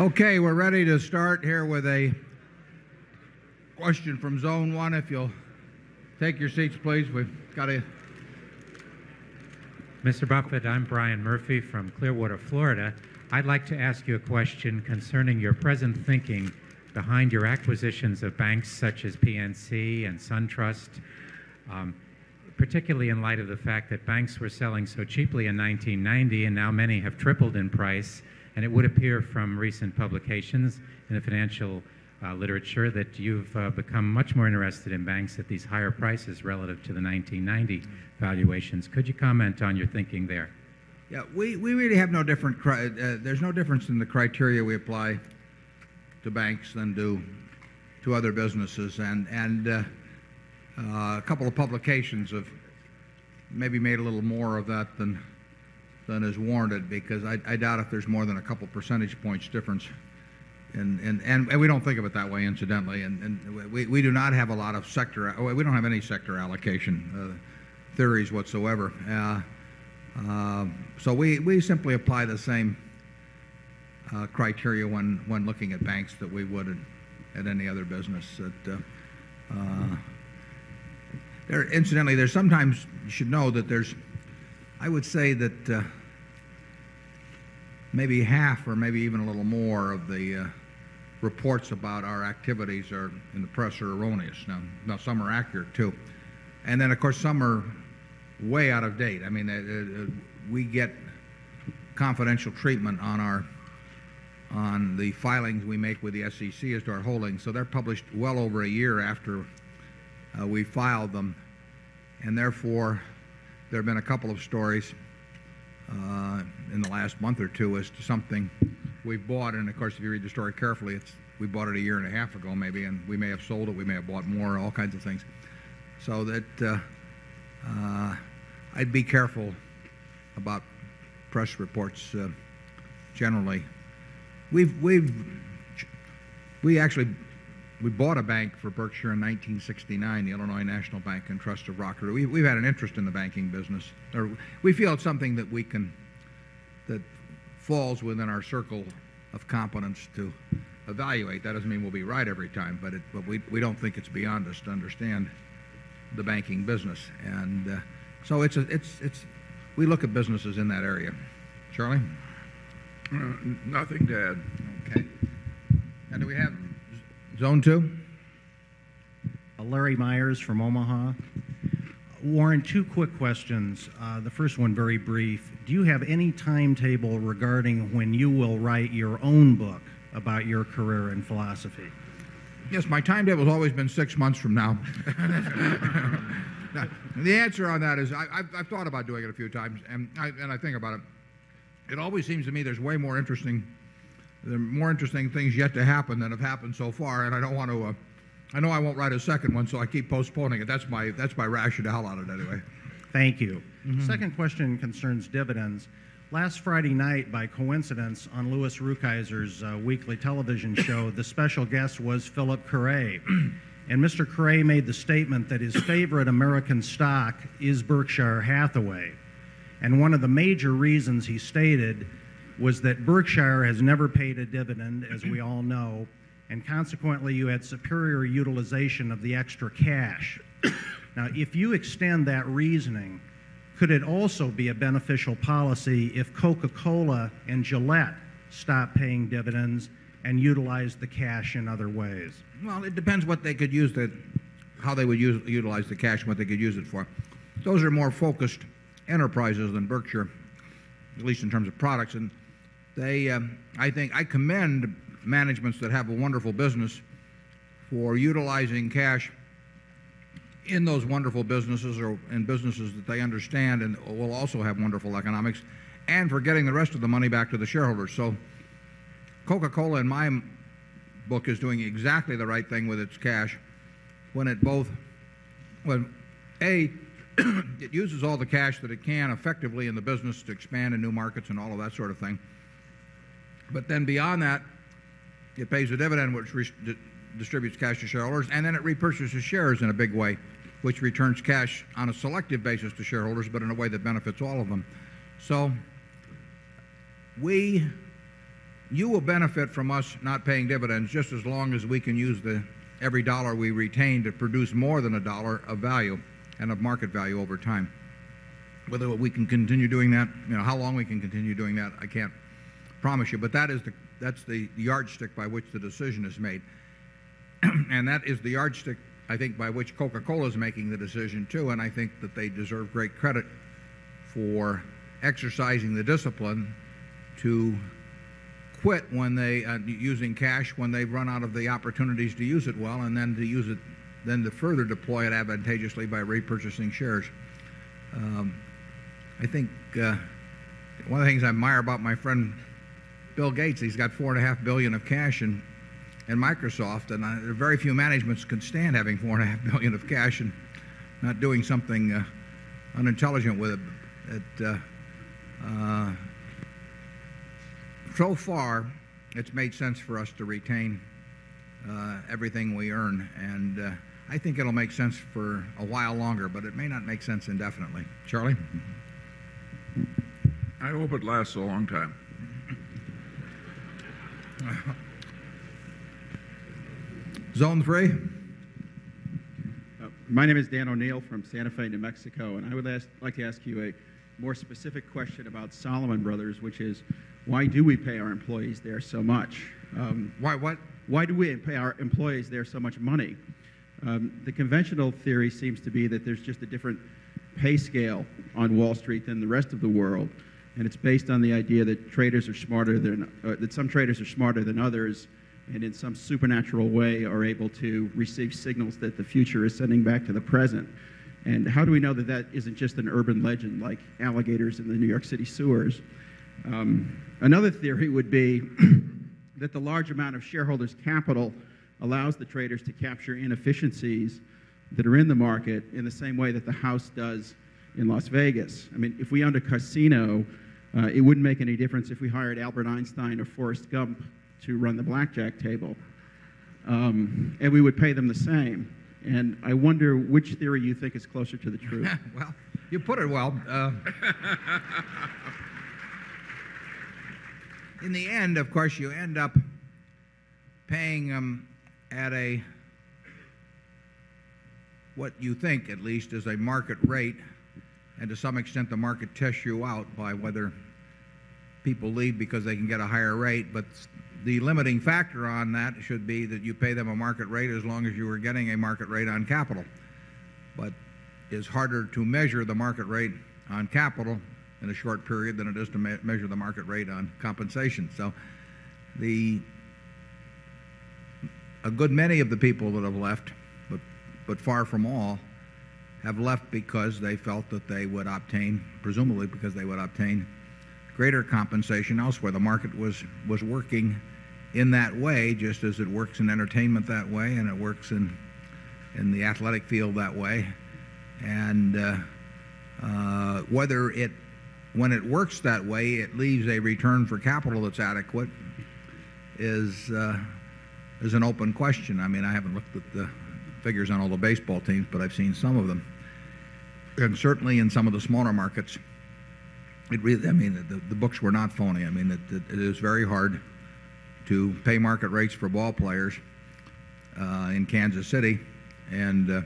Okay. We're ready to start here with a question from zone 1. If you'll take your seats, please. We've got to Mr. Buffet, I'm Brian Murphy from Clearwater, Florida. I'd like to ask you a question concerning your present thinking behind your acquisitions of banks such as PNC and SunTrust, particularly in light of the fact that banks were selling so cheaply in 1990 and now many have tripled in price. And it would appear from recent publications in the financial literature that you've become much more interested in banks at these higher prices relative to the 19.90 valuations. Could you comment on your thinking there? Yes. We really have no different there's no difference in the criteria we apply to banks than to other businesses. And a couple of publications have maybe made a little more of that than is warranted because I doubt if there's more than a couple of percentage points difference. And we don't think of it that way incidentally. And we do not have a lot of sector we don't have any sector allocation theories whatsoever. So we simply apply the same criteria when looking at banks that we would at any other business. Incidentally, there's sometimes you should know that there's I would say that maybe half or maybe even a little more of the reports about our activities in the press are erroneous. Now some are accurate, too. And then of course some are way out of date. I mean we get confidential treatment on the filings we make with the SEC as to our holdings. So they're published well over a year after we filed them. And therefore, there have been a couple of stories in the last month or 2 as to something we bought. And of course, if you read the story carefully, we bought it a year and a half ago maybe and we may have sold it, we may have bought more, all kinds of things. So that I'd be careful about press reports generally. We actually we bought a bank for Berkshire in 1969, the Illinois National Bank and Trust of Rockhurst. We've had an interest in the banking business. We feel it's something that we can that falls within our circle of competence to evaluate. That doesn't mean we'll be right every time, but we don't think it's beyond us to understand the banking business. And so it's we look at businesses in that area. Charlie? Nothing to add. Okay. And do we have Zone 2? Larry Myers from Omaha. Warren, two quick questions. The first one, very brief. Do you have any timetable regarding when you will write your own book about your career in philosophy? Yes. My timetable has always been 6 months from now. The answer on that is I've thought about doing it a few times, and I think about it. It always seems to me there's way more interesting things yet to happen than have happened so far. And I don't want to I know I won't write a second one, so I keep postponing it. That's my rationale out of it anyway. Thank you. Second question concerns dividends. Last Friday night, by coincidence, on Louis Rukeyser's weekly television show, the special guest was Philip Carre. And Mr. Carre made the statement that his favorite American stock is Berkshire Hathaway. And one of the major reasons he stated was that Berkshire has never paid a dividend, as we all know, and consequently, you had superior utilization of the extra cash. Now if you extend that reasoning, could it also be a beneficial policy if Coca Cola and Gillette stopped paying dividends and utilized the cash in other ways? Well, it depends what they could use it how they would utilize the cash and what they could use it for. Those are more focused enterprises than Berkshire, at least in terms of products. And they, I think, I commend managements that have a wonderful business for utilizing cash in those wonderful businesses and businesses that they understand and will also have wonderful economics and for getting the rest of the money back to the shareholders. So Coca Cola in my book is doing exactly the right thing with its cash when it both when A, it uses all the cash that it can effectively in the business to expand in new markets and all of that sort of thing. But then beyond that, it pays a dividend which distributes cash to shareholders and then it repurchases shares in a big way, which returns cash on a selective basis to shareholders, but in a way that benefits all of them. So you will benefit from us not paying dividends just as long as we can use every dollar we retain to produce more than $1 of value and of market value over time. Whether we can continue doing that, how long we can continue doing that, I can't promise you. But that is the yardstick by which the decision is made. And that is the yardstick, I think, by which Coca Cola is making the decision too. And I think that they deserve great credit for exercising the discipline to quit when they using cash when they run out of the opportunities to use it well and then to use it then to further deploy it advantageously by repurchasing shares. I think one of the things I admire about my friend, Bill Gates, he's got $4,500,000,000 of cash in Microsoft, and very few managements can stand having $4,500,000 of cash and not doing something unintelligent with it. So far, it's made sense for us to retain everything we earn. And I think it'll make sense for a while longer, but it may not make sense indefinitely. Charlie? I hope it lasts a long time. Zone 3? My name is Dan O'Neil from Santa Fe, New Mexico. And I would like to ask you a more specific question about Salomon Brothers, which is why do we pay our employees there so much? Why do we pay our employees there so much money? The conventional theory seems to be that there's just a different pay scale on Wall Street than the rest of the world. And it's based on the idea that traders are smarter than that some traders are smarter than others and in some supernatural way are able to receive signals that the future is sending back to the present. And how do we know that that isn't just an urban legend like alligators in the New York City sewers? Another theory would be that the large amount of shareholders' capital allows the traders to capture inefficiencies that are in the market in the same way that the House does in Las Vegas. I mean, if we owned a casino, it wouldn't make any difference if we hired Albert Einstein or Forrest Gump to run the blackjack table. And we would pay them the same. And I wonder which theory you think is closer to the truth. Well, you put it well. In the end, of course, you end up paying them at a what you think at least is a market rate and to some extent, the market tests you out by whether people leave because they can get a higher rate. But the limiting factor on that should be that you pay them a market rate as long as you are getting a market rate on capital. But it's harder to measure the market rate on capital in a short period than it is to measure the market rate on compensation. So a good many of the people that have left, but far from all, have left because they felt that they would obtain, presumably because they would obtain greater compensation elsewhere. The market was working in that way just as it works in entertainment that way and it works in the athletic field that way. And whether it when it works that way, it leaves a return for capital that's adequate is an open question. I mean, I haven't looked at the figures on all the baseball teams, but I've seen some of them. And certainly in some of the smaller markets, the books were not phony. I mean, it is very hard to pay market rates for ballplayers in Kansas City and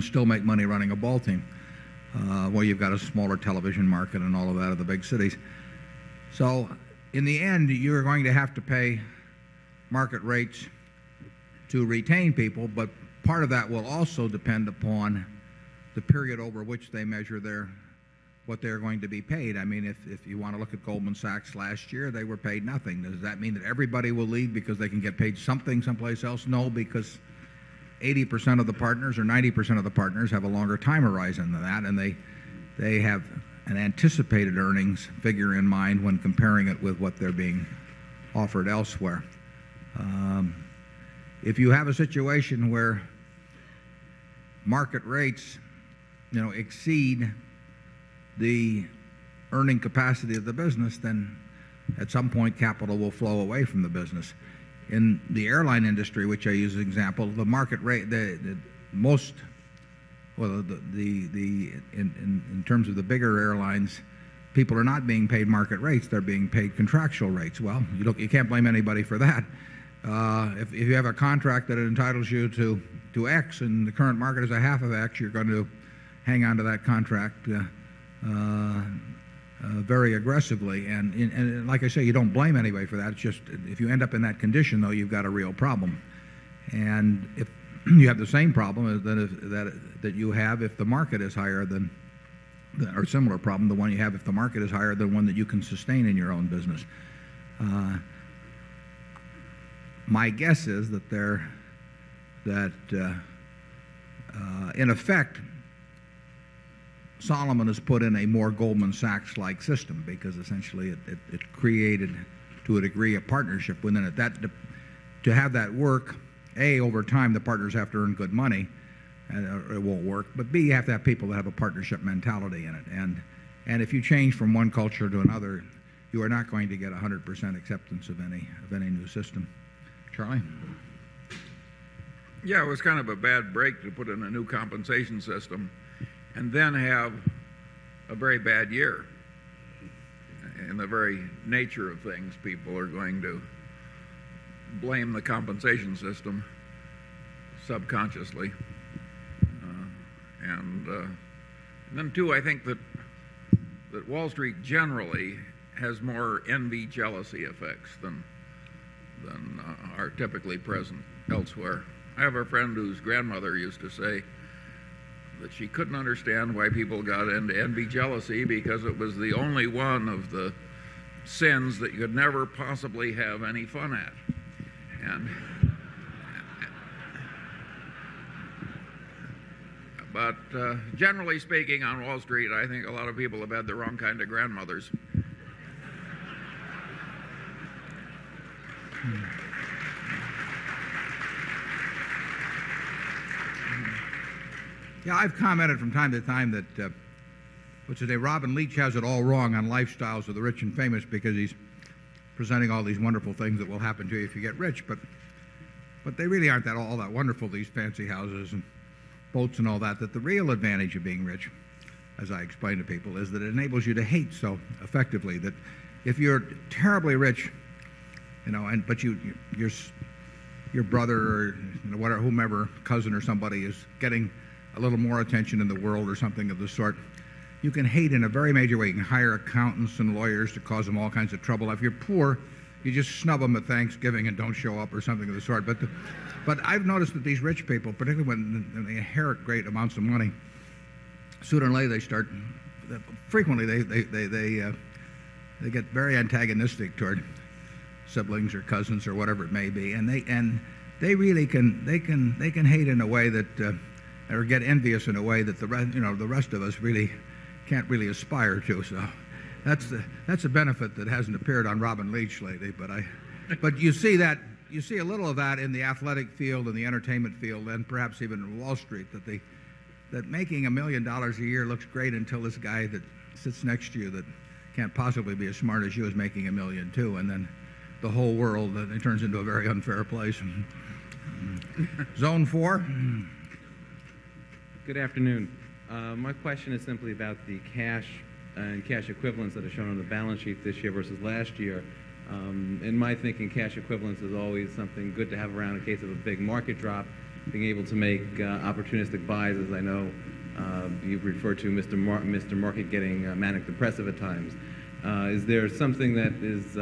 still make money running a ball team, while you've got a smaller television market and all of that of the big cities. So in the end, you're going to have to pay market rates to retain people, but part of that will also depend upon the period over which they measure their what they're going to be paid. I mean, if you want to look at Goldman Sachs last year, they were paid nothing. Does that mean that everybody will leave because they can get paid something someplace else? No, because 80% of the partners or 90% of the partners have a longer time horizon than that, and they have an anticipated earnings figure in mind when comparing it with what they're being offered elsewhere. If you have a situation where market rates exceed the earning capacity of the business, then at some point capital will flow away from the business. In the airline industry, which I use as an example, the market rate that most well, the in terms of the bigger airlines, people are not being paid market rates, they're being paid contractual rates. Well, look, you can't blame anybody for that. If you have a contract that entitles you to X and the current market is a half of X, you're going to hang on to that contract very aggressively. And like I say, you don't blame anybody for that. It's just if you end up in that condition, though, you've got a real problem. And if you have the same problem that you have, if the market is higher than or similar problem, the one you have if the market is higher than one that you can sustain in your own business. My guess is that there that in effect, Solomon has put in a more Goldman Sachs like system, because essentially it created to a degree a partnership. To have that work, A, over time, the partners have to earn good money, and it won't work. But B, you have to have people that have a partnership mentality in it. And if you change from one culture to another, you are not going to get 100% acceptance of any new system. Charlie? Yes, it was kind of a bad break to put in a new compensation system and then have a very bad year in the very nature of things, people are going to blame the compensation system subconsciously. And then 2, I think that Wall Street generally has more envy jealousy effects than are typically present elsewhere. I have a friend whose grandmother used to say that she couldn't understand why people got into envy jealousy because it was the only one of the sins that you could never possibly have any fun at. But generally speaking on Wall Street, I think a lot of people have had the wrong kind of grandmothers. Yeah. I've commented from time to time that Robin Leach has it all wrong on lifestyles of the rich and famous because he's presenting all these wonderful things that will happen to you if you get rich. But they really aren't all that wonderful, these fancy houses and boats and all that. But the real advantage of being rich, as I explain to people, is that it enables you to hate so effectively that if you're terribly rich, but your brother or whomever, cousin or somebody is getting a little more attention in the world or something of the sort, you can hate in a very major way. You can hire accountants and lawyers to cause them all kinds of trouble. If you're poor, you just snub them at Thanksgiving and don't show up or something of the sort. But I've noticed that these rich people, particularly when they inherit great amounts of money, sooner or later, they start frequently, they get very antagonistic toward siblings or cousins or whatever it may be. And they really can hate in a way that or get envious in a way that the rest of us really can't really aspire to. So that's a benefit that hasn't appeared on Robin Leach lately. But you see a little of that in the athletic field and the entertainment field and perhaps even in Wall Street that making $1,000,000 a year looks great until this guy that sits next to you that can't possibly be as smart as you is making $1,000,000 too. And then the whole world turns into a very unfair place. Zone 4. Good afternoon. My question is simply about the cash and cash equivalents that are shown on the balance sheet this year versus last year. In my thinking, cash equivalents is always something good to have around in case of a big market drop and being able to make opportunistic buys, as I know you've referred to Mr. Market getting manic depressive at times. Is there something that is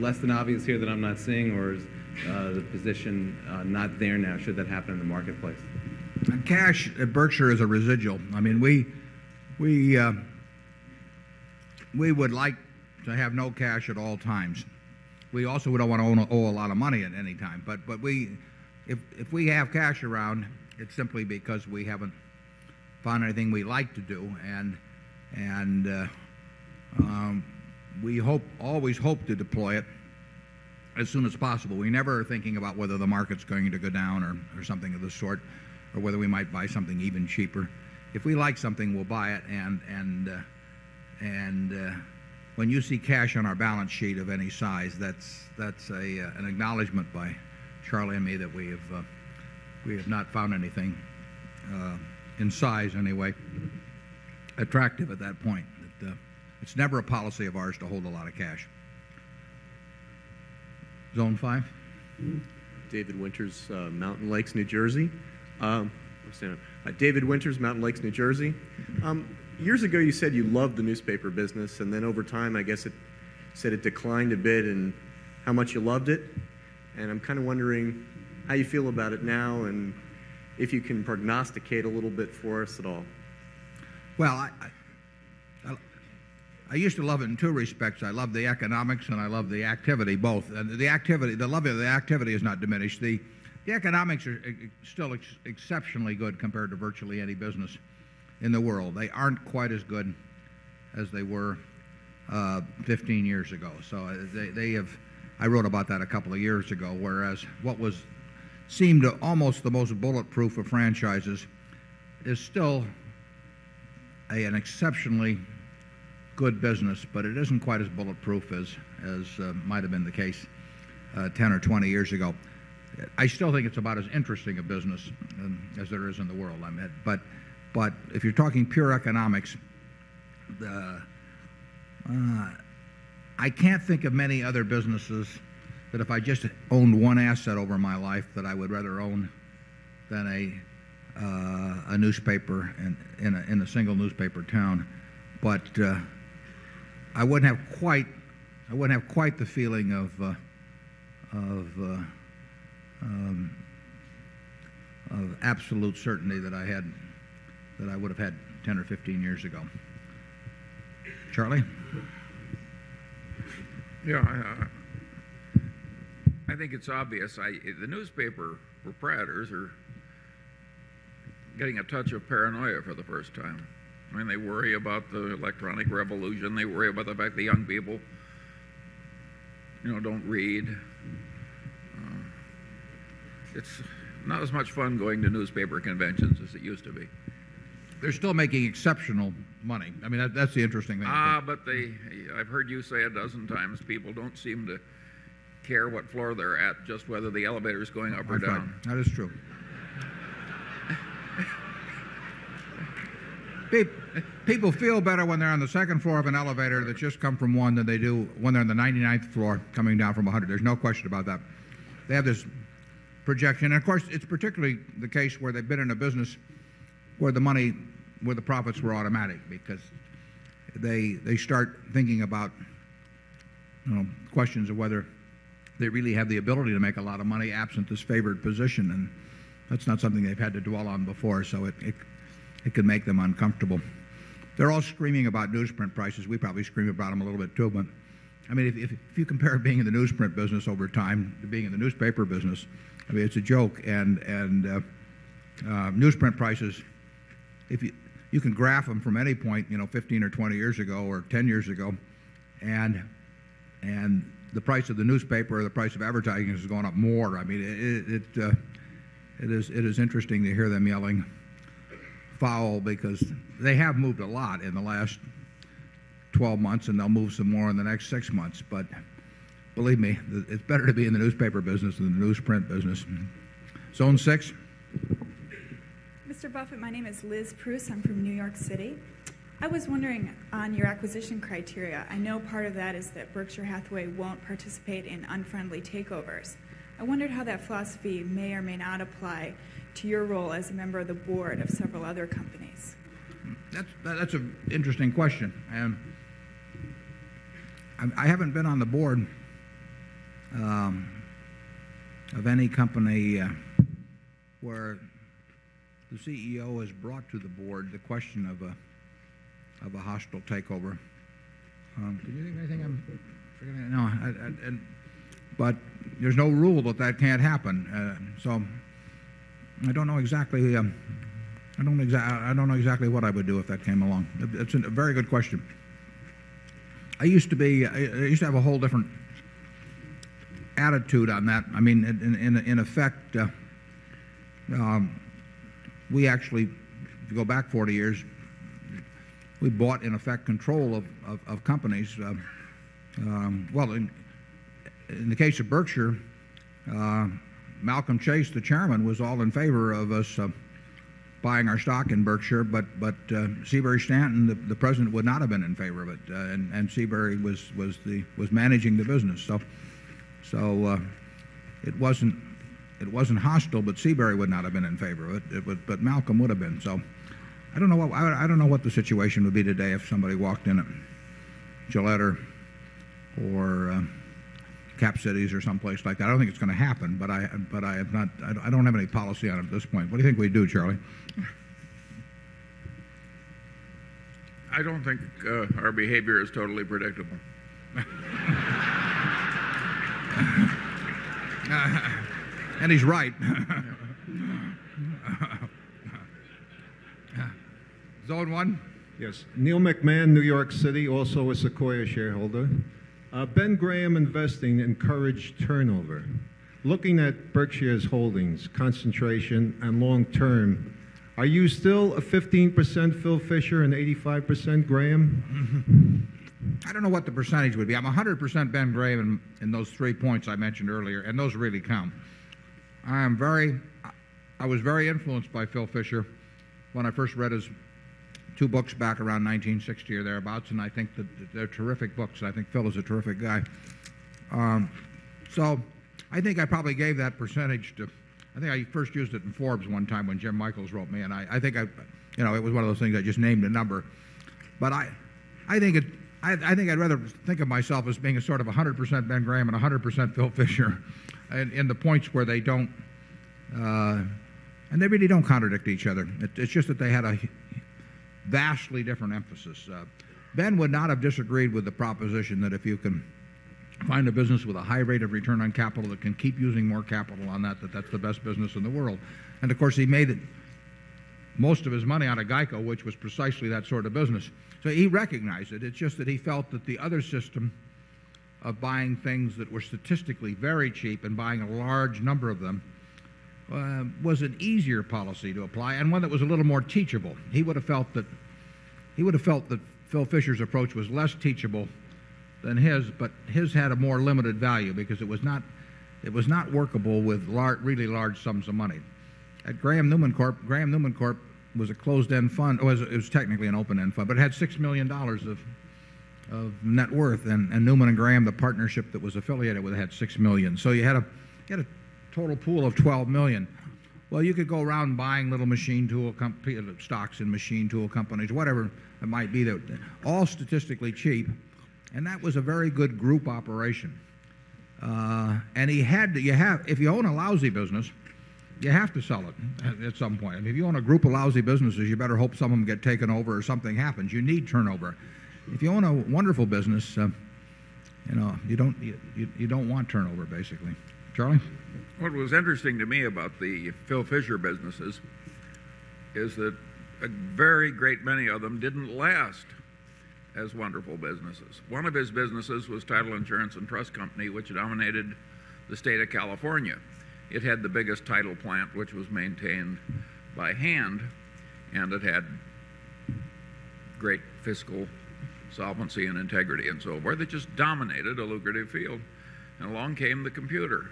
less than obvious here that I'm not seeing? Or is the position not there now? Should that happen in the marketplace? Cash at Berkshire is a residual. I mean, we would like to have no cash at all times. We also don't want to owe a lot of money at any time. But if we have cash around, it's simply because we haven't found anything we like to do. And we hope always hope to deploy it as soon as possible. We never are thinking about whether the market's going to go down or something of this sort or whether we might buy something even cheaper. If we like something, we'll buy it. And when you see cash on our balance sheet of any size, that's an acknowledgment by Charlie and me that we have not found anything in size anyway attractive at that point. It's never a policy of ours to hold a lot of cash. Zone 5. David Winters, Mountain Lakes, New Jersey. David Winters, Mountain Lakes, New Jersey. Years ago, you said you loved the newspaper business. And then over time, I guess it said it declined a bit and how much you loved it. And I'm kind of wondering how you feel about it now and if you can prognosticate a little bit for us at all. Well, I used to love it in 2 respects. I love the economics and I love the activity both. The activity the love of the activity is not diminished. The economics are still exceptionally good compared to virtually any business in the world. They aren't quite as good as they were 15 years ago. So they have I wrote about that a couple of years ago, whereas what was seemed almost the most bulletproof of franchises is still an exceptionally good business, but it isn't quite as bulletproof as might have been the case 10 or 20 years ago. I still think it's about as interesting a business as there is in the world, I meant. But if you're talking pure economics, I can't think of many other businesses that if I just owned one asset over my life that I would rather own than a newspaper in a single newspaper town. But I wouldn't have quite I wouldn't have quite the feeling of absolute certainty that I had that I would have had 10 or 15 years ago. Charlie? I think it's obvious. The newspaper proprietors are getting a touch of paranoia for the first time. I mean, they worry about the electronic revolution. They worry about the They worry about the electronic revolution. They worry about the fact that young people don't read. It's not as much fun going to newspaper conventions as it used to be. They're still making exceptional money. I mean, that's the interesting thing. But they I've heard you say a dozen times, people don't seem to care what floor they're at, just whether the elevator is going up or down. That is true. People feel better when they're on the 2nd floor of an elevator that just come from 1 than they do when they're on the 99th floor coming down from 100. There's no question about that. They have this projection. And of course, it's particularly the case where they've been in a business where the money where the profits were automatic, because they start thinking about questions of whether they really have the ability to make a lot of money absent this favored position, and that's not something they've had to dwell on before. So it could make them uncomfortable. They're all screaming about newsprint prices. We probably scream about them a little bit too. I mean, if you compare being in the newsprint business over time to being in the newspaper business, I mean, it's a joke. And newsprint prices, if you can graph them from any point, 15 or 20 years ago or 10 years ago, and the price of the newspaper, the price of advertising has gone up more. I mean, it is interesting to hear them yelling foul because they have moved a lot in the last 12 months, and they'll move some more in the next 6 months. But believe me, it's better to be in the newspaper business than the newsprint business. Zone 6? Mr. Buffet, my name is Liz Proust. I'm from New York City. I was wondering on your acquisition criteria. I know part of that is that Berkshire Hathaway won't participate in unfriendly takeovers. I wondered how that philosophy may or may not apply to your role as a member of the Board of several other companies. That's an interesting question. I haven't been on the Board of any company where the CEO has brought to the Board the question of a hostile takeover. Do you think anything I'm forgetting? No. But there's no rule that that can't happen. So I don't know exactly I don't know exactly what I would do if that came along. It's a very good question. I used to be I used to have a whole different attitude on that. I mean, in effect, we actually, if you go back 40 years, we bought, in effect, control of companies. Well, in the case of Berkshire, Malcolm Chase, the Chairman, was all in favor of us buying our stock in Berkshire, but Seabury Stanton, the president would not have been in favor of it and Seabury was managing the business. So it wasn't hostile, but Seabury would not have been in favor of it, but Malcolm would have been. I don't know what the situation would be today if somebody walked in at Gillette or Cap Cities or someplace like that. I don't think it's going to happen, but I have not I don't have any policy on it at this point. What do you think we do, Charlie? I don't think our behavior is totally predictable. And he's right. Zone 1. Yes. Neil McMahon, New York City, also a Sequoia shareholder. Ben Graham Investing encouraged turnover. Looking at Berkshire's holdings concentration and long term, are you still a 15% Phil Fisher and 85% Graham? I don't know what the percentage would be. I'm 100% Ben Gray in those three points I mentioned earlier, and those really count. I am very I was very influenced by Phil Fisher when I first read his 2 books back around 1960 or thereabouts, and I think they're terrific books. I think Phil is a terrific guy. So I think I probably gave that percentage to I think I first used it in Forbes one time when Jim Michaels wrote me, and I think it was one of those things I just named a number. But I think I'd rather think of myself as being a sort of 100% Ben Graham and 100% Bill Fisher in the points where they don't and they really don't contradict each other. It's just that they had a vastly different emphasis. Ben would not have disagreed with the proposition that if you can find a business with a high rate of return on capital that can keep using more capital on that, that that's the best business in the world. And of course, he made most of his money out of GEICO, which was precisely that sort of business. So he recognized it. It's just that he felt that the other system of buying things that were statistically very cheap and buying a large number of them was an easier policy to apply and one that was a little more teachable. He would have felt that Phil Fisher's approach was less teachable than his, but his had a more limited value because it was not workable with really large sums of money. At Graham Newman Corp, Graham Newman Corp was a closed end fund. It was technically an open end fund, but had $6,000,000 of net worth. And Newman and Graham, the partnership that was affiliated with it, had $6,000,000 So you had a total pool of $12,000,000 Well, you could go around buying little machine tool stocks in machine tool companies, whatever it might be, all statistically cheap. And that was a very good group operation. And he had if you own a lousy business, you have to sell it at some point. If you own a group of lousy businesses, you better hope someone will get taken over or something happens. You need turnover. If you own a wonderful business, you don't want turnover, basically. Charlie? What was interesting to me about the Phil Fisher businesses is that a very great many of them didn't last as wonderful businesses. 1 of his businesses was Title Insurance and Trust Company, which dominated the State of California. It had the biggest title plant, which was maintained by hand and it had great fiscal solvency and integrity and so forth. They just dominated a lucrative field and along came the computer.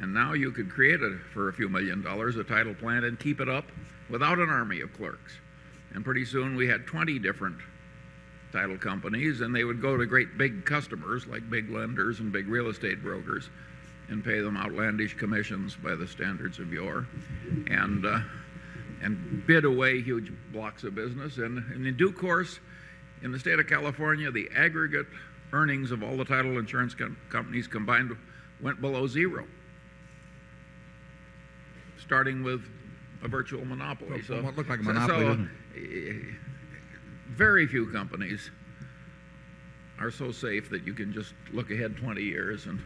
And now you could create for a few $1,000,000 a title plan and keep it up without an army of clerks. And pretty soon, we had 20 different title companies and they would go to great big customers like big lenders and big real estate brokers and pay them outlandish commissions by the standards of yours and bid away huge blocks of business. And in due course, in the State of California, the aggregate earnings of all the title insurance companies combined went below 0, starting with a virtual monopoly. It looks like a monopoly. So very few companies are so safe that you can just look ahead 20 years and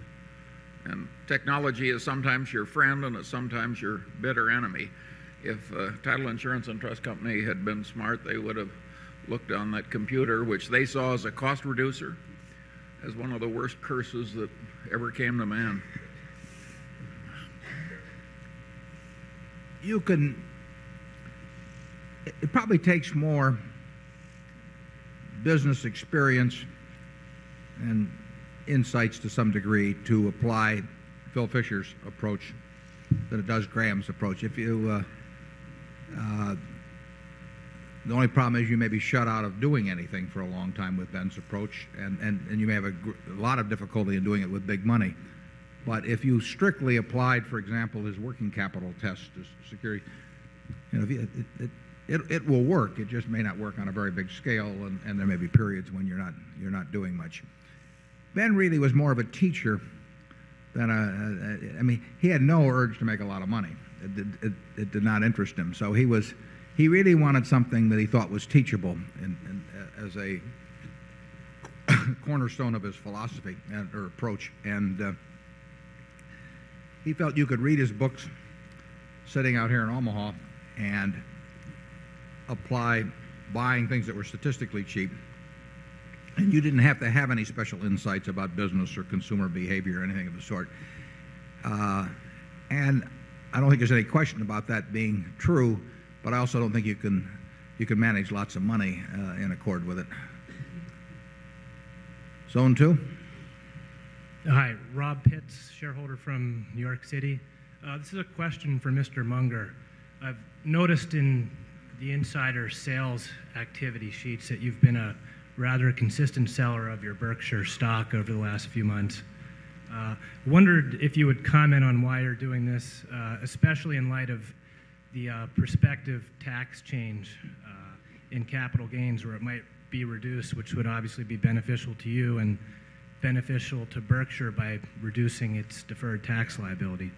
technology is sometimes your friend and it's sometimes your bitter enemy. If Title Insurance and Trust Company had been smart, they would have looked on that computer, which they saw as a cost reducer, as one of the worst curses that ever came to man. It probably takes more business experience and insights to some degree to apply Phil Fisher's approach than it does Graham's approach. The only problem is you may be shut out of doing anything for a long time with Ben's approach, and you may have a lot of difficulty in doing it with big money. But if you strictly applied, for example, this working capital test, this security, it will work. It just may not on a very big scale and there may be periods when you're not doing much. Ben really was more of a teacher than a I mean, he had no urge to make a lot of money. It did not interest him. So he was he really wanted something that he thought was teachable as a cornerstone of his philosophy or approach. And he felt you could read his books sitting out here in Omaha and apply buying things that were statistically cheap, You didn't have to have any special insights about business or consumer behavior or anything of the sort. And I don't think there's any question about that being true, but I also don't think you can manage lots of money in accord with it. Zone 2? Rob Pitts, shareholder from New York City. This is a question for Mr. Munger. I've noticed in the insider sales activity sheets that you've been a rather consistent seller of your Berkshire stock over the last few months. Wondered if you would comment on why you're doing this, especially in light of the perspective tax change in capital gains where it might be reduced, which would obviously be beneficial to you and beneficial to Berkshire by reducing its deferred tax liability?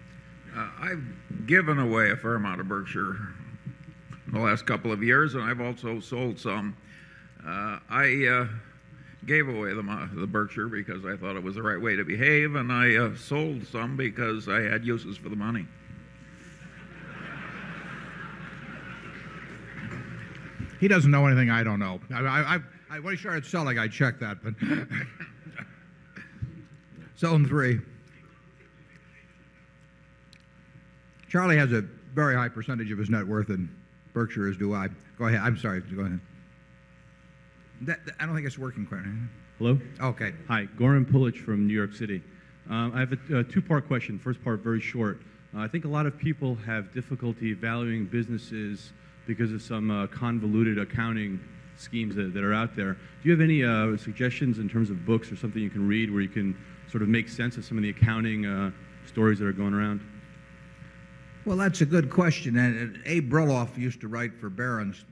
I've given away a fair amount of Berkshire in the last couple of years and I've also sold some. I gave away the Berkshire because I thought it was the right way to behave, and I sold some because I had uses for the money. He doesn't know anything I don't know. I'm not sure I'd sell it. I'd check that. Selwyn 3. Charlie has a very high percentage of his net worth in Berkshire as do I. Go ahead. I'm sorry. Go ahead. I don't think it's working quite. Hello? Okay. Hi. Goran Pulich from New York City. I have a 2 part question. First part very short. I think a lot of people have difficulty valuing businesses because of some convoluted accounting schemes that are out there. Do you have any suggestions in terms of books or something you can read where you can sort of make sense of some of the accounting stories that are going around? Well, that's a good question. Abe Brilloff used to write for Barron's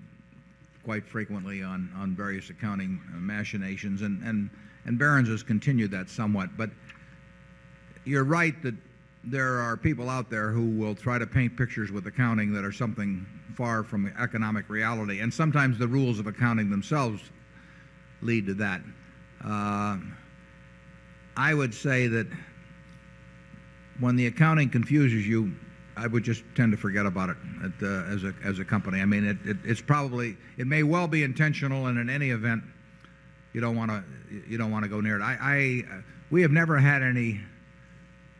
quite frequently on various accounting machinations, and Barens has continued that somewhat. But you're right that there are people out there who will try to paint pictures with accounting that are something far from economic reality, and sometimes the rules of accounting themselves lead to that. I would say that when the accounting confuses you, I would just tend to forget about it as a company. I mean, it's probably it may well be intentional, and in any event, you don't want to go near it. We have never had any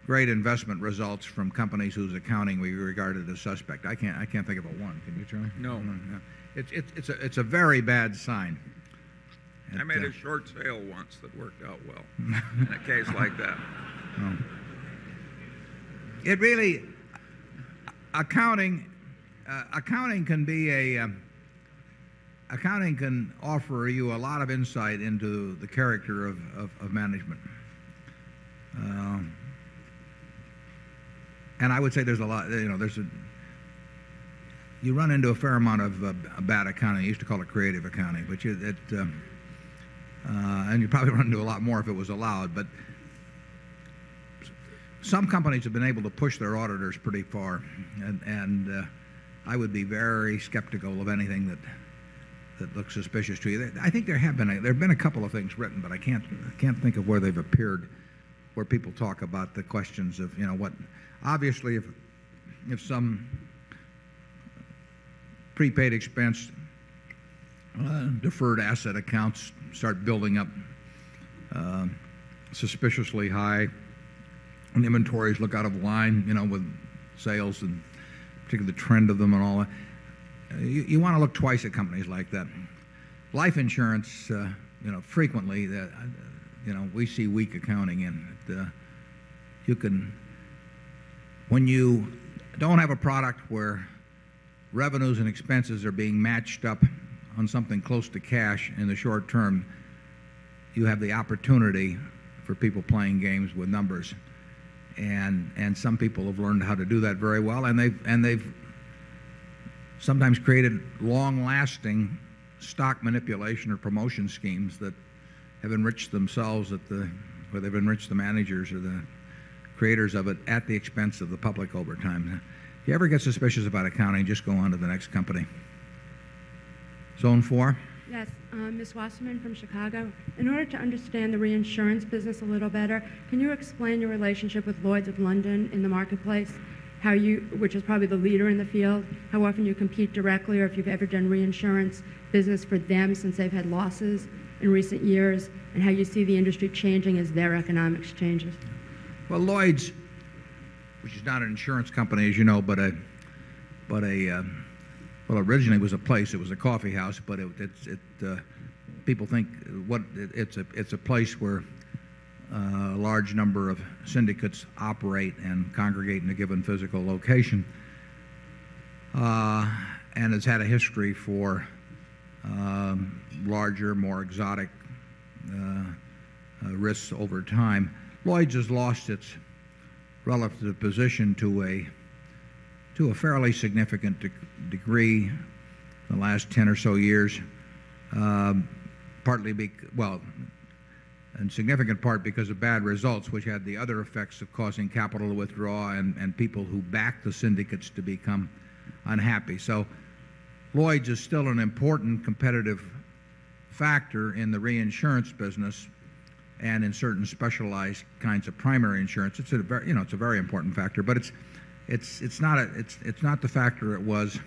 great investment results from companies whose accounting we regarded as suspect. I can't think of a one. Can you turn it? No. It's a very bad sign. I made a short sale once that worked out well in a case like that. It really accounting accounting can be a accounting can offer you a lot of insight into the character of management. And I would say there's a lot you run into a fair amount of bad accounting. I used to call it creative accounting, but you'd probably run into a lot more if it was allowed. But some companies have been able to push their auditors pretty far. And I would be very skeptical of anything that looks suspicious to you. I think there have been a couple of things written, but I can't think of where they've appeared where people talk about the questions of what obviously, if some prepaid expense deferred asset accounts start building up suspiciously high and inventories look out of line with sales and particularly the trend of them and all, You want to look twice at companies like that. Life insurance, frequently, we see weak accounting in. You can when you don't have a product where revenues and expenses are being matched up on something close to cash in the short term, you have the opportunity for people playing games with numbers. And some people have learned how to do that very well, and they've sometimes created long lasting stock manipulation or promotion schemes that have enriched themselves at the where they've enriched the managers or the creators of it at the expense of the public over time. If you ever get suspicious about accounting, just go on to the next company. Zone 4? Yes. Ms. Wasserman from Chicago. In order to understand the reinsurance business a little better, can you explain your relationship with Lloyd's of London in the marketplace? How you which is probably the leader in the field, how often you compete directly or if you've ever done reinsurance business for them since they've had losses in recent years? How you see the industry changing as their economics changes? Well, Lloyd's, which is not an insurance company, as you know, but a well, originally it was a place, it was a coffee house, but people think it's a place where a large number of syndicates operate and congregate in a given physical location, and has had a history for larger, more exotic risks over time. Lloyd's has lost its relative position to a fairly significant degree in the last 10 or so years, partly well, in significant part because of bad results, which had the other effects of causing capital to withdraw and people who backed the syndicates to become unhappy. So Lloyds is still an important competitive factor in the reinsurance business and in certain specialized kinds of primary insurance. It's a very important factor. But it's not the factor it was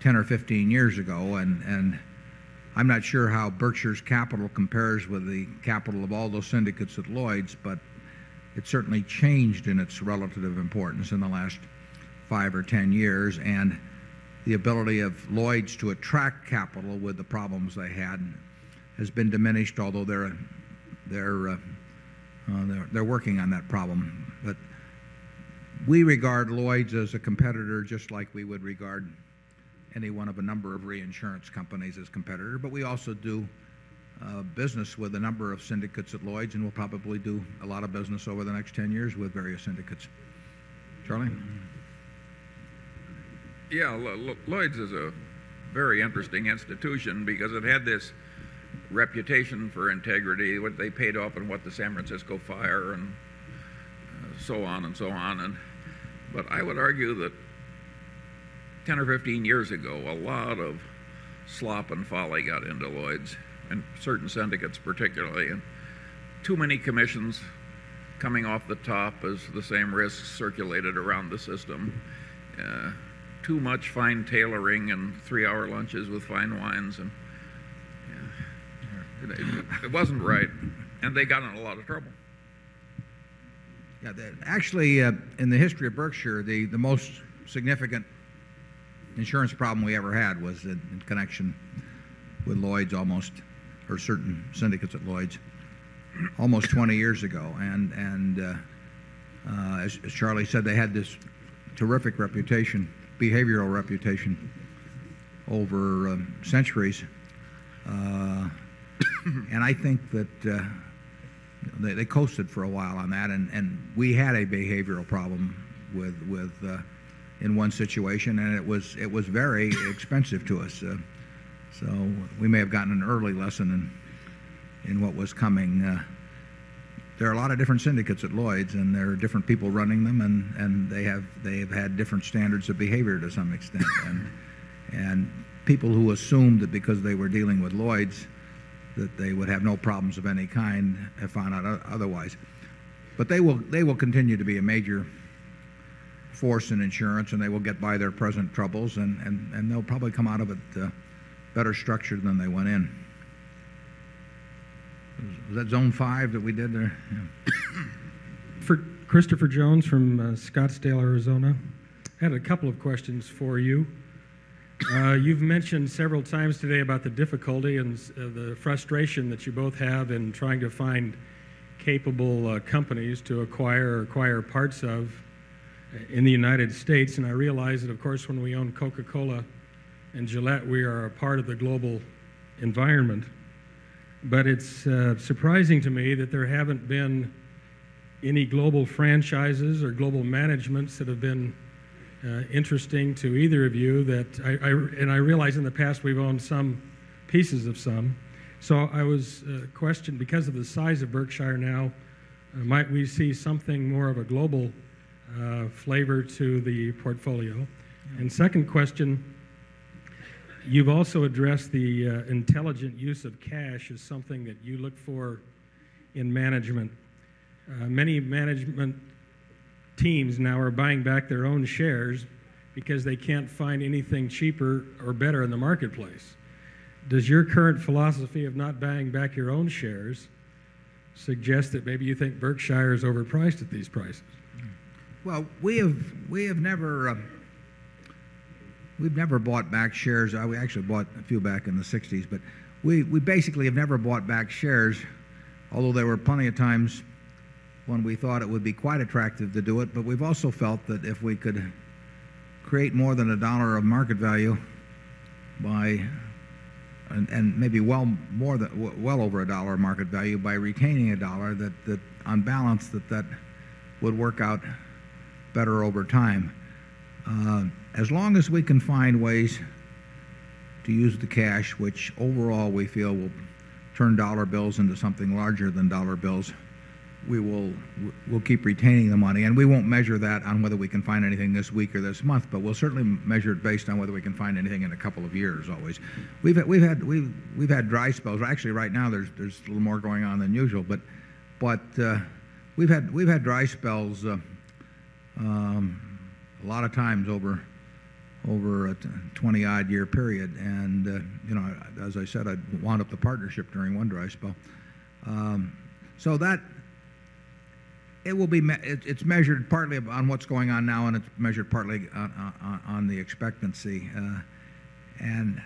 10 or 15 years ago, and I'm not sure how Berkshire's capital compares with the capital of all those syndicates at Lloyd's, but it certainly changed in its relative importance in the last 5 or 10 years. And the ability of Lloyd's to attract capital with the problems they had has been diminished, although they're working on that problem. But we regard Lloyd's as a competitor, just like we would regard any one of a number of reinsurance companies as competitor, but we also do business with a number of syndicates at Lloyd's and we'll probably do a lot of business over the next 10 years with various syndicates. Charlie? Yes. Lloyd's is a very interesting institution because it had this reputation for integrity, what they paid off and what the San Francisco fire and so on and so on. But I would argue that 10 or 15 years ago, a lot of slop and folly got into Lloyd's and certain syndicates particularly. And Too many commissions coming off the top as the same risks circulated around the system. Too much fine tailoring and 3 hour lunches with fine wines. It wasn't right and they got in a lot of trouble. Actually, in the history of Berkshire, the most significant insurance problem we ever had was in connection with Lloyd's almost or certain syndicates at Lloyd's almost 20 years ago. And as Charlie said, they had this terrific reputation, behavioral reputation over centuries. And I think that they coasted for a while on that, and we had a behavioral problem with in one situation, and it was very expensive to us. So we may have gotten an early lesson in what was coming. There are a lot of different syndicates at Lloyd's, and there are different people running them, and they have had different standards of behavior to some extent. And people who assumed that because they were dealing with Lloyd's that they would have no problems of any kind have found out otherwise. But they will continue to be a major force in insurance and they will get by their present troubles, and they'll probably come out of it better structured than they went in. Is that Zone 5 that we did there? Christopher Jones from Scottsdale, Arizona. I have a couple of questions for you. You've mentioned several times today about the difficulty and the frustration that you both have in trying to find capable companies to acquire or acquire parts of in the United States. And I realize that of course when we own Coca Cola and Gillette, we are a part of the global environment. But it's surprising to me that there haven't been any global franchises or global managements that have been interesting to either of you that and I realize in the past we've owned some pieces of some. So I was questioned because of the size of Berkshire now, might we see something more of a global flavor to the portfolio? And second question, you've also addressed the intelligent use of cash as something that you look for in management. Many management teams now are buying back their own shares because they can't find anything cheaper or better in the marketplace. Does your current philosophy of not buying back your own shares suggest that maybe you think Berkshire is overpriced at these prices? Well, never bought back shares. We actually bought a few back in the '60s. But we basically have never bought back shares, although there were plenty of times when we thought it would be quite attractive to do it. But we've also felt that if we could create more than $1 of market value by and maybe well over $1 of market value by retaining $1 that on balance that that would work out better over time. As long as we can find ways to use the cash, which overall we feel will turn dollar bills into something larger than dollar bills, we'll keep retaining the money. And we won't measure that on whether we can find anything this week or this month, but we'll certainly measure it based on whether we can find anything in a couple of years always. We've had dry spells. Actually, right now, there's a little more going on than usual. But we've had dry spells a lot of times over a 20 odd year period. As I said, I wound up the partnership during one dry spell. So that it will be it's measured partly on what's going on now and it's measured partly on the expectancy. And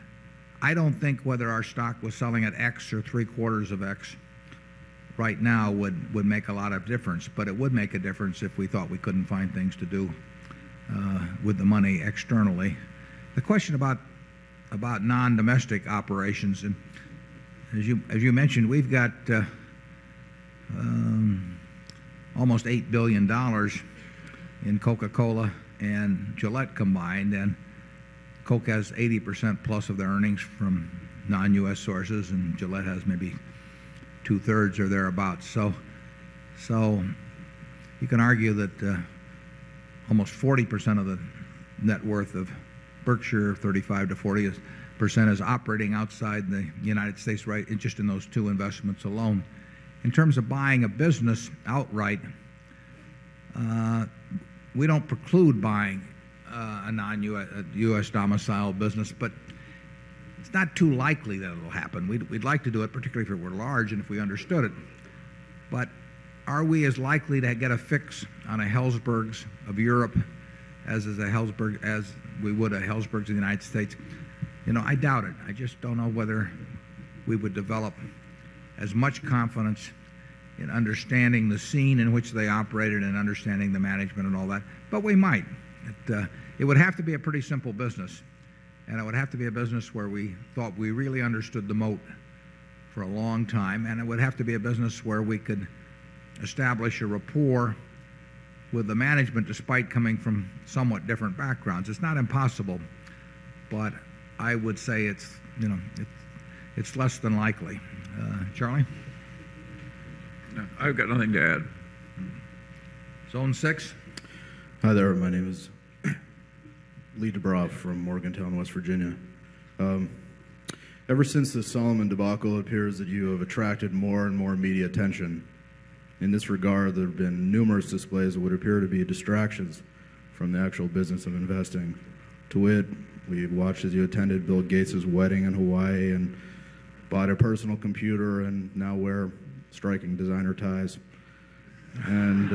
I don't think whether our stock was selling at X or 3 quarters of X right now would make a lot of difference, but it would make a difference if we thought we couldn't find things to do with the money externally. The question about non domestic operations. As you mentioned, we've got almost $8,000,000,000 in Coca Cola and Gillette combined, and Coke has 80% plus of their earnings from non U. S. Sources, and Gillette has maybe 2 thirds or thereabouts. So you can argue that almost 40% of the net worth of Berkshire, 35% to 40% is operating outside the United States, right, just in those two investments alone. In terms of buying a business outright, we don't preclude buying a non U. S. Domiciled business, but it's not too likely that it will happen. We'd like to do it particularly if we were large and if we understood it. But are we as likely to get a fix on a Helzbergs of Europe as we would a Helzbergs of the United States? I doubt it. I just don't know whether we would develop as much confidence in understanding the scene in which they operated and understanding the management and all that, but we might. It would have to be a pretty simple business. And it would have to be a business where we thought we really understood the moat for a long time. And it would have to be a business where we could establish a rapport with the management despite coming from somewhat different backgrounds. It's not impossible, but I would say it's less than likely. Charlie? I've got nothing to add. Zone 6? Hi, there. My name is Lee Dubrov from Morgantown, West Virginia. Ever since the Solomon debacle, it appears that you have attracted and more media attention. In this regard, there have been numerous displays that would appear to be distractions from the actual business of investing. To it, we had watched as you attended Bill Gates' wedding in Hawaii and bought a personal computer and now wear striking designer ties. And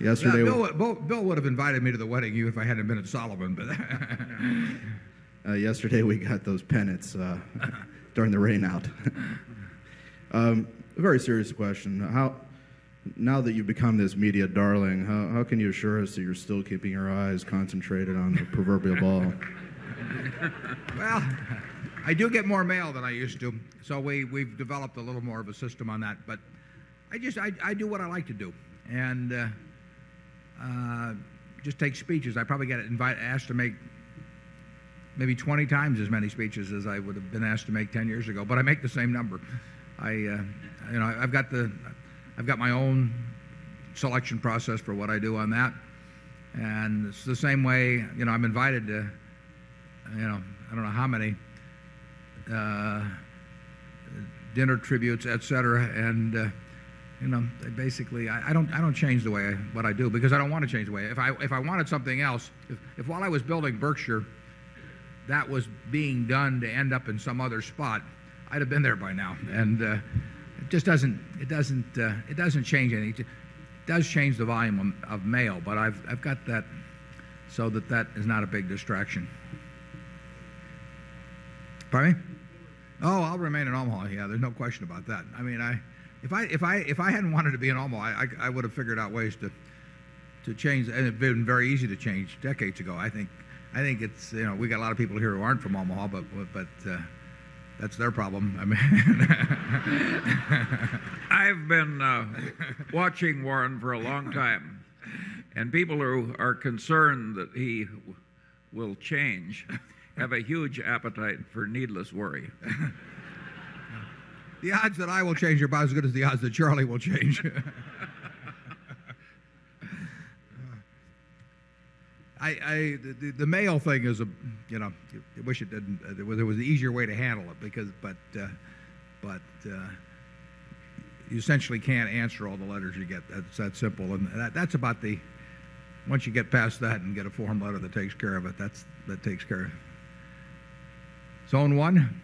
yesterday Bill would have invited me to the wedding if I hadn't been at Sullivan. Yesterday, we got those pennants during the rain out. A very serious question. Now that you've become this media darling, how can you assure us that you're still keeping your eyes concentrated on the proverbial wall? Well, I do get more mail than I used to. So we've developed a little more of a system on that. But I do what I like to do. Just take speeches, I probably get asked to make maybe 20 times as many speeches as I would have been asked to make 10 years ago, but I make the same number. I've got my own selection process for what I do on that. And it's the same way I'm invited to I don't know how many dinner tributes, etcetera. And basically, I don't change the way what I do because I don't want to change the way. If I wanted something else, if while I was building Berkshire, that was being done to end up in some other spot, I'd have been there by now. And it just doesn't change anything. It does change the volume of mail, but I've got that so that that is not a big distraction. Pardon me? Oh, I'll remain in Omaha. Yes, there's no question about that. If I hadn't wanted to be in Omaha, I would have figured out ways to change. And it'd been very easy to change decades ago. I think it's we've got a lot of people here who aren't from Omaha, but that's their problem. I've been watching Warren for a long time. And people who are concerned that he will change have a huge appetite for needless worry. The odds that I will change are about as good as the odds that Charlie will change. The mail thing is, you know, I wish it didn't. There was an easier way to handle it because but you essentially can't answer all the letters you get. It's that simple. And that's about the once you get past that and get a form letter that takes care of it, that takes care. It. Zone 1?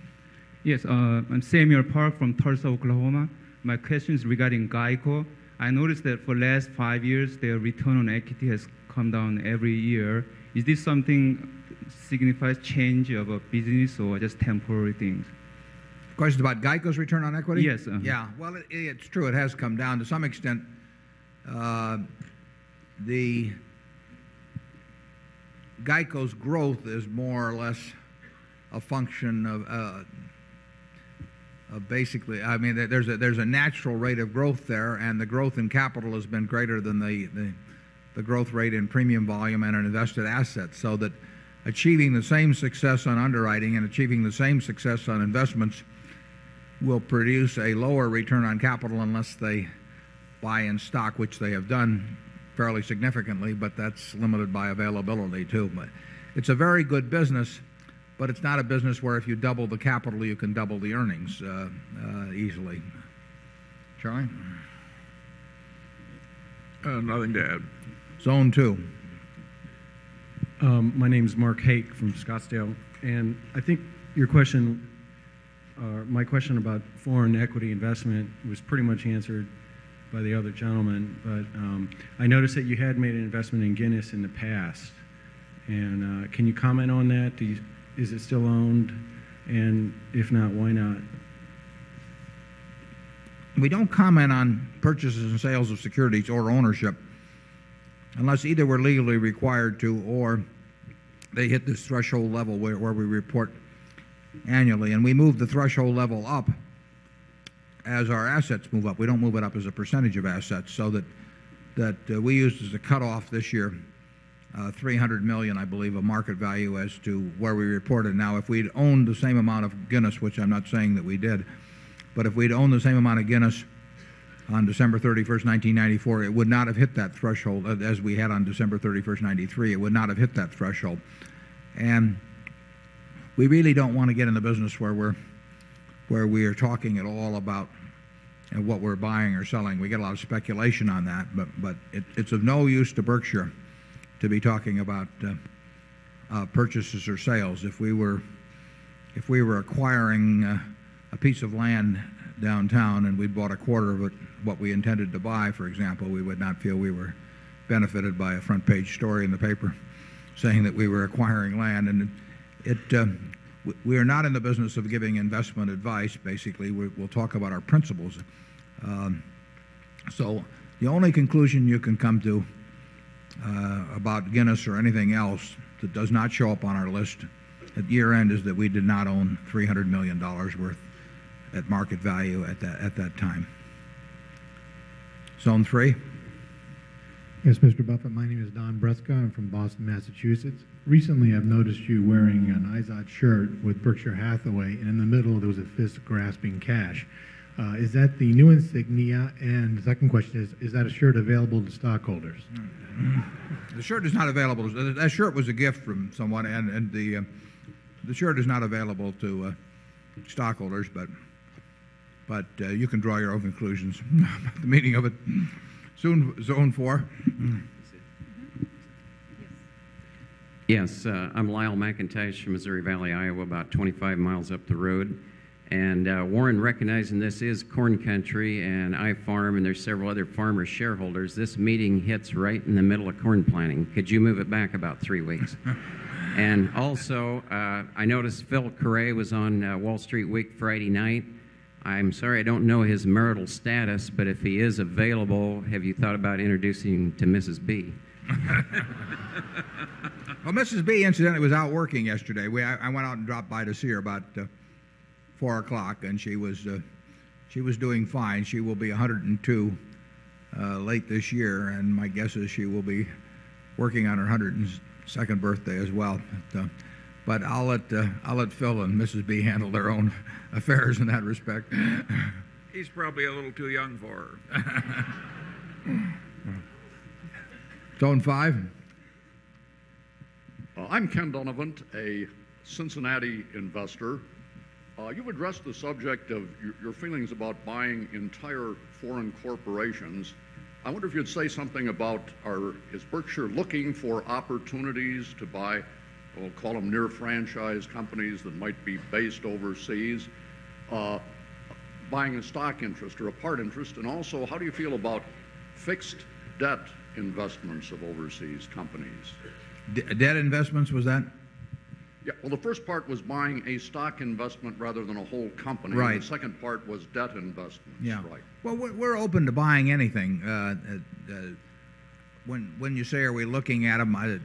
Yes. I'm Samuel Park from Tulsa, Oklahoma. My question is regarding GEICO. I noticed that for the last 5 years, their return on equity has come down every year. Is this something that signifies change of a business or just temporary things? Question about GEICO's return on equity? Yes. Yes. Well, it's true. It has come down. To some extent, the GEICO's growth is more or less a function of basically I mean there's a natural rate of growth there, and the growth in capital has been greater than the growth rate in premium volume and in invested assets. So that achieving the same success on underwriting and achieving the same success on investments will produce a lower return on capital unless they buy in stock, which they have done fairly significantly, but that's limited by availability too. It's a very good business, but it's not a business where if you double the capital, you can double the earnings easily. John? Nothing to add. Zone 2. My name is Mark Hake from Scottsdale. And I think your question my question about foreign equity investment was pretty much answered by the other gentleman. But I noticed that you had made an investment in Guinness in the past. And can you comment on that? Is it still owned? And if not, why not? We don't comment on purchases and sales of securities or ownership unless either we're legally required to or they hit this threshold level where we report annually. And we move the threshold level up as our assets move up. We don't move it up as a percentage of assets. So that we used as a cutoff this year $300,000,000 I believe of market value as to where we reported. Now if we'd owned the same amount of Guinness, which I'm not saying that we did, but if we'd owned the same amount of Guinness on December 31, 1994, it would not have hit that threshold as we had on December 31, 'ninety three. It would not have hit that threshold. And we really don't want to get in the business where we are talking at all about what we're buying or selling. We get a lot speculation on that, but it's of no use to Berkshire to be talking about purchases or sales. If we were acquiring a piece of land downtown and we bought a quarter of what we intended to buy, for example, we would not feel we were benefited by a front page story in the paper saying that we were acquiring land. And it we are not in the business of giving investment advice, basically. We'll talk about our principles. So the only conclusion you can come to about Guinness or anything else that does not show up on our list at year end is that we did not own $300,000,000 worth at market value at that time. Zone 3? Yes, Mr. Buffet. My name is Don Bresca. I'm from Boston, Massachusetts. Recently, I've noticed you wearing an Izod shirt with Berkshire Hathaway, and in the middle, there was a fist grasping cash. Is that the new insignia? And the second question is, is that a shirt available to stockholders? The shirt is not available. That shirt was a gift from someone, and the shirt is not available to stockholders, but you can draw your own conclusions. The meaning of it. Zone 4. Yes. I'm Lyle McIntosh from Missouri Valley, Iowa, about 25 miles up the road. And Warren, recognizing this is Corn Country and Ifarm and several other farmer shareholders, this meeting hits right in the middle of corn planting. Could you move it back about 3 weeks? And also, I noticed Philip Carre was on Wall Street Week Friday night. I'm sorry I don't know his marital status, but if he is available, have you thought about introducing 4 o'clock and she was doing fine. She will be out working yesterday. I went out and dropped by to see her about 4 o'clock and she was doing fine. She will be 102 late this year, and my guess is she will be working on her 100 and second birthday as well. But I'll let Phil and Mrs. B. Handle their own affairs in that respect. He I'm Ken Donovan, a Cincinnati investor. You've addressed the subject of your feelings about buying entire foreign corporations. I wonder if you'd say something about is Berkshire looking for opportunities to buy, we'll call them near franchise companies that might be based overseas, buying a stock interest or a part interest? And also how do you feel about fixed debt investments of overseas companies? Debt investments was that? Well, the first part was buying a stock investment rather than a whole company. The second part was debt investments. Yes. Well, we're open to buying anything. When you say are we looking at them, I've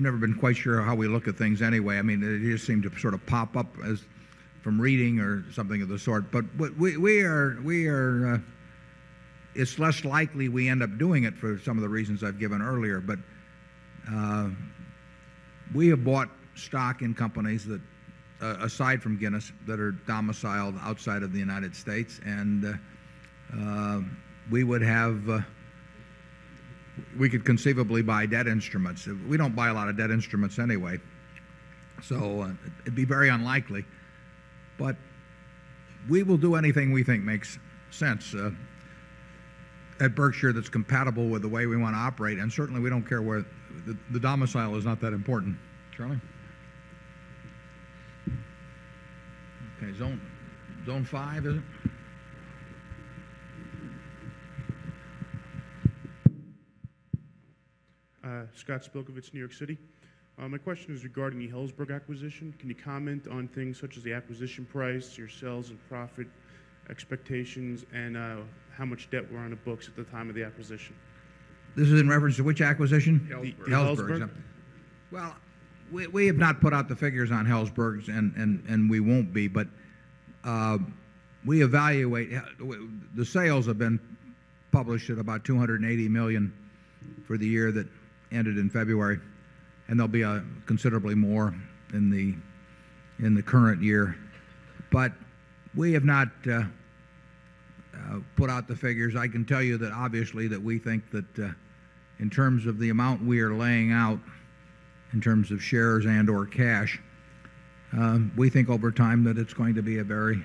never been quite sure how we look at things anyway. I mean, it just seemed to sort of pop up from reading or something of the sort. But we are it's less likely we end up doing it for some of the reasons I've given earlier. But we have bought stock in companies that aside from Guinness that are domiciled outside of the United States. And we would have we could conceivably buy debt instruments. We don't buy a lot of debt instruments anyway. So it'd be very unlikely. But we will do anything we think makes sense at Berkshire that's compatible with the way we want to operate. And certainly, we don't care where the domicile is not that important. Charlie? Okay. Zone 5, is it? Scott Spokowitz, New York City. My question is regarding the Helzberg acquisition. Can you comment on things such as the acquisition price, your sales and profit expectations, and how much debt were on the books at the time of the acquisition? This is in reference to which acquisition? The Helzberg. Well, we have not put out the figures on Helzberg's, and we won't be. But we evaluate the sales have been published at about $280,000,000 for the year that ended in February, and there'll be considerably more in the current year. But we have not put out the figures. I can tell you that obviously that we think that in terms of the amount we are laying out, in terms of shares and or cash, we think over time that it's going to be a very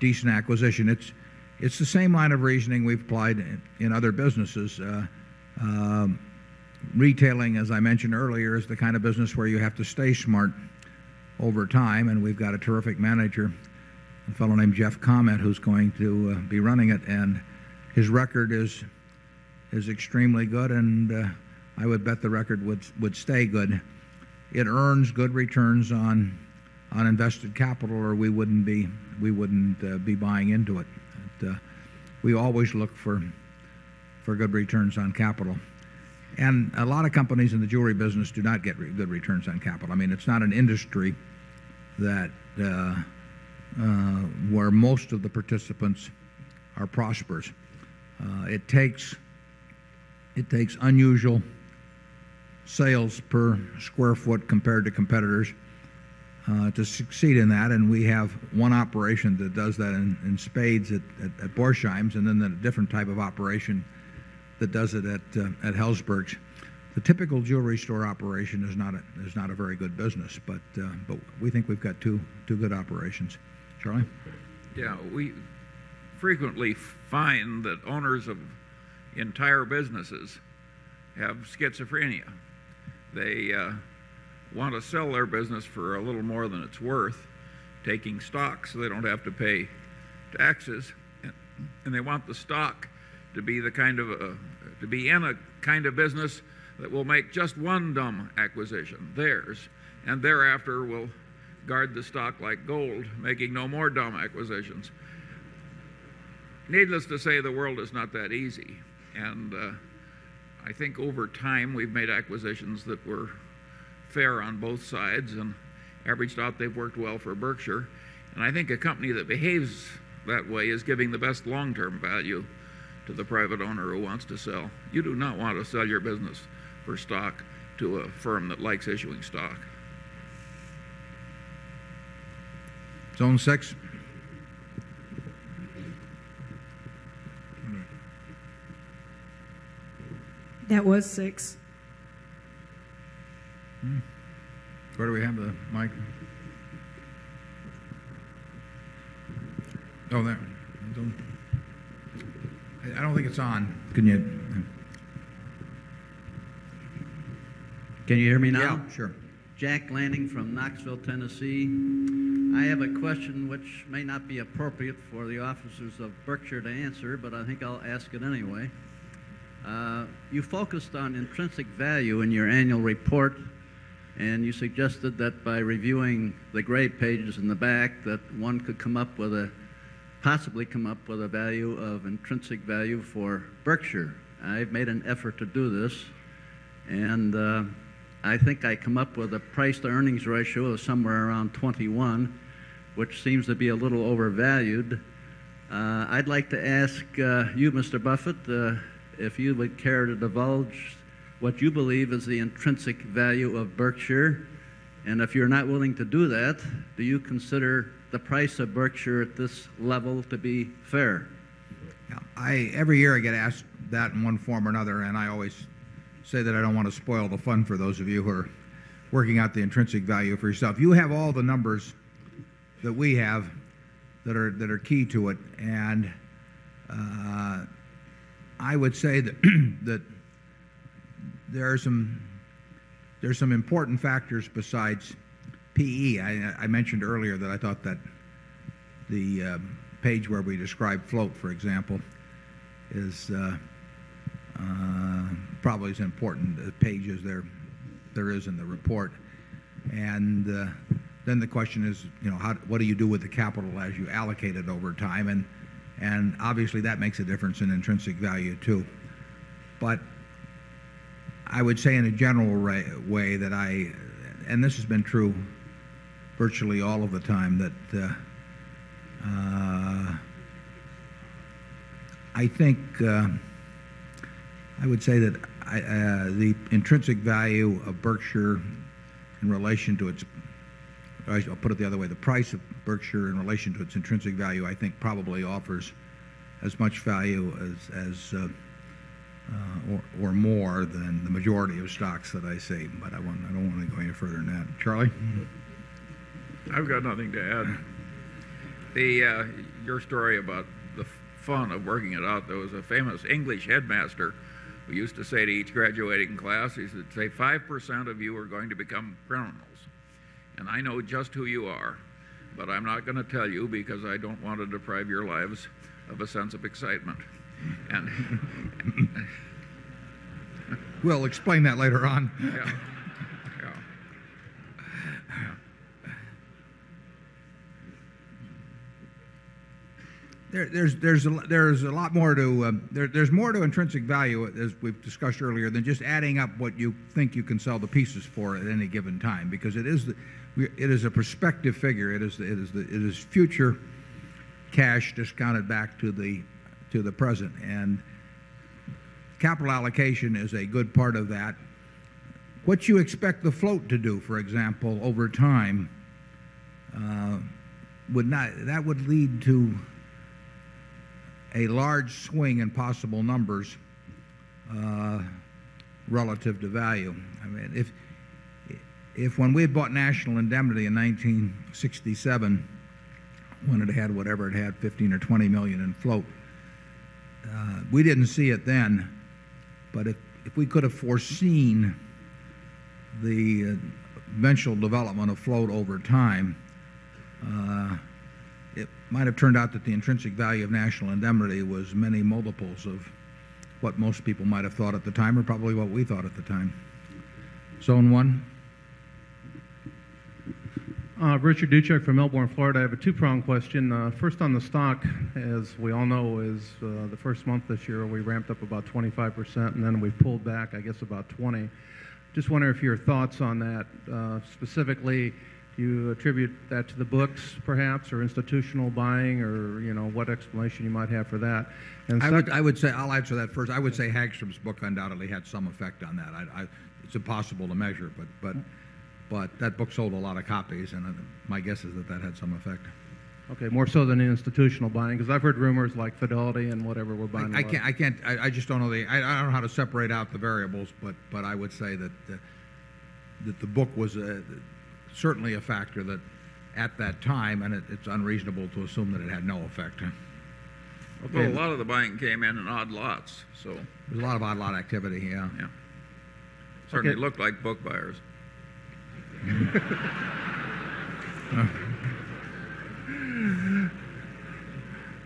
decent acquisition. It's the same line of reasoning we've applied in other businesses. Retailing, as I mentioned earlier, is the kind business where you have to stay smart over time, and we've got a terrific manager, a fellow named Jeff Comet, who's going to be running it. And his record is extremely good, and I would bet the record would stay good. It earns good returns on invested capital or we wouldn't be buying into it. We always look for good returns on capital. And a lot of companies in the jewelry business do not get good returns on capital. I mean, it's not an industry that where most of the participants are prosperous. It takes unusual sales per square foot compared to competitors to succeed in that, and we have one operation that does that in spades at Borsheims and then a different type of operation that does it at Helzberg. The typical jewelry store operation is not a very good business, but we think we've got 2 good operations. Charlie? Yes. We frequently find that owners of entire businesses have schizophrenia. They want to sell their business for a little more than it's worth, taking stock so they don't have to pay taxes. And they want the stock to be the kind of to be in a kind of business that will make just one dumb acquisition, theirs, and thereafter will guard the stock like gold, making no more dumb acquisitions. Needless to say, the world is not that easy. And I think over time, we've made acquisitions that were fair on both sides and averaged out, they've worked well for Berkshire. And I think a company that behaves that way is giving the best long term value to the private owner who wants to sell. You do not want to sell your business for stock to a firm that likes issuing stock. Zone 6. That was 6. Where do we have the mic? Oh, there. I don't think it's on. Can you hear me now? Yes, sure. Jack Lanning from Knoxville, Tennessee. I have a question which may not be appropriate for the officers of Berkshire to answer, but I think I'll ask it anyway. You focused on intrinsic value in your annual report. And you suggested that by reviewing the grade pages in the back, that one could come up with a possibly come up with a value of intrinsic value for Berkshire. I've made an effort to do this. And I think I come up with a price to earnings ratio of somewhere around 21, which seems to be a little overvalued. I'd like to ask you, Mr. Buffet, if you would care to divulge what you believe is the intrinsic value of Berkshire. And if you're not willing to do that, do you consider the price of Berkshire at this level to be fair? Every year, I get asked that in one form or another, and I always say that I don't want to spoil the fun for those of you who are working out the intrinsic value for yourself. You have all the numbers that we have that are key to it. And I would say that there are some important factors besides PE. I mentioned earlier that I thought that the page where we describe float, for example, is probably as important, the page as there is in the report. And then the question is, what do you do with the capital as you allocate it over time? And obviously, that makes a difference in intrinsic value, too. But I would say in a general way that I and this has been true virtually all of the time, that I think I would say that the intrinsic value of Berkshire in relation to its I'll put it the other way, the price of Berkshire in relation to its intrinsic value, I think, probably offers as much value as or more than the majority of stocks that I save. But I don't want to go any further than that. Charlie? I've got nothing to add. Your story about the fun of working it out, there was a famous English headmaster who used to say to each graduating class, he said, 5% of you are going to become criminals. And I know just who you are, but I'm not going to tell you because I don't want to deprive your lives of a sense of excitement. We'll explain that later on. There's a lot more to intrinsic value, as we've discussed earlier, than just adding up what you think you can sell the pieces for at any given time, because it is a perspective figure. It is future cash discounted back to the present. And capital allocation is a good part of that. What you expect the float to do, for example, over time, would not that would lead to a large swing in possible numbers relative to value. If when we had bought National Indemnity in 1967, when it had whatever it had, dollars 15,000,000 or $20,000,000 in float, we didn't see it then. But if we could have foreseen the eventual development afloat over time, it might have turned out that the intrinsic value of national Indemnity was many multiples of what most people might have thought at the time or probably what we thought at the time. Zone 1? Richard Ducek from Melbourne, Florida. I have a 2 pronged question. First on the stock, as we all know, is the 1st month this year we ramped up about 25% and then we pulled back, I guess, about 20%. Just wondering if your thoughts on that, specifically, you attribute that to the books perhaps or institutional buying or what explanation you might have for that? I would say I'll answer that first. I would say Hagstrom's book undoubtedly had some effect on that. It's impossible to measure, but that book sold a lot of copies. And my guess is that, that had some effect. Okay. More so than the institutional buying? Because I've heard rumors like Fidelity and whatever were buying more. I can't I just don't know how to separate out the variables. But I would say that the book was certainly a factor that at that time and it's unreasonable to assume that it had no effect. A lot of the buying came in in odd lots. There's a lot of odd lot activity, yes.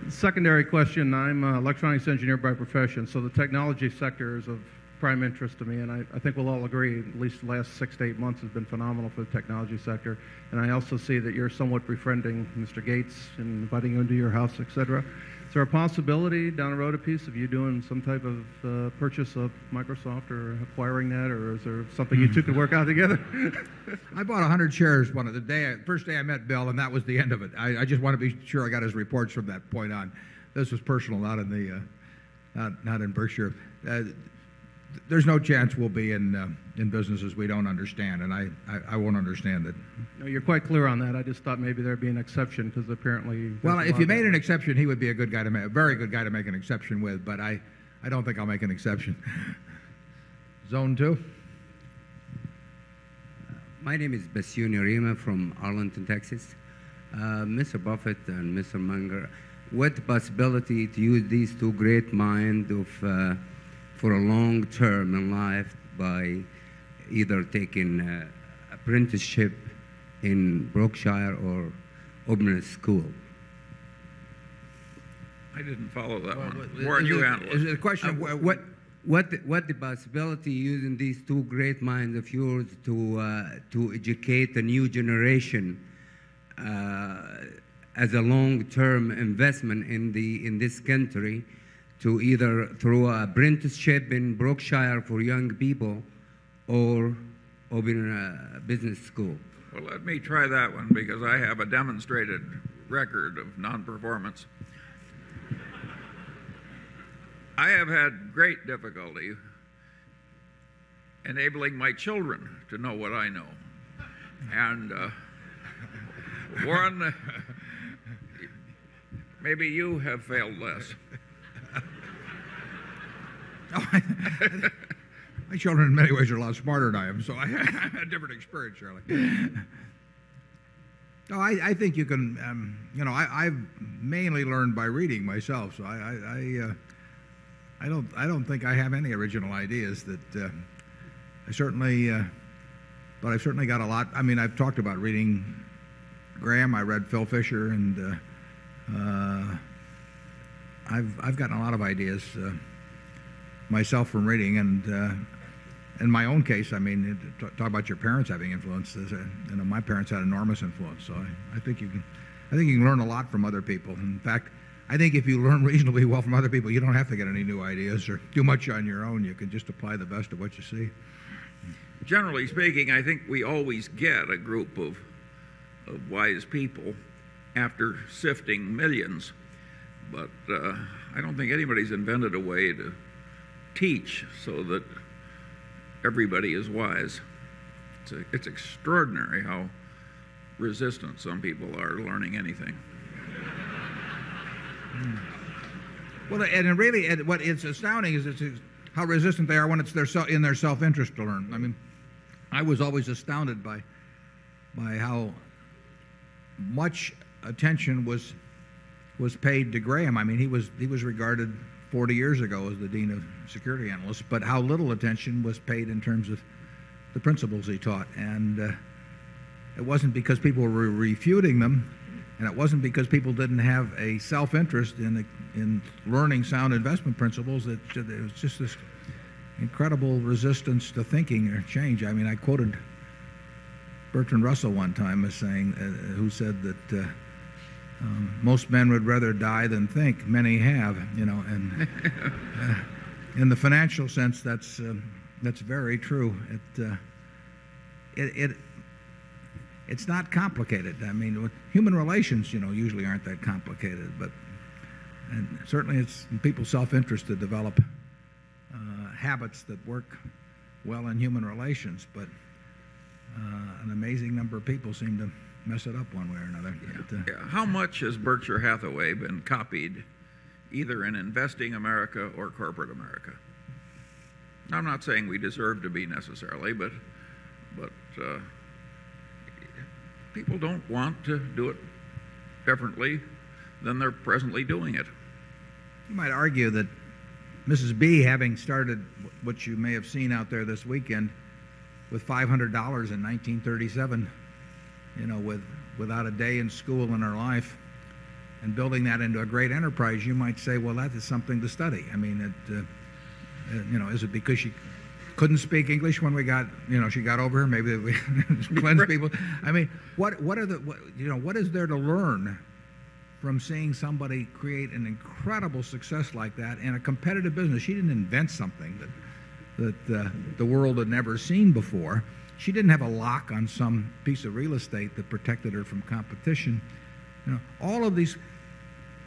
Secondary question. I'm an electronics engineer by profession. So the technology sector is of prime interest to me. And I think we'll all agree, at least the last 6 to 8 months has been phenomenal for the technology sector. And I also see that you're somewhat befriending Mr. Gates in inviting you into your house, etcetera. There a possibility down the road a piece of you doing some type of purchase of Microsoft or acquiring that? Or is there something you took to work out together? I bought 100 shares 1 of the day, 1st day I met Bill, and that was the end of it. I just want to be sure I got his reports from that point on. This was personal, not in Berkshire. There's no chance we'll be in businesses we don't understand, and I won't understand it. No, You're quite clear on that. I just thought maybe there'd be an exception because apparently Well, if you made an exception, he would be a good guy to make, a very good guy to make an exception with. But I don't think I'll make an exception. Zone 2? My name is Basu Nurema from Arlington, Texas. Mr. Buffet and Mr. Munger, what possibility to use these 2 great mind for a long term in life by either taking apprenticeship in Brookshire or ordinary school? I didn't follow that one. Warren, you had one. The question of what the possibility using these 2 great minds of yours to educate a new generation as a long term investment in the in this country to either through apprenticeship in Brookshire for young people or open a business school? Let me try that one because I have a demonstrated record of non performance. I have had great difficulty enabling my children to know what I know. And, Warren, maybe you have failed less. My children in many ways are a lot smarter than I am, so I had a different experience, really. I think you can I've mainly learned by reading myself. So I don't think I have any original ideas that I certainly but I certainly got a lot I mean, I've talked about reading Graham, I read Phil Fisher, and I've gotten a lot of ideas myself from reading. And in my own case, I mean, talk about your parents having influences. My parents had enormous influence. So I think you can learn a lot from other people. In fact, I think if you learn reasonably well from other people, you don't have to get any new ideas or too much on your own. You can just apply the best of what you see. Generally speaking, I think we always get a group of wise people after sifting millions. But I don't think anybody's invented a way to teach so that everybody is wise. It's how resistant some people are to learning anything. And really what is astounding is how resistant they are when it's in their self interest to learn. I was always astounded by how much attention was paid to Graham. I mean, he was regarded 40 years ago as the Dean of Security Analyst, but how little attention was paid in terms of the principles he taught. And it wasn't because people were refuting them and it wasn't because people didn't have a self interest in learning sound investment principles that there was just this incredible resistance to thinking or change. I mean, I quoted Bertrand Russell one time as saying, who said that most men would rather die than think. Many have. In the financial sense, that's very true. It's not complicated. I mean, human relations usually aren't that complicated. And certainly, it's people's self interest to develop habits that work well in human relations, but an amazing number of people seem to mess it up one way or another. How much has Berkshire Hathaway been copied either in Investing America or Corporate America? I'm not saying we deserve to be necessarily, but people don't want to do it differently than they're presently doing it. You might argue that Mrs. B, having started what you may have seen out there this weekend, with $500 in 19.37 without a day in school in our life and building that into a great enterprise, you might say, well, that is something to study. I mean, is it because she couldn't speak English when we got she got over her? Maybe we I mean, what are the what is there to learn from seeing somebody create an incredible success like that in a competitive business? She didn't invent something that the world had never seen before. She didn't have a lock on some piece of real estate that protected her from competition. All of these,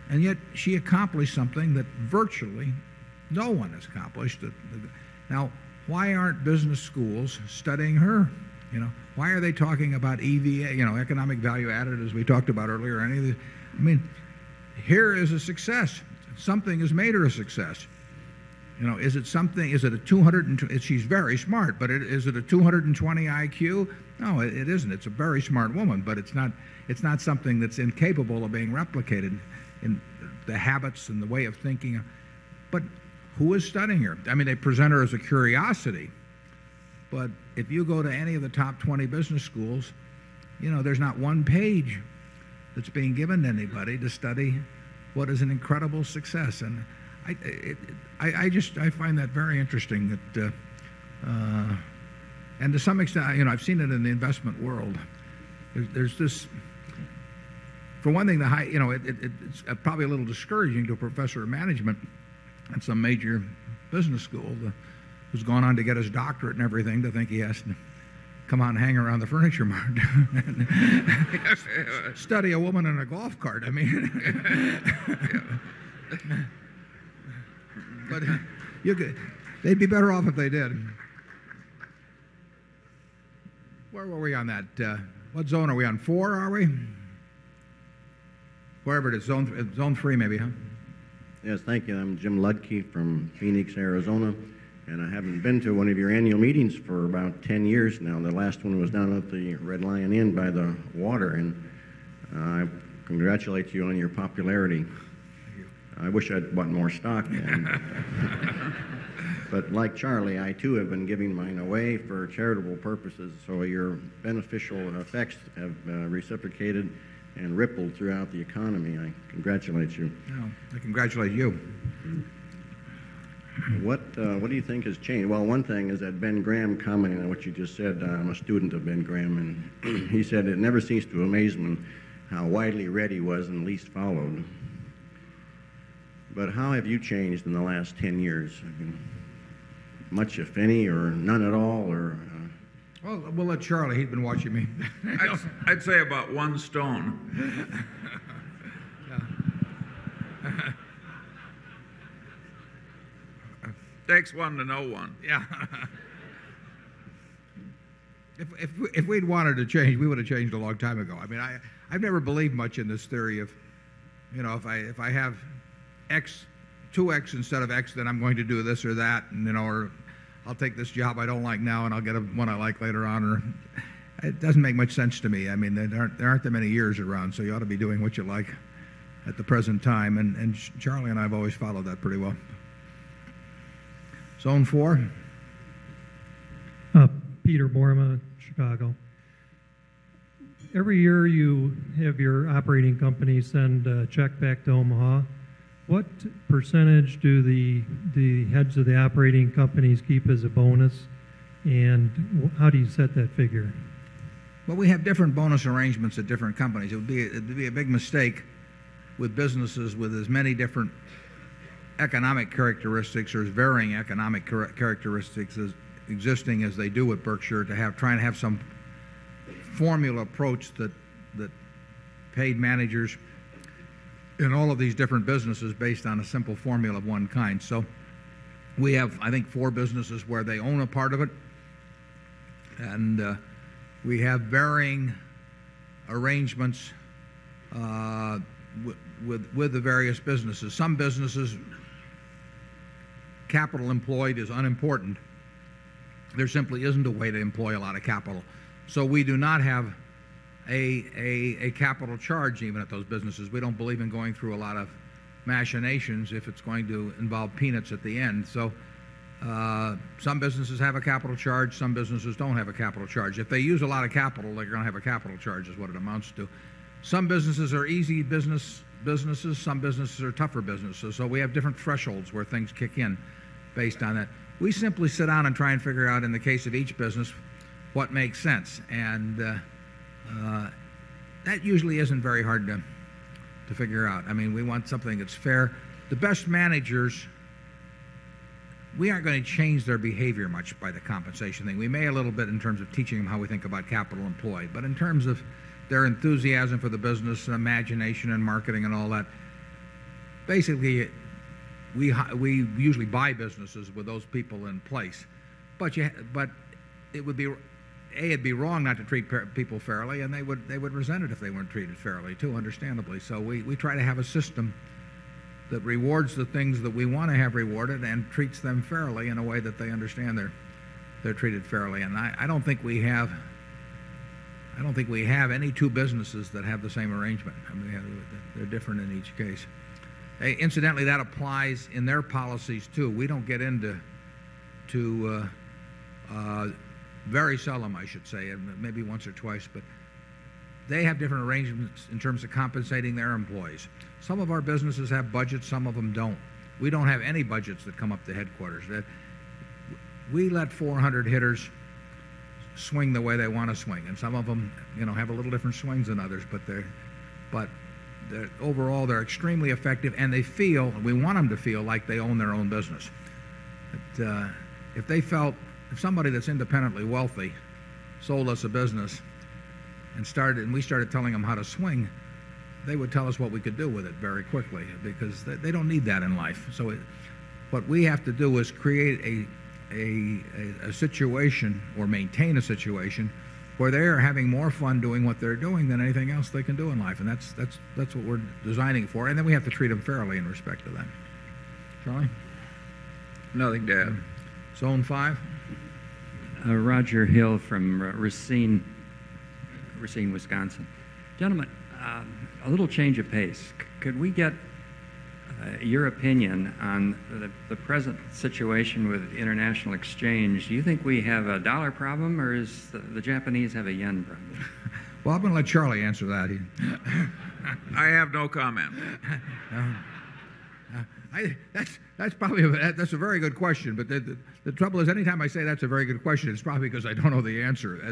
and yet, she accomplished something that virtually no one has accomplished. Now, why aren't business schools studying her? Why are they talking about EVA, economic value added, as we talked about earlier? I mean, here is a success. Something has made her a success. Is it something is it a 220 she's very smart, but is it a 220 IQ? No, it isn't. It's a very smart woman, but it's not something that's incapable of being replicated in the habits and the way of thinking. But who is studying here? I mean, they present her as a curiosity. But if you go to any of the top 20 business schools, there's not one page that's being given to anybody to study what is an incredible success. And I just I find that very interesting that To some extent, I've seen it in the investment world. There's this for one thing, it's probably a little discouraging to a professor of management at some major business school who's gone on to get his doctorate and everything to think he has to come out and hang around the furniture mart and study a woman in a golf cart. I mean, they'd be better off if they did. Where were we on that, what zone? Are we on 4, are we? Wherever it is. Zone 3, maybe. Yes. Thank you. I'm Jim Ludtke from Phoenix, Arizona. And I haven't been to one of your annual meetings for about 10 years now. The last one was down at the Red Lion Inn by the water. And I congratulate you on your popularity. I wish I'd bought more stock. But like Charlie, I, too, have been giving mine away for charitable purposes. So your beneficial effects have reciprocated and rippled throughout the economy. I congratulate you. I congratulate you. What do you think has changed? Well, one thing is that Ben Graham commented on what you just said. I'm a student of Ben Graham. And he said, it never ceased to amaze me how widely read he was and least followed. But how have you changed in the last 10 years? Much, if any, or none at all? Well, we'll let Charlie. He'd been watching me. I'd say about one stone. Takes one to know one. If we'd wanted to change, we would have changed a long time ago. I mean, I've never believed much in this theory of, you know, if I have X, 2X instead of X, then I'm going to do this or that. Or I'll take this job I don't like now and I'll get one I like later on. It doesn't make much sense to me. I mean, there aren't that many years around, so you ought to be doing what you like at the present time. And Charlie and I have always followed that pretty well. Zone 4. Peter Borma, Chicago. Every year, you have your operating company send a check back to Omaha. What percentage do the heads of the operating companies keep as a bonus? And how do you set that figure? Well, we have different bonus arrangements different companies. It would be a big mistake with businesses with as many different economic characteristics or as varying economic characteristics as existing as they do at Berkshire to have trying to have some formula approach that paid managers in all of these different businesses based on a simple formula of one kind. So we have, I think, 4 businesses where they own a part of it, and we have varying arrangements with the various businesses. Some businesses, capital employed is unimportant. There simply isn't a way to employ a lot of capital. So we do not have a capital charge even at those businesses. We don't believe in going through a lot of machinations if it's going to involve peanuts at the end. So some businesses have a capital charge, some businesses don't have a capital charge. If they use a lot of capital, they're going to have a capital charge is what it amounts to. Some businesses are easy businesses, some businesses are tougher businesses. So we have different thresholds where things kick in based on that. We simply sit down and try and figure out, in the case of each business, what makes sense. And that usually isn't very hard to figure out. We want something that's fair. The best managers, we aren't going to change their behavior much by the compensation thing. We may a little bit in terms of teaching them how we think about capital employed. But in terms of their enthusiasm for the business, imagination and marketing and all that, basically, we usually buy businesses with those people in place. But it would be, a, it'd be wrong not to treat people fairly and they would resent it if they weren't treated fairly too, understandably. So we try to have a system that rewards the things that we want to have rewarded and treats them fairly in a way that they understand they're treated fairly. And any 2 businesses that have the same arrangement. I mean, they're different in each case. Incidentally, that applies in their policies too. We don't get into to very seldom, I should say, maybe once or twice. But they have different arrangements in terms of compensating their employees. Some of our businesses have budgets, some of them don't. We don't have any budgets that come up to headquarters. We let 400 hitters swing the way they want to swing. And some of them have a little different swings than others, but overall, they're extremely effective and they feel, we want them to feel like they own their own business. If they felt, if somebody that's independently wealthy sold us a business and we started telling them how to swing, they would tell us what we could do with it very quickly because they don't need that in life. So what we have to do is create a situation or maintain a situation where they are having more fun doing what they're doing than anything else they can do in life. And that's what we're designing for. And then we have to treat them fairly in respect to that. Charlie? Nothing to add. Zone 5. Roger Hill from Racine, Wisconsin. Gentlemen, a little change of pace. Could we get your opinion on the present situation with international exchange? Do you think we have a dollar problem or is the Japanese have a yen problem? Well, I'm going to let Charlie answer that. I have no comment. That's a very good question. But the trouble is, anytime I say that's a very good question, it's probably because I don't know the answer. I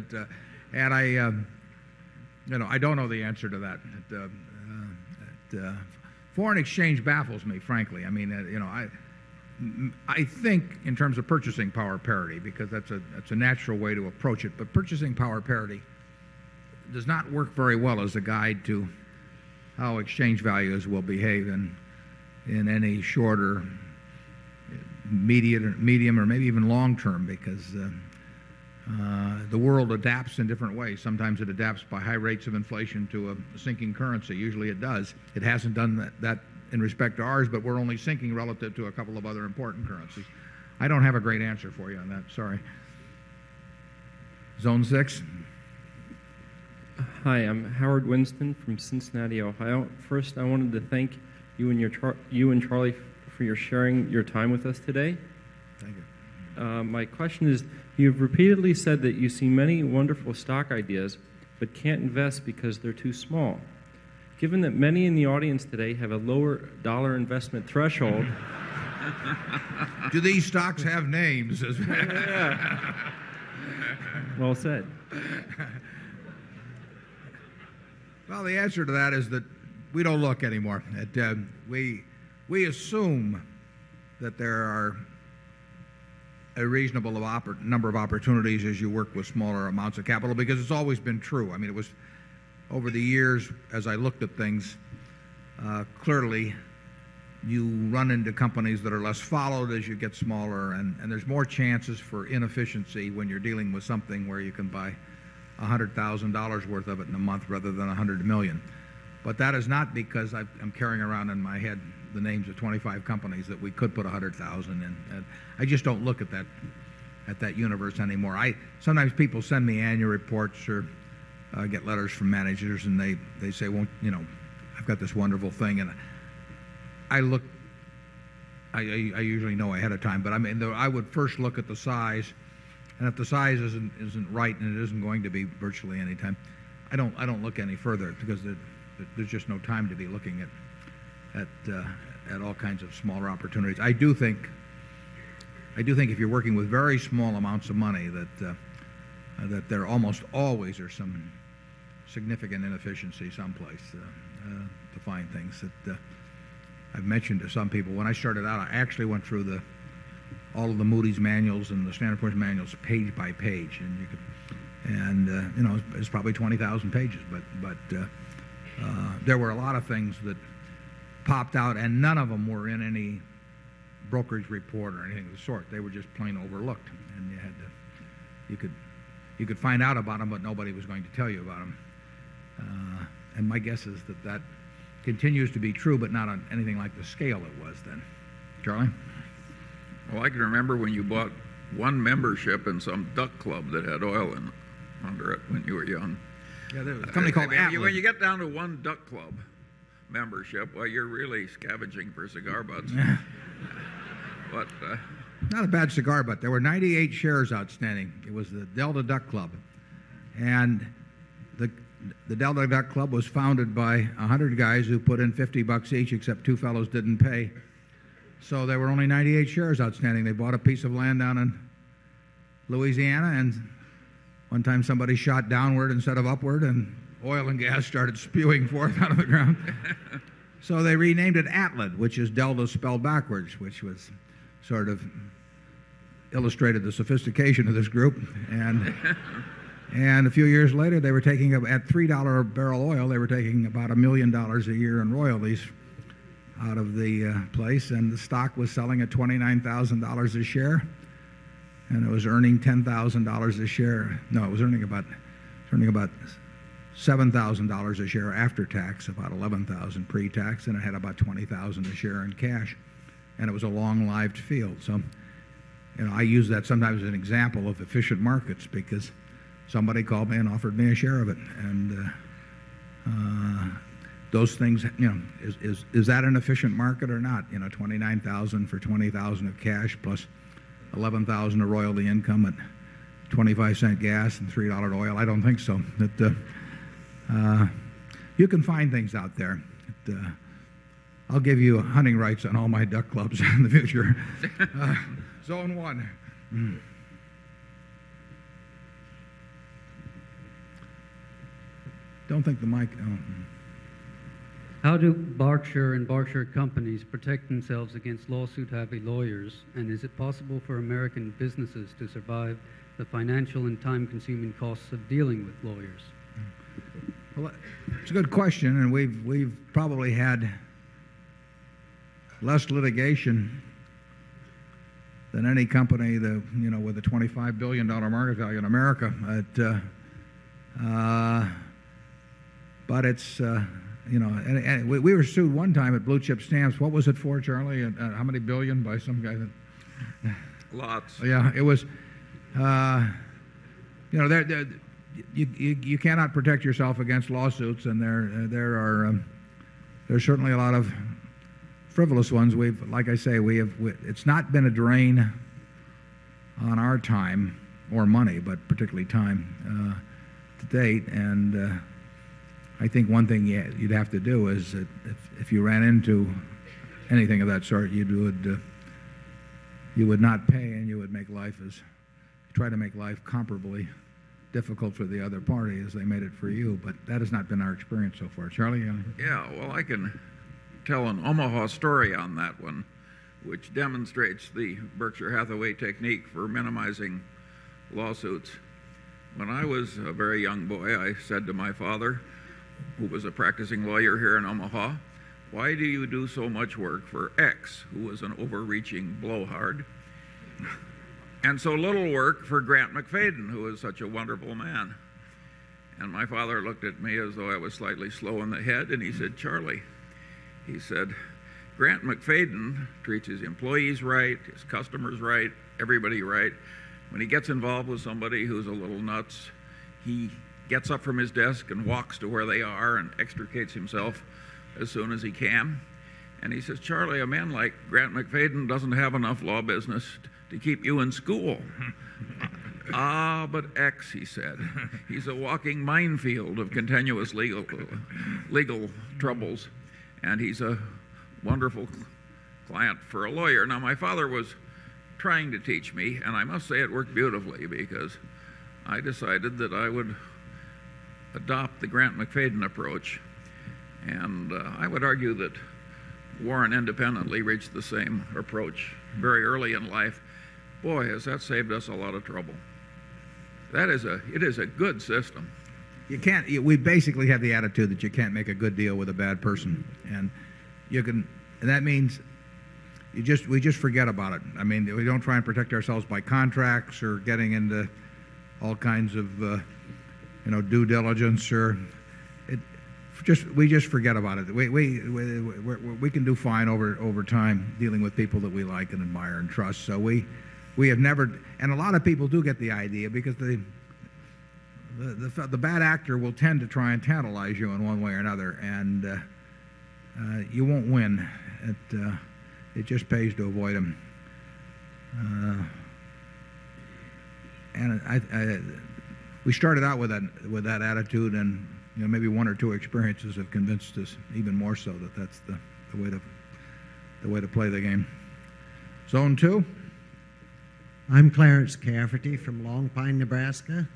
don't know the answer to that. Foreign exchange baffles me, frankly. I mean, I think in terms of purchasing power parity because that's a natural way to approach it, but purchasing power parity does not work very well as a guide to how exchange values will behave in any shorter medium or maybe even long term because the world adapts in different ways. Sometimes it adapts by high rates of inflation to a sinking currency. Usually it does. It hasn't done that in respect to ours, but we're only sinking relative to a couple of other important currencies. I don't have a great answer for you on that. Sorry. Zone 6? Hi. I'm Howard Winston from Cincinnati, Ohio. First, I wanted to thank you and Charlie for your sharing your time with us today. Thank you. My question is, you have repeatedly said that you see many wonderful stock ideas but can't invest because they're too small. Given that many in the audience today have a lower dollar investment threshold Do these stocks have names? Well said. Well, the answer to that is that we don't look anymore. We assume that there are a reasonable number of opportunities as you work with smaller amounts of capital because it's always been true. I mean it was over the years as I looked at things, clearly, you run into companies that are less followed as you get smaller and there's more chances for inefficiency when you're dealing with something where you can buy $100,000 worth of it in a month rather than $100,000,000 But that is not because I'm carrying around in my head the names of 25 companies that we could put 100 1,000 in. I just don't look at that universe anymore. Sometimes people send me annual reports or get letters from managers and they say, I've got this wonderful thing. And I look I usually know ahead of time, but I mean, I would first look at the size. And if the size isn't right and it isn't going to be virtually any time, I don't look any further because there's just no time to be looking at all kinds of smaller opportunities. I do think if you're working with very small amounts of money, that there almost always are some significant inefficiency someplace to find things that I've mentioned to some people. When I started out, I actually went through all of the Moody's manuals and the standard of course manuals page by page. And it's probably 20,000 pages, but there were a lot of things that popped out, and none of them were in any brokerage report or anything of the sort. They were just plain overlooked. And you had to you could find out about them, but nobody was going to tell you about them. And my guess is that, that continues to be true, but not on anything like the scale it was then. Charlie? Well, I can remember when you bought one membership in some duck club that had oil under it when you were young? A company called the App. When you get down to 1 Duck Club membership, well, you're really scavenging for cigar butts. What? Not a bad cigar but. There were 98 shares outstanding. It was the Delta Duck Club. The Delta Duck Club was founded by 100 guys who put in $50 each, except 2 fellows didn't pay. So there were only 98 shares outstanding. They bought a piece of land down in Louisiana, and one time somebody shot downward instead of upward, and oil and gas started spewing forth out of the ground. So they renamed it Atlet, which is Delta spelled backwards, which sort of illustrated the sophistication of this group. And a few years later, they were taking at $3 a barrel oil, they were taking about $1,000,000 a year in royalties out of the place. And the stock was selling at $29,000 a share, and it was earning $10,000 a share no, it was earning about $7,000 a share after tax, about $11,000 pretax, and it had about $20,000 a share in cash. And it was a long lived field. So I use that sometimes as an example of efficient markets because somebody called me and offered me a share of it. And those things is that an efficient market or not? $29,000 for $20,000 of cash plus $11,000 of royalty income and $0.25 gas and $3 oil. I don't think so. You can find things out there. I'll give you hunting rights on all my duck clubs in the future. Zone 1. Don't think the mic How do Berkshire and Berkshire Companies protect themselves against lawsuit having lawyers? And is it possible for American businesses to survive the financial and time consuming costs of dealing with lawyers? It's a good question, and we've probably had less litigation than any company with a $25,000,000,000 market value in America. But it's and we were sued one time at blue chip stamps. What was it for, Charlie? How many 1,000,000,000 by some guy? Lots. Yeah. It was you cannot protect yourself against lawsuits, and there are certainly a lot of frivolous ones. Like I say, it's not been a drain on our time or money, but particularly time to date. And I think one thing you'd have to do is if you ran into anything of that sort, you would not pay and you would make life as try to make life comparably difficult for the other party as they made it for you. But that has not been our experience so far. Charlie? Yes. Well, I can tell an Omaha story on that one, which demonstrates the Berkshire Hathaway technique for minimizing lawsuits. When I was a very young boy, I said to my father, who was a practicing lawyer here in Omaha, why do you do so much work for X, who was an overreaching blowhard, and so little work for Grant McFadden, who was such a wonderful man. And my father looked at me as though I was slightly slow in the head. And he said, Charlie, he said, Grant McFadyen treats his employees right, his customers right, everybody right. When he gets involved with somebody who's a little nuts, he gets up from his desk and walks to where they are and extricates himself as soon as he can. And he says, Charlie, a man like Grant McFadyen doesn't have enough law business to keep you in school. Ah, but X, he said. He's a walking minefield of continuous legal troubles. And he's a wonderful client for a lawyer. Now my father was trying to teach me, and I must say it worked beautifully because I decided that I would adopt the Grant McFaden approach. And I would argue that Warren independently reached the same approach very early in life. Boy, has that saved us a lot of trouble. That is a it is a good system. You can't we basically have the attitude that you can't make a good deal with a bad person. And you can and that means we just forget about it. I mean, we don't try and protect ourselves by contracts or getting into all kinds of due diligence. We just forget about it. We can do fine over time dealing with people that we like and admire and trust. So we have never and a lot of people do get the idea because the bad actor will tend to try and tantalize you in one way or another. And you won't win. It just pays to avoid them. And we started out with that attitude, and maybe 1 or 2 experiences have convinced us even more so that that's the way to play the game. Zone 2? I'm Clarence Cafferty from Long Pine, Nebraska.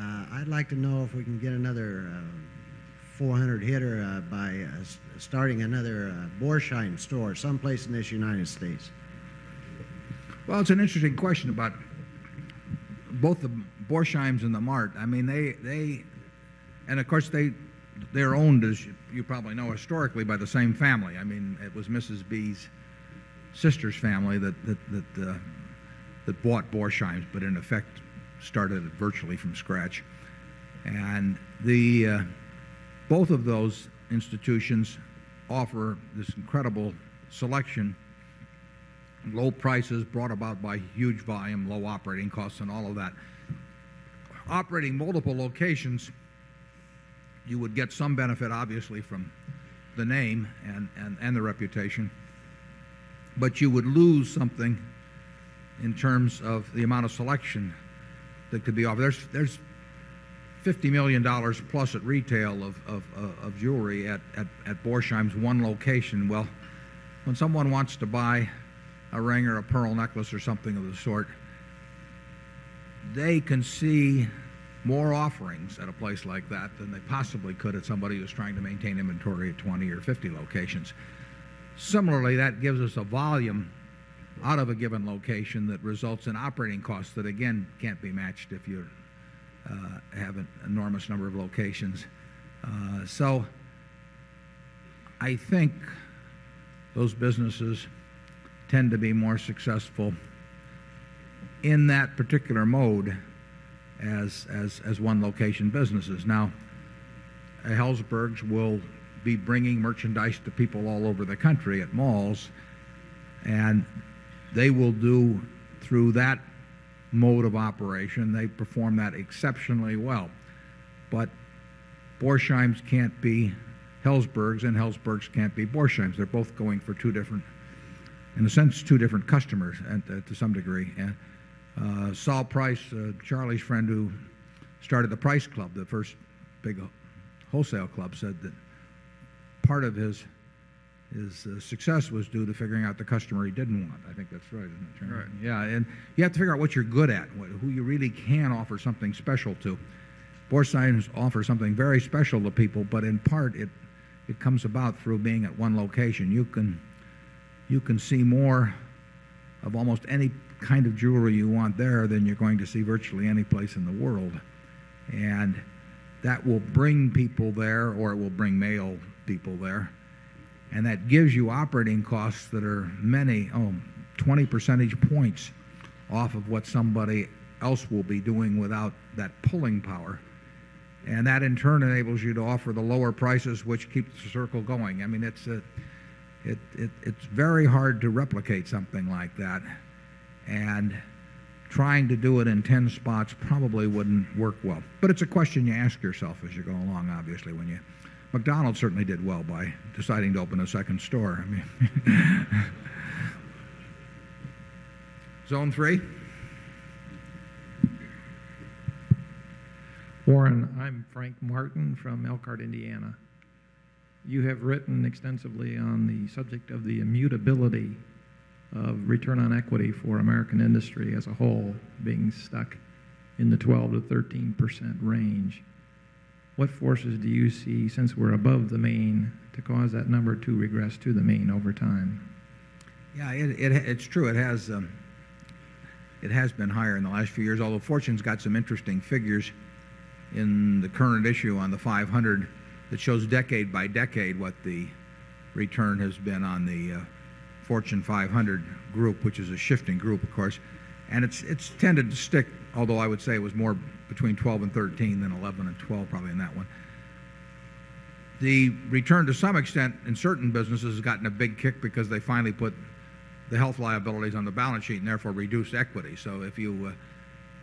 I'd like to know if we can get another 400 hitter by starting another Borstein store someplace in this United States. Well, it's an interesting question about both the Borsheims and the Mart. I mean, they and of course, they're owned, as you probably know, historically by the same family. I mean it was Mrs. B's sister's family that bought Borsheims, but in effect started virtually from scratch. And both of those institutions offer this incredible selection, low prices brought about by huge volume, low operating costs and all of that. Operating multiple locations, you would get some benefit obviously from the name and the reputation. But you would lose something in terms of the amount of selection that could be offered. There's $50,000,000 plus at retail of jewelry at Borsheim's one location. Well, when someone wants to buy a ring or a pearl necklace or something of the sort, they can see more offerings at a place like that than they possibly could at somebody who's trying to maintain inventory at 20 or 50 locations. Similarly, that gives us a volume out of a given location that results in operating costs that, again, can't be matched if you have an enormous number of locations. So I think those businesses tend to be more successful in that particular mode as one location businesses. Now Helzbergs will be bringing merchandise to people all over the country at malls, And they will do through that mode of operation, they perform that exceptionally well. But Borsheims can't be Helzbergs and Helzbergs can't be Borsheims. They're both going for 2 different, in a sense, 2 different customers to some degree. Saul Price, Charlie's friend who started the Price Club, the first big wholesale club, said that part of his success was due to figuring out the customer he didn't want. I think that's right. Yes. And you have to figure out what you're good at, who you really can offer something special to. Borsheim offers something very special to people, but in part, it comes about through being at one location. You can see more of almost any kind of jewelry you want there than you're going to see virtually any place in the world. And that will bring people there or it will bring male people there, and that gives you operating costs that are many 20 percentage points off of what somebody else will be doing without that pulling power. And that, in turn, enables you to offer the lower prices, which keeps the circle going. I mean, it's very hard to replicate something like that. And trying to do it in 10 spots probably wouldn't work well. But it's a question you ask yourself as you go along, obviously. McDonald's certainly did well by deciding to open a second store. Zone 3? Warren, I'm Frank Martin from Elkhart, Indiana. You have written extensively on the subject of the immutability of return on equity for American industry as a whole being stuck in the 12% to 13% range, what forces do you see, since we're above the main, to cause that number to regress to the main over time? Yes. It's true. It has been higher in the last few years, although Fortune's got some interesting figures in the current issue on the 500 that shows decade by decade what the return has been on the Fortune 500 group, which is a shifting group, of course. And it's tended to stick, although I would say it was more between 1213 than 1112 probably in that one. The return to some extent in certain businesses has gotten a big kick because they finally put the health liabilities on the balance sheet and therefore reduced equity. So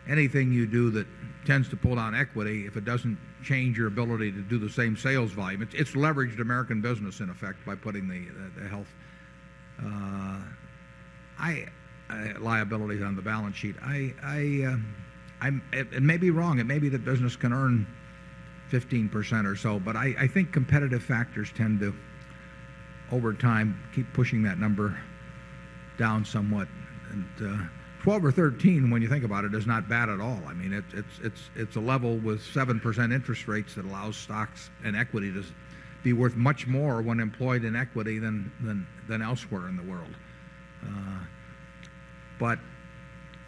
anything you do that tends to pull down equity, if it doesn't change your ability to do the same sales volume, it's leveraged American business in effect by putting the health liabilities on the balance sheet. It may be wrong. It may be the business can earn 15% or so. But I think competitive factors tend to, over time, keep pushing that number down somewhat. And 12% or 13%, when you think about it, is not bad at all. I mean, it's a level with 7% interest rates that allows stocks and equity to be worth much more when employed in equity than elsewhere in the world. But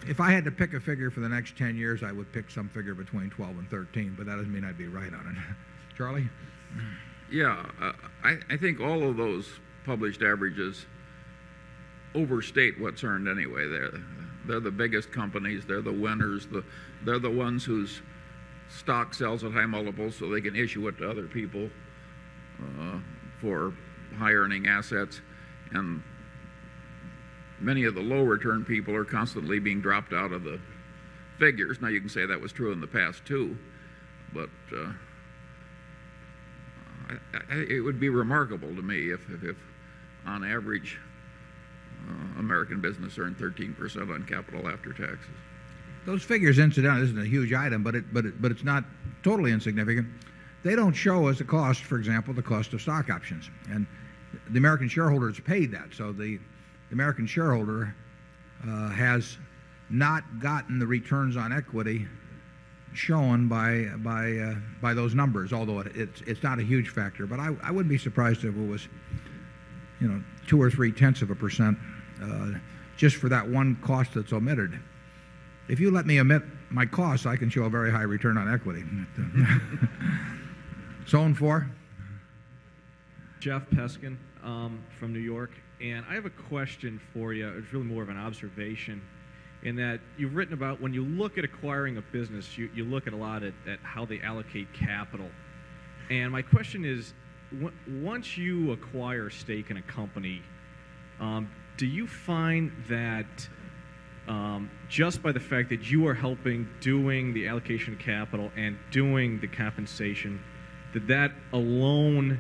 if I had to pick a figure for the next 10 years, I would pick some figure between 1213, but that doesn't mean I'd be right on it. Charlie? Yes. I think all of those published averages overstate what's earned anyway. They're the biggest companies. They're the winners. They're the ones whose stock sells at high multiples so they can issue it to other people for high earning assets. And many of the low return people are constantly being dropped out of the figures. Now you can say that was true in the past too. But it would be remarkable to me if on average American Business earned 13% on capital after taxes. Those figures incidentally isn't a huge item, but it's not totally insignificant. They don't show us the cost, for example, the cost of stock options. And the American shareholders paid that. So the American shareholder has not gotten the returns on equity shown by those numbers, although it's not a huge factor. But I wouldn't be surprised if it was 2 or 3 tenths of a percent just for that one cost that's omitted. If you let me emit my costs, I can show a very high return on equity. Zone 4. Jeff Peskin from New York. And I have a question for you. It's really more of an observation in that you've written about when you look at acquiring a business, you look at a lot at how they allocate capital. And my question is, once you acquire stake in a company, do you find that just by the fact that you are helping doing the allocation of capital and doing did that alone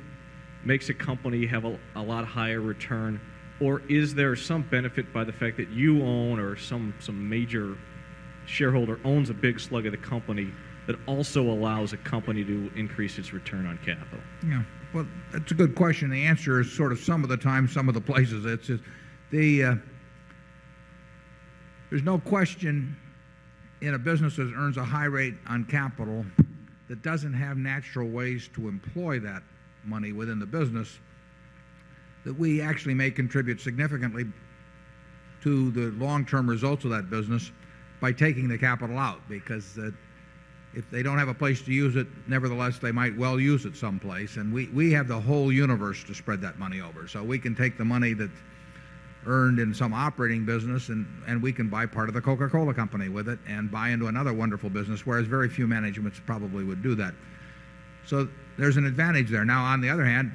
makes a company have a lot higher return? Or is there some benefit by the fact that you own or some major shareholder owns a big slug of the company that also allows a company to increase its return on capital? Well, that's a good question. The answer is sort of some of the times, some of the places. There's no question in a business that earns a high rate on capital that doesn't have natural ways to employ that money within the business that we actually may contribute significantly to the long term results of that business by taking the capital out. Because if they don't have a place to use it, nevertheless, they might well use it someplace. And we have the whole universe to spread that money over. So we can take the money that earned in some operating business and we can buy part of the Coca Cola Company with it and buy into another wonderful business, whereas very few managements probably would do that. So there's an advantage there. Now on the other hand,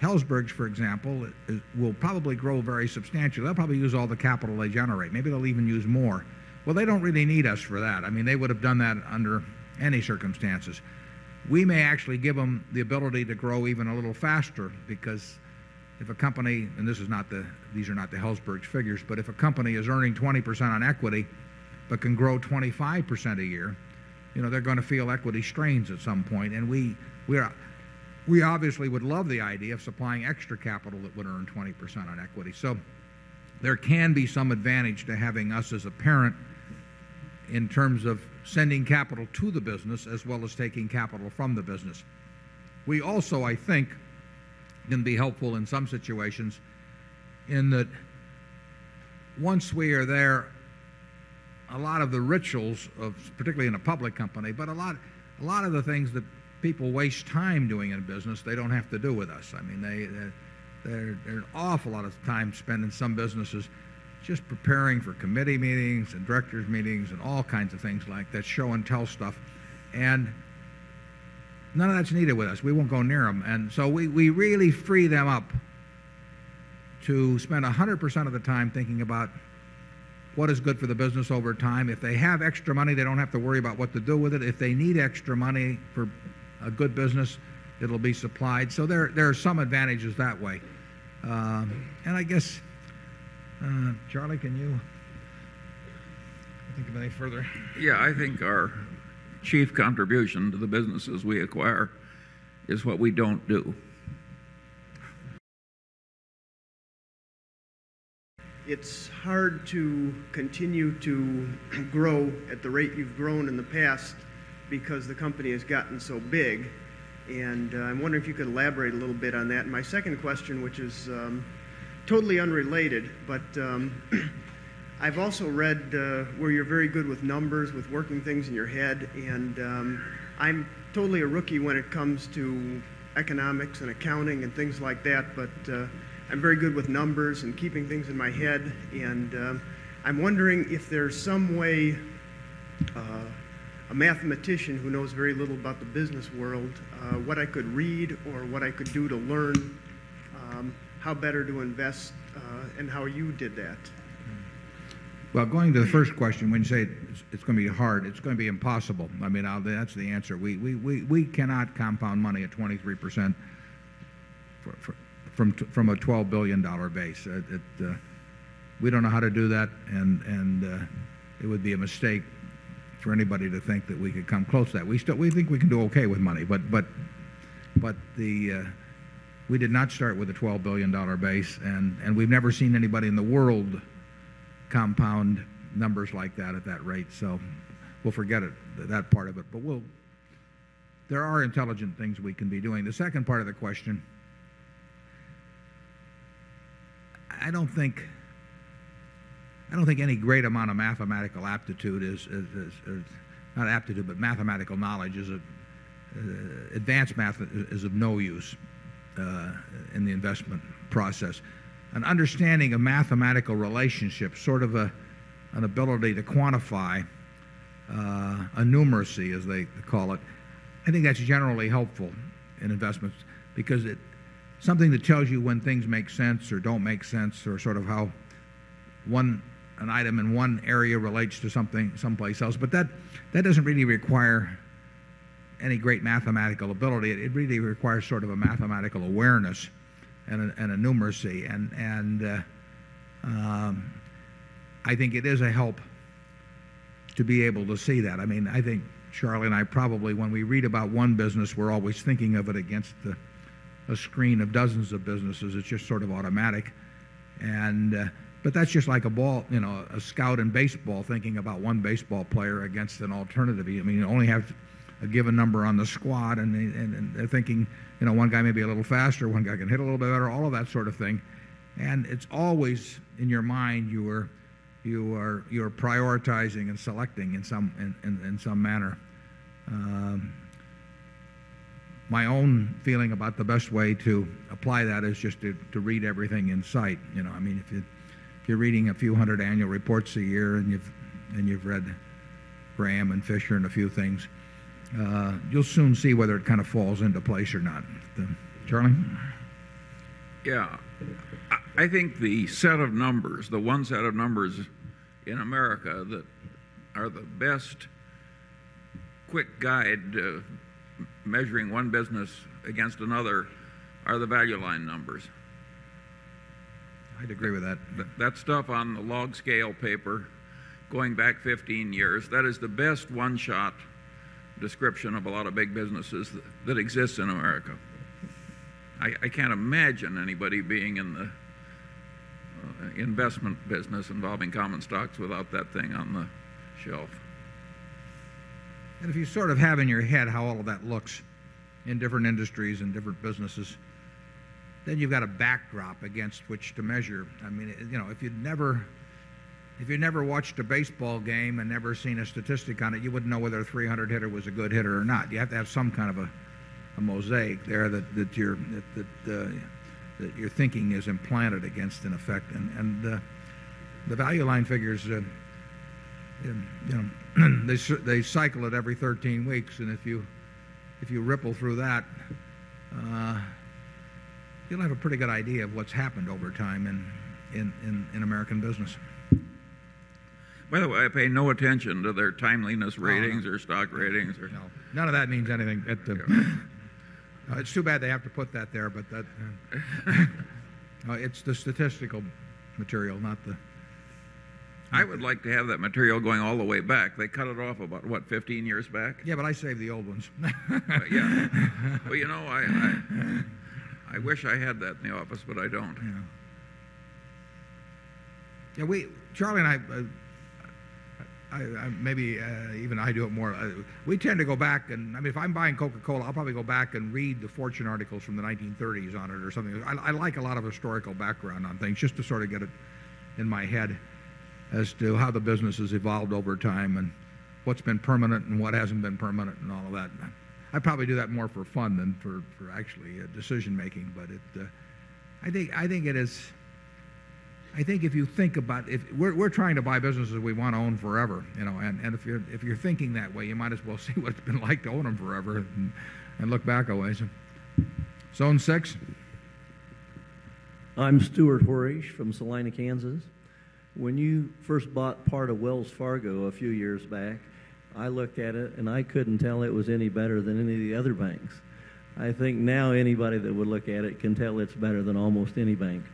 Helzberg, for example, will probably grow very substantially. They'll probably use all the capital they generate. Maybe they'll even use more. Well, they don't really need us for that. I mean, they would have done that under any circumstances. We may actually give them the ability to grow even a little faster because if a company and these are not the Helzberg figures, but if a company is earning 20% on equity but can grow 25% a year, they're going to feel equity strains at some point. And we obviously would love the idea of supplying extra capital that would earn 20% on equity. So there can be some advantage to having us as a parent in terms of sending capital to the business as well as taking capital from the business. We also, I think, can be helpful in some situations in that once we are there, a lot of the rituals of particularly in a public company, but a lot of the things that people waste time doing in a business they don't have to do with us. I mean there's an awful lot of time spent in some businesses just preparing for committee meetings and directors meetings and all kinds of things like that show and tell stuff. And none of that's needed with us. We won't go near them. And so we really free them up to spend 100% of the time thinking about what is good for the business over time. If they have extra money, they don't have to worry about what to do with it. If they need extra money for a good business, it'll be supplied. So there are some advantages that way. And I guess, Charlie, can you think of any further? Yes. I think our chief contribution to the businesses we acquire is what we don't do. It's hard to continue to grow at the rate you've grown in the past because the company has gotten so big. And I'm wondering if you could elaborate a little bit on that. My second question, which is totally unrelated, but I've also read where you're very good with numbers, with working things in your head. And I'm totally a rookie when it comes to economics and accounting and things like that, but I'm very good with numbers and keeping things in my head. And I'm wondering if there's some way a mathematician who knows very little about the business world, what I could read or what I could do to learn, how better to invest and how you did that? Well, going to the first question, when you say it's going to be hard, it's going to be impossible. I mean, that's the answer. We cannot compound money at 23% from a $12,000,000,000 base. We don't know how to do that, and it would be a mistake for anybody to think that we could come close to that. We think we can do okay with money. But the we did not start with a $12,000,000,000 base, and we've never seen anybody in the world compound numbers like that at that rate. So we'll forget that part of it. But there are intelligent things we can be doing. The second part of the question, I don't think any great amount of mathematical aptitude is not aptitude, but mathematical knowledge is advanced math is of no use in the investment process. An understanding of mathematical relationship, sort of an ability to quantify a numeracy, as they call it, I think that's generally helpful in investments because it's something that tells you when things make sense or don't make sense or sort of how an item in one area relates to something someplace else. But that doesn't really require any great mathematical ability. It really requires sort of a mathematical awareness and a numeracy. And I think it is a help to be able to see that. I mean, I think Charlie and I probably when we read about one business, we're always thinking of it against the screen of dozens of businesses. It's just sort of automatic. But that's just like a ball, a scout in baseball thinking about 1 baseball player against an alternative. I mean, you only have a given number on the squad and they're thinking 1 guy may be a little faster, 1 guy can hit a little better, all of that sort of thing. And it's always in your mind you're prioritizing and selecting in some manner. My own feeling about the best way to apply that is just to read everything in sight. I mean, if you're reading a few 100 annual reports a year and you've read Graham and Fisher and a few things, you'll soon see whether it kind of falls into place or not. Charlie? Yes. I think the set of numbers, the one set of numbers in America that are the best quick guide measuring one business against another are the value line numbers. I'd agree with that. That stuff on the log scale paper going back 15 years, that is the best one shot description of a lot of big businesses that exists in America. I can't imagine anybody being in the investment business involving common stocks without that thing on the shelf. And if you sort of have in your head how all of that looks in different industries and different businesses, then you've got a backdrop against which to measure. I mean, if you'd never if you never watched a baseball game and never seen a statistic on it, you wouldn't know whether a 300 hitter was a good hitter or not. You have to have some kind of a mosaic there that your thinking is implanted against in effect. And the value line figures, they cycle it every 13 weeks. And if you ripple through that, you'll have a pretty good idea of what's happened over time in American Business. By the way, I pay no attention to their timeliness ratings or stock ratings. None of that means anything. It's too bad they have to put that there, but it's the statistical material, not the I would like to have that material going all the way back. They cut it off about, what, 15 years back? Yes, but I saved the old ones. Yes. Well, you know, I wish I had that in the office, but I don't. Yes. Charlie and I maybe even I do it more we tend to go back and I mean if I'm buying Coca Cola, I'll probably go back and read the Fortune articles from the 1930s on it or something. I like a lot of historical background on things just to sort of get it in my head as to how the business has evolved over time and what's been permanent and what hasn't been permanent and all of that. I'd probably do that more for fun than for actually decision making. But I think it is I think if you think about it we're trying to buy businesses that we want to own forever. And if you're thinking that way, you might as well see what it's been like to own them forever and look back always. Zone 6? I'm Stuart Horish from Salina, Kansas. When you first bought part of Wells Fargo a few years back, I looked at it and I couldn't tell it was any better than any of the other banks. I think now anybody that would look at it can tell it's better than almost any bank.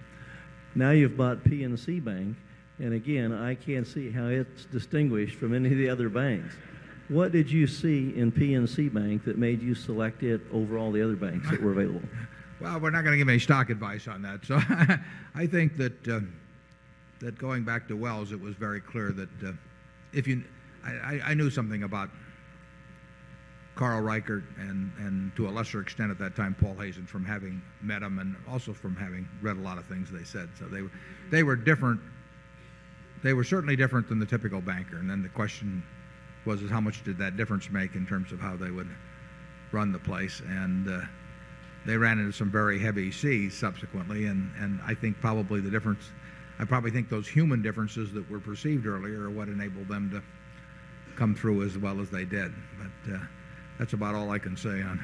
Now you've bought P and C Bank, and again, I can't see how it's distinguished from any of the other banks. What did you see in P&C Bank that made you select it over all the other banks that were available? Well, We're not going to give any stock advice on that. So I think that going back to Wells, it was very clear that if you I knew something about Carl Reichardt and to a lesser extent at that time, Paul Hazen from having met him and also from having read a lot of things they said. So they were different. They were certainly different than the typical banker. And then the question was how much did that difference make in terms of how they would run the place. And they ran into some very heavy seas subsequently. And I think probably the difference I probably think those human differences that were perceived earlier are what enabled them to come through as well as they did. But that's about all I can say on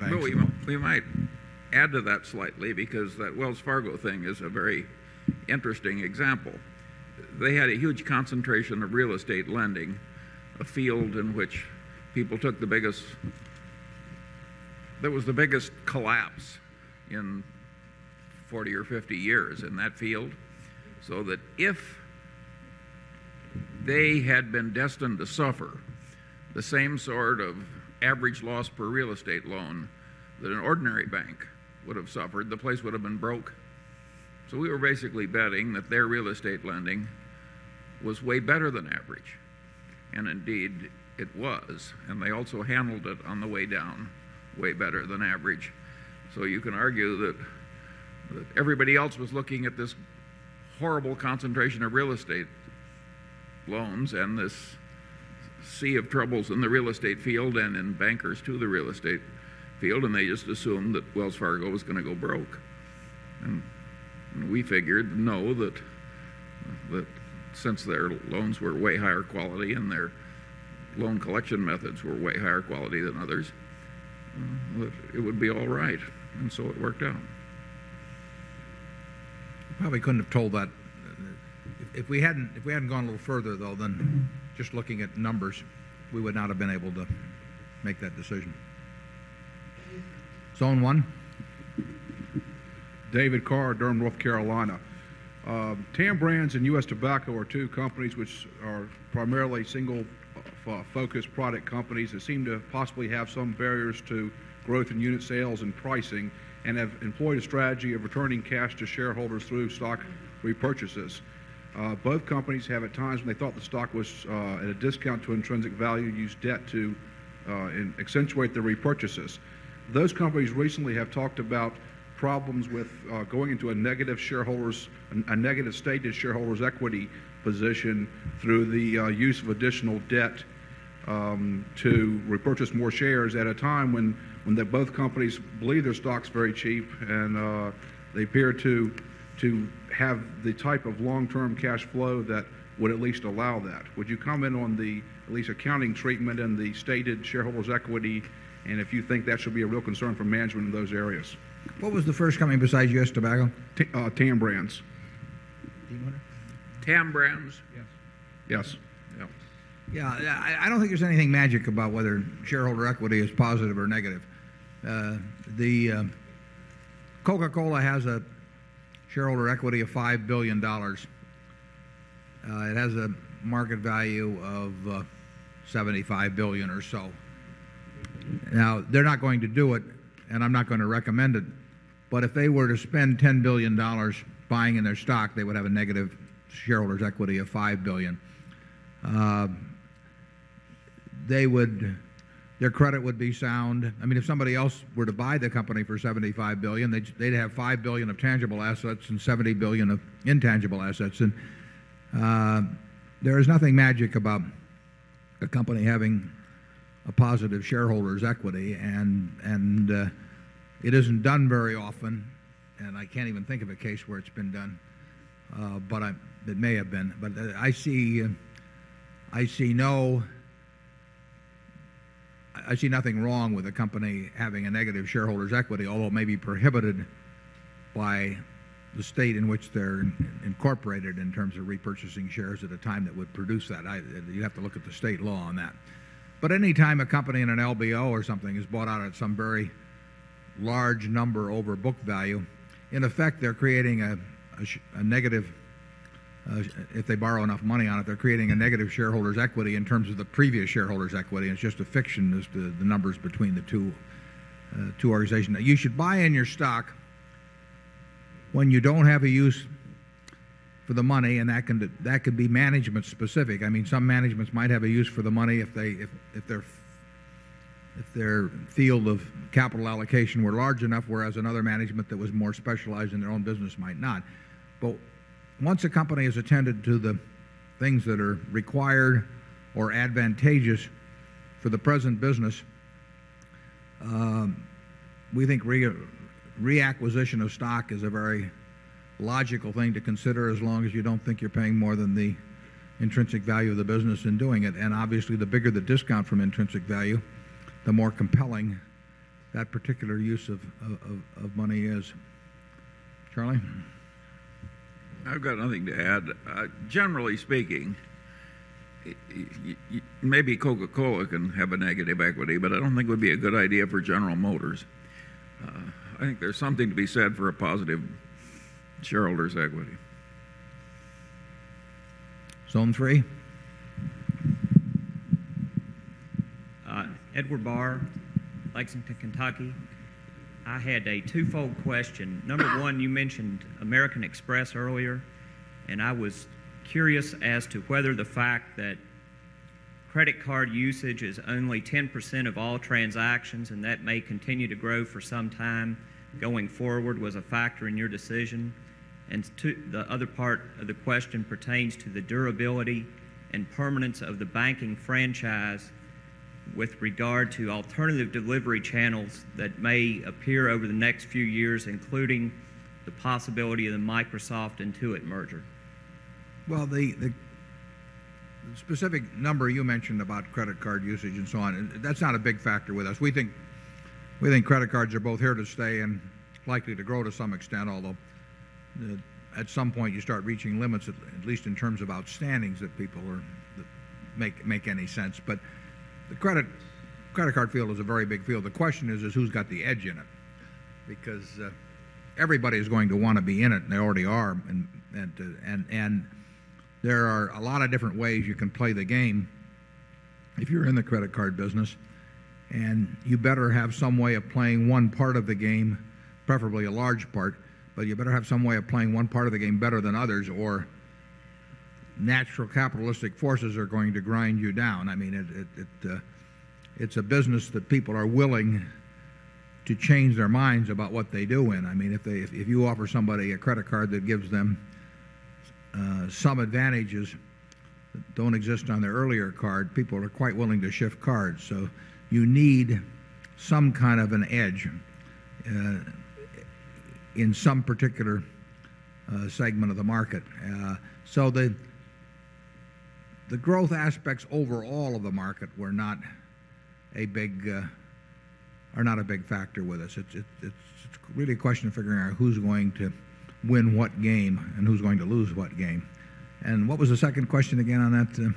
banks. We might add to that slightly because that Wells Fargo thing is a very interesting example. They had a huge concentration of real estate lending, a field in which people took the biggest there was the biggest collapse in 40 or 50 years in that field. So that if they had been destined to suffer the same sort of average loss per real estate loan that an ordinary bank would have suffered, the place would have been broke. So we were basically betting that their real estate lending was way better than average. And indeed, it was. And they also handled it on the way down way better than average. So you can argue that everybody else was looking at this horrible concentration of real estate loans and this sea of troubles in the real estate field and in bankers to the real estate field and they just assumed that Wells Fargo was going to go broke. And we figured, no, that since their loans were way higher quality and their loan collection methods were way higher quality than others, it would be all right. And so it worked out. Probably couldn't have told that. If we hadn't gone a little further though, then just looking at numbers, we would not have been able to make that decision. Zone 1, David Carr, Durham, North Carolina. Tam Brands and U. S. Tobacco are 2 companies which are primarily single focused product companies that seem to possibly have some barriers to growth in unit sales and pricing and have employed strategy of returning cash to shareholders through stock repurchases. Both companies have at times when they thought the stock was at a discount to intrinsic value, used debt to accentuate the repurchases. Those companies recently have talked about problems with going into a negative shareholders and negative stated shareholders' equity position through the use of additional debt to repurchase more shares at a time when both companies believe their stock is very cheap and they appear to have the type of long term cash flow that would at least allow that. Would you comment on the lease accounting treatment and the stated shareholders' equity and if you think that should be a real concern for management in those areas? What was the first company besides U. S. Tobacco? TAM Brands. TAM Brands? Yes. Yes. Yes. I don't think there's anything magic about whether shareholder equity is positive or negative. The Coca Cola has a shareholder equity of $5,000,000,000 It has a market value of $75,000,000,000 or so. Now, they're not going to do it, and I'm not going to recommend it. But if they were to spend $10,000,000,000 buying in their stock, they would have a negative shareholders' equity of $5,000,000,000 They would their credit would be sound. I mean, if somebody else were to buy the company for $75,000,000,000 they'd have $5,000,000,000 of tangible assets and $70,000,000,000 of intangible assets. And there is nothing magic about a company having a positive shareholder's equity, and it isn't done very often. And I can't even think of a case where it's been done. But it may have been. But I see nothing wrong with a company having a negative shareholder's equity, although maybe prohibited by the state in which they're incorporated in terms of repurchasing shares at a time that would produce that. You have to look at the state law on that. Lot of large number over book value, in effect, they're creating a negative if they borrow enough money on it, they're creating a negative shareholders' equity in terms of the previous shareholders' equity. It's just a fiction as to the numbers between the 2 organization. You should buy in your stock when you don't have a use for the money, and that could be management specific. I mean, some managements might have a use for the money if their field of capital allocation were large enough, whereas another management that was more specialized in their own business might not. But once a company has attended to the things that are required or advantageous for the present business, we think reacquisition of stock is a very logical thing to consider as long as you don't think you're paying more than the intrinsic value of the business in doing it. And obviously, the bigger the discount from intrinsic value, the more compelling that particular use of money is. Charlie? I've got nothing to add. Generally speaking, maybe Coca Cola can have a negative equity, but I don't think it would be a good idea for General Motors. I think there's something to be said for a positive shareholder's equity. Zone 3. Edward Barr, Lexington, Kentucky. I had a twofold question. Number 1, you mentioned American Express earlier and I was curious as to whether the fact that credit card usage is only 10% of all transactions and that may continue to grow for some time going forward was a factor in your decision. And the other part of the question pertains to the durability and permanence of the banking franchise with regard to alternative delivery channels that may appear over the next few years, including the possibility of the Microsoft Intuit merger? Well, the specific number you mentioned about credit card usage and so on, that's not a big factor with us. We think credit cards are both here to stay and likely to grow to some extent, although at some point you start reaching limits at least in terms of outstandings that people make any sense. But the credit card field is a very big field. The question is, who's got the edge in it? Because everybody is going to want to be in it and they already are. And there are a lot of different ways you can play the game if you're in the credit card business. And you better have some way of playing one part of the game, preferably a large part, but you better have some way of playing one part of the game better than others or natural capitalistic forces are going to grind you down. I mean, it's a business that people are willing to change their minds about what they do in. I mean, if you offer somebody a credit card that gives them some advantages that don't exist on their earlier card, people are quite willing to shift cards. So you need some kind of an edge in some particular segment of the market. So the growth aspects overall of the market were not a big are not a big factor with us. It's really a question of figuring out who is going to win what game and who is going to lose what game. And what was the second question again on that?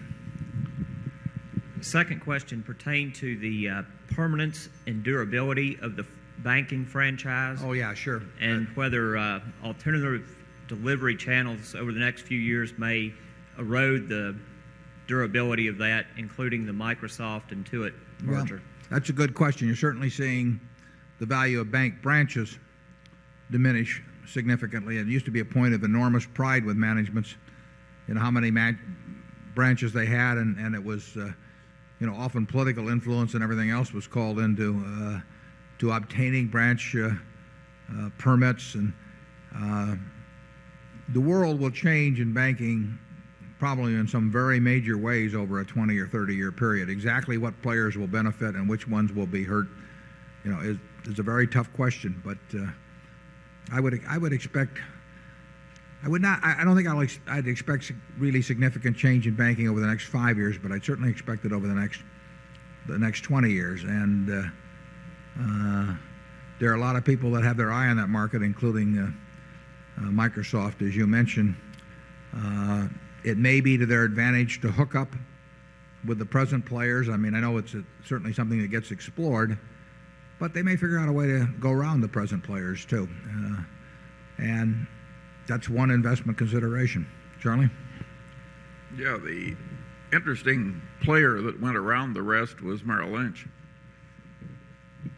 Second question pertained to the permanence and durability of the banking franchise. Oh, yes, sure. And whether alternative delivery channels over the next few years may erode the durability of that, including the Microsoft Intuit merger? That's a good question. You're certainly seeing the value of bank branches diminish significantly. It used to be a point of enormous pride with management in how many branches they had, and it was often political influence and everything else was called in to obtaining branch permits. The world will change in banking probably in some very major ways over a 20 or 30 year period. Exactly what players will benefit and which ones will be hurt is a very tough question. But I would expect I would not I don't think I'd expect really significant change in banking over the next 5 years, but I'd certainly expect it over the next 20 years. And there are a lot of people that have their eye on that market, including Microsoft, as you mentioned. It may be to their advantage to hook up with the present players. I mean, I know it's certainly something that gets explored, but they may figure out a way to go around the present players too. And that's one investment consideration. Charlie? Yes. The interesting player that went around the rest was Merrill Lynch.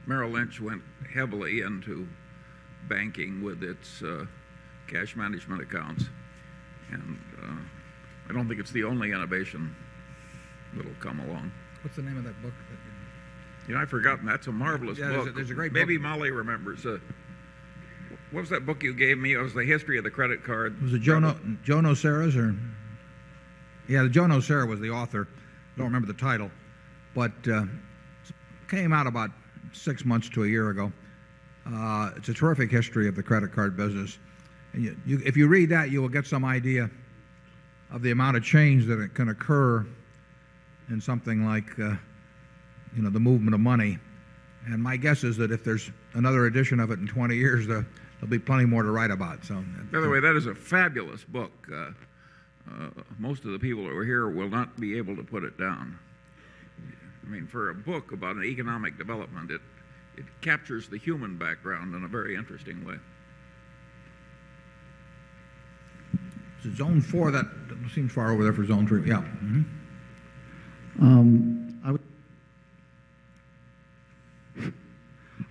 Merrill Lynch went heavily into banking with its cash management accounts. And I don't think it's the only innovation that will come along. What's the name of that book? Yes, I forgot. That's a marvelous book. Maybe Molly remembers. What was that book you gave me? It was the history of the credit card. Was it Joan Oseras? Yeah, the Joan Osera was the author. I don't remember the title. But it came out about 6 months to a year ago. It's a terrific history of the credit card business. If you read that, you will get some idea of the amount of change that can occur in something like the movement of money. And my guess is that if there's another edition of it in 20 years, there'll will be plenty more to write about. By the way, that is a fabulous book. Most of the people that were here will not be able to put it down. I mean, for a book about an economic development, it captures the human background in a very interesting way. Zone 4, that seems far over there for zone 3. Yeah.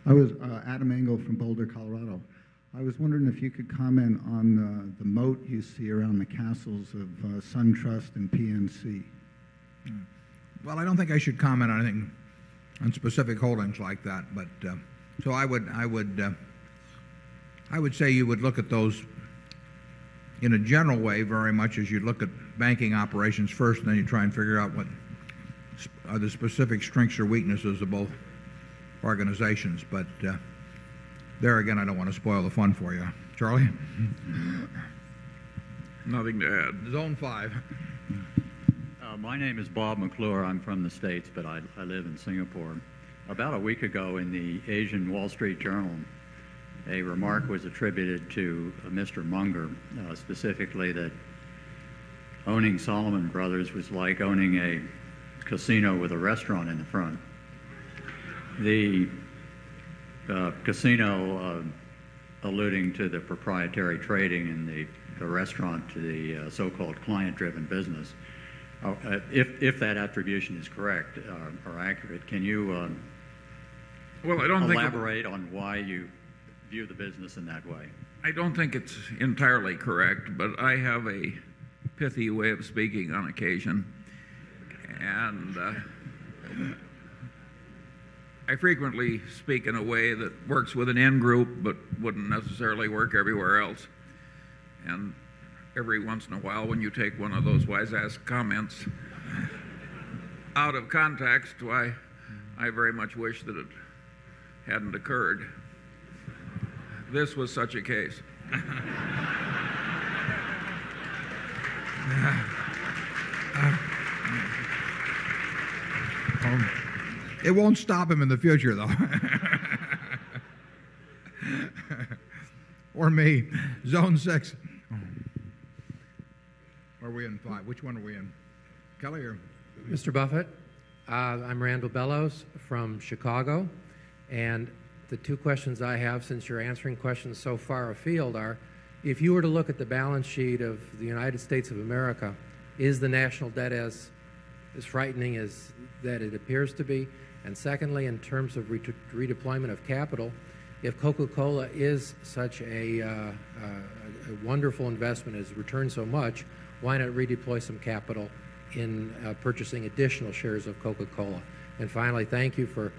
I was, Adam Angle from Boulder, Colorado. I was wondering if you could comment on the moat you see around the castles of SunTrust and PNC. Well, I don't think I should comment on anything on specific holdings like that. But So I would say you would look at those in a general way very much as you look at banking operations first, and then you try and figure out what are the specific strengths or weaknesses of both organizations. But there again, I don't want to spoil the fun for you. Charlie? Nothing to add. Zone 5. My name is Bob McClure. I'm from the States, but I live in Singapore. About a week ago in the Asian Wall Street Journal, a remark was attributed to Mr. Munger, specifically that owning Salomon Brothers was like owning a casino with a restaurant in the front. The casino, alluding to the proprietary trading in the restaurant to the so called client driven business, if that attribution is correct or accurate, can you Well, I don't think elaborate on why you view the business in that way? I don't think it's entirely correct, but I have a pithy way of speaking on occasion. And I frequently speak in a way that works with an in group, but wouldn't necessarily work everywhere else. And every once in a while, when you take one of those wise ass comments out of context, do I very much wish that it hadn't occurred. This was such a case. It won't stop him in the future, though. Or me. Zone 6. Are we in 5? Which one are we in? Kelly or? Mr. Buffet. I'm Randall Bellows from Chicago. And the two questions I have since you're answering questions so far afield are, if you were to look at the balance sheet of the United States of America, is the national debt as frightening as that it appears to be? And secondly, in terms of redeployment of capital, if Coca Cola is such a wonderful investment, has returned so much, why not redeploy some capital in purchasing additional shares of Coca Cola? And finally, thank you for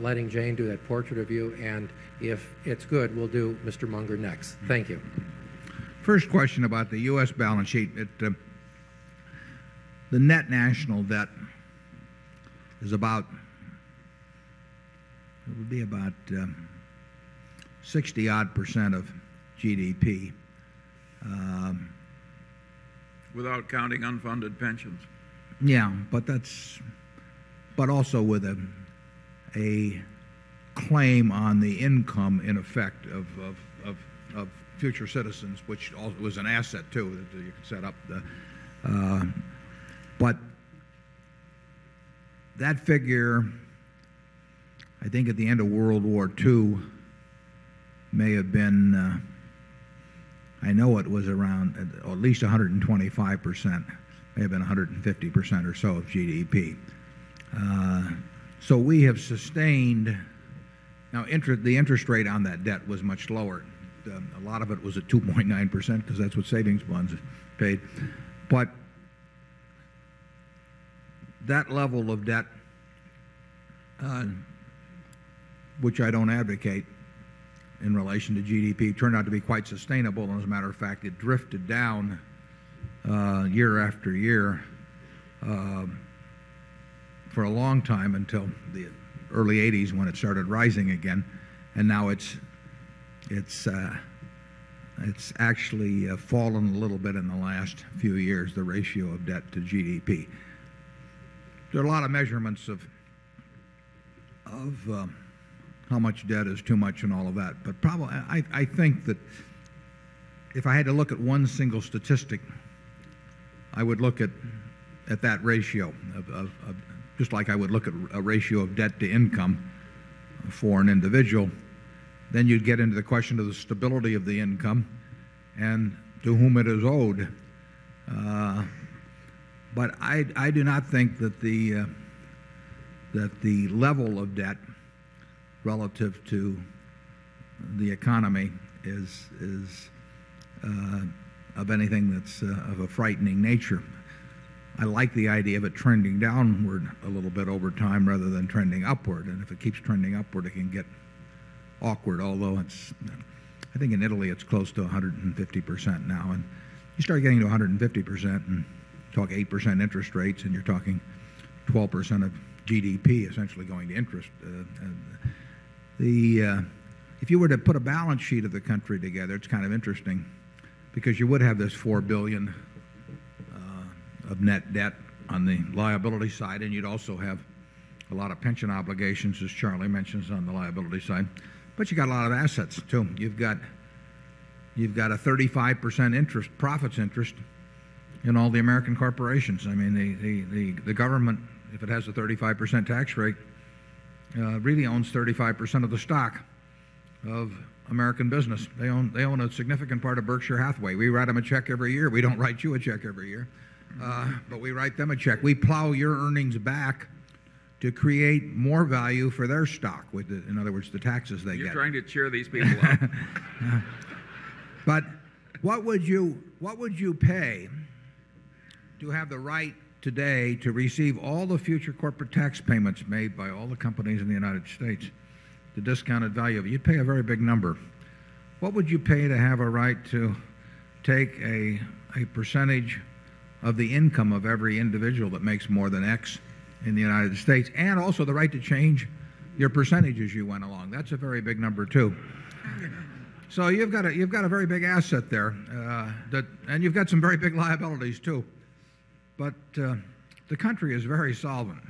letting Jane do that portrait of you. And if it's good, we'll do Mr. Munger next. Thank you. First question about the U. S. Balance sheet. The net national debt is about it would be about 60 odd percent of GDP. Without counting unfunded pensions? Yes. But that's but also with a claim on the income in effect of future citizens, which was an asset too that you could set up. But that figure, I think at the end of World War II, may have been I know it was around at least 125%, maybe 150% or so of GDP. So we have sustained now, the interest rate on that debt was much lower. A lot of it was at 2.9 percent because that's what savings bonds paid. But that level of debt, which I don't advocate in relation to GDP, turned out to be quite sustainable. And as a matter of fact, it drifted down year after year for a long time until the early '80s when it started rising again. And now it's actually fallen a little bit in the last few years, the ratio of debt to GDP. There are a lot of measurements of how much debt is too much and all of that. But probably I think that if I had to look at one single statistic, I would look at that ratio, just like I would look at a ratio of debt to income for an individual, then you'd get into the question of the stability of the income and to whom it is owed. But I do not think that the level of debt relative to the economy is of anything that's of a frightening nature. I like the idea of it trending downward a little bit over time rather than trending upward. And if it keeps trending upward, it can get awkward, although it's I think in Italy, it's close to 150% now. And you start getting to 150%, and talk 8% interest rates and you're talking 12% of GDP essentially going to interest. If you were to put a balance sheet of the country together, it's kind of interesting because you would have this $4,000,000,000 of net debt on the liability side, and you'd also have a lot of pension obligations, as Charlie mentions, on the liability side. But you've got a lot of assets too. You've got a 35% interest profits interest in all the American corporations. I mean, the government, if it has a 35% tax rate, really owns 35% of the stock of American business. They own a significant part of Berkshire Hathaway. We write them a check every year. We don't write you a check every year, but we write them a check. We plow your earnings back to create more value for their stock, in other words, the taxes they get. You're trying to cheer these people But what would you pay to have the right today to receive all the future corporate tax payments made by all the companies in the United States, the discounted value of it, you'd pay a very big number. What would you pay to have a right to take a percentage of the income of every individual that makes more than x in the United States, and also the right to change your percentage as you went along. That's a very big number, too. So, you've got a very big asset there. And you've got some very big liabilities, too. But the country is very solvent.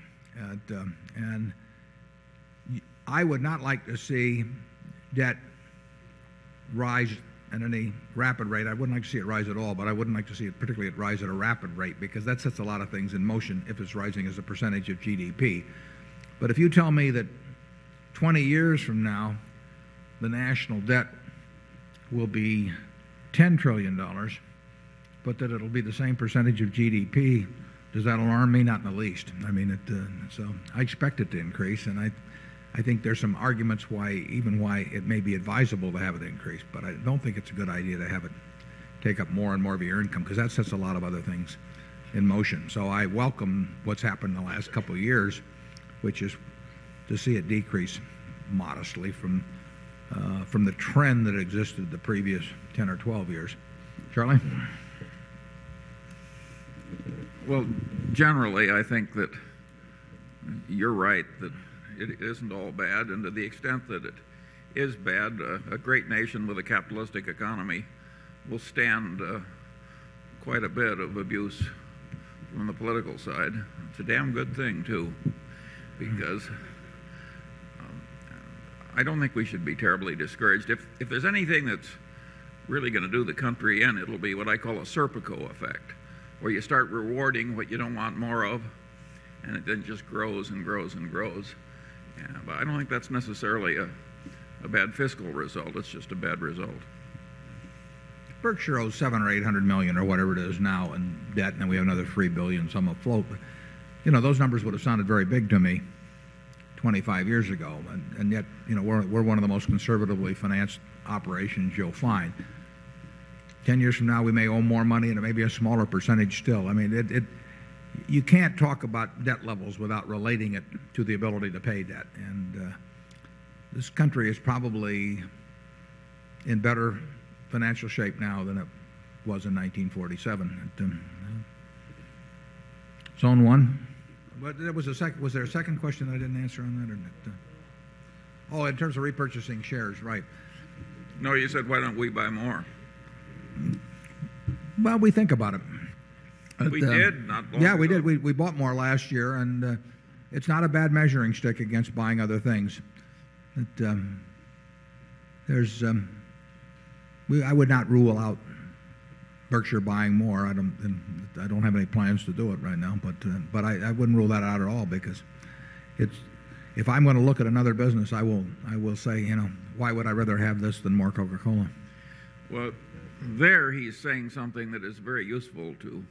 And I would not like to see debt rise at any rapid rate. I wouldn't like to see it rise at all, but I wouldn't like to see it particularly rise at a rapid rate because that sets a lot of things in motion if it's rising as a percentage of GDP. But if you tell me that 20 years from now, the national debt will be $10,000,000,000,000 but that it will be the same percentage of GDP, does that alarm me? Not in the least. I mean, so I expect it to increase, and I think there's some arguments why even why it may be advisable to have it increase. But I don't think it's a good idea to have it take up more and more of your income because that sets a lot of other things in motion. So I welcome what's happened in the last couple of years, which is to see it decrease modestly from the trend that existed the previous 10 or 12 years. Charlie? Well, generally, I think that you're right that it isn't all bad. And to the extent that it is bad, a great nation with a capitalistic economy will stand quite a bit of abuse from the political side. It's a damn good thing too because I don't think we should be terribly discouraged. If there's anything that's really going to do the country and it will be what I call a Serpico effect where you start rewarding what you don't want more of and it then just grows and grows and grows. But I don't think that's necessarily a bad fiscal result. It's just a bad result. Berkshire owes $700,000,000 or $800,000,000 or whatever it is now in debt, and then we have another $3,000,000,000 some afloat. Those numbers would have sounded very big to me 25 years ago, and yet we're one of the most conservatively financed operations you'll find. 10 years from now, we may owe more money and maybe a smaller percentage still. I mean, you can't talk about debt levels without relating it to the ability to pay debt. And this country is probably in better financial shape now than it was in 1947. Zone 1? Was there a second question I didn't answer on the Internet? Oh, in terms of repurchasing shares, right. No, you said why don't we buy more? Well, we think about it. We did, not bought more. Yes, we did. We bought more last year, and it's not a bad measuring stick against buying other things. I would not rule out Berkshire buying more. I don't have any plans to do it right now. But I wouldn't rule that out at all, because if I'm going to look at another business, I will say, why would I rather have this than more Coca Cola? Well, there he is saying something that is very useful to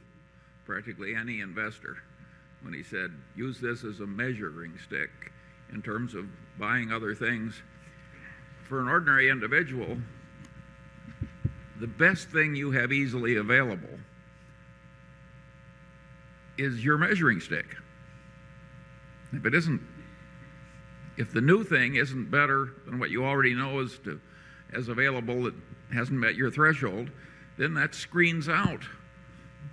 practically any investor when he said use this as a measuring stick in terms of buying other things. For an ordinary individual, the best thing you have easily available is your measuring stick. If it isn't, if the new thing isn't better than what you already know as available that hasn't met your threshold, then that screens out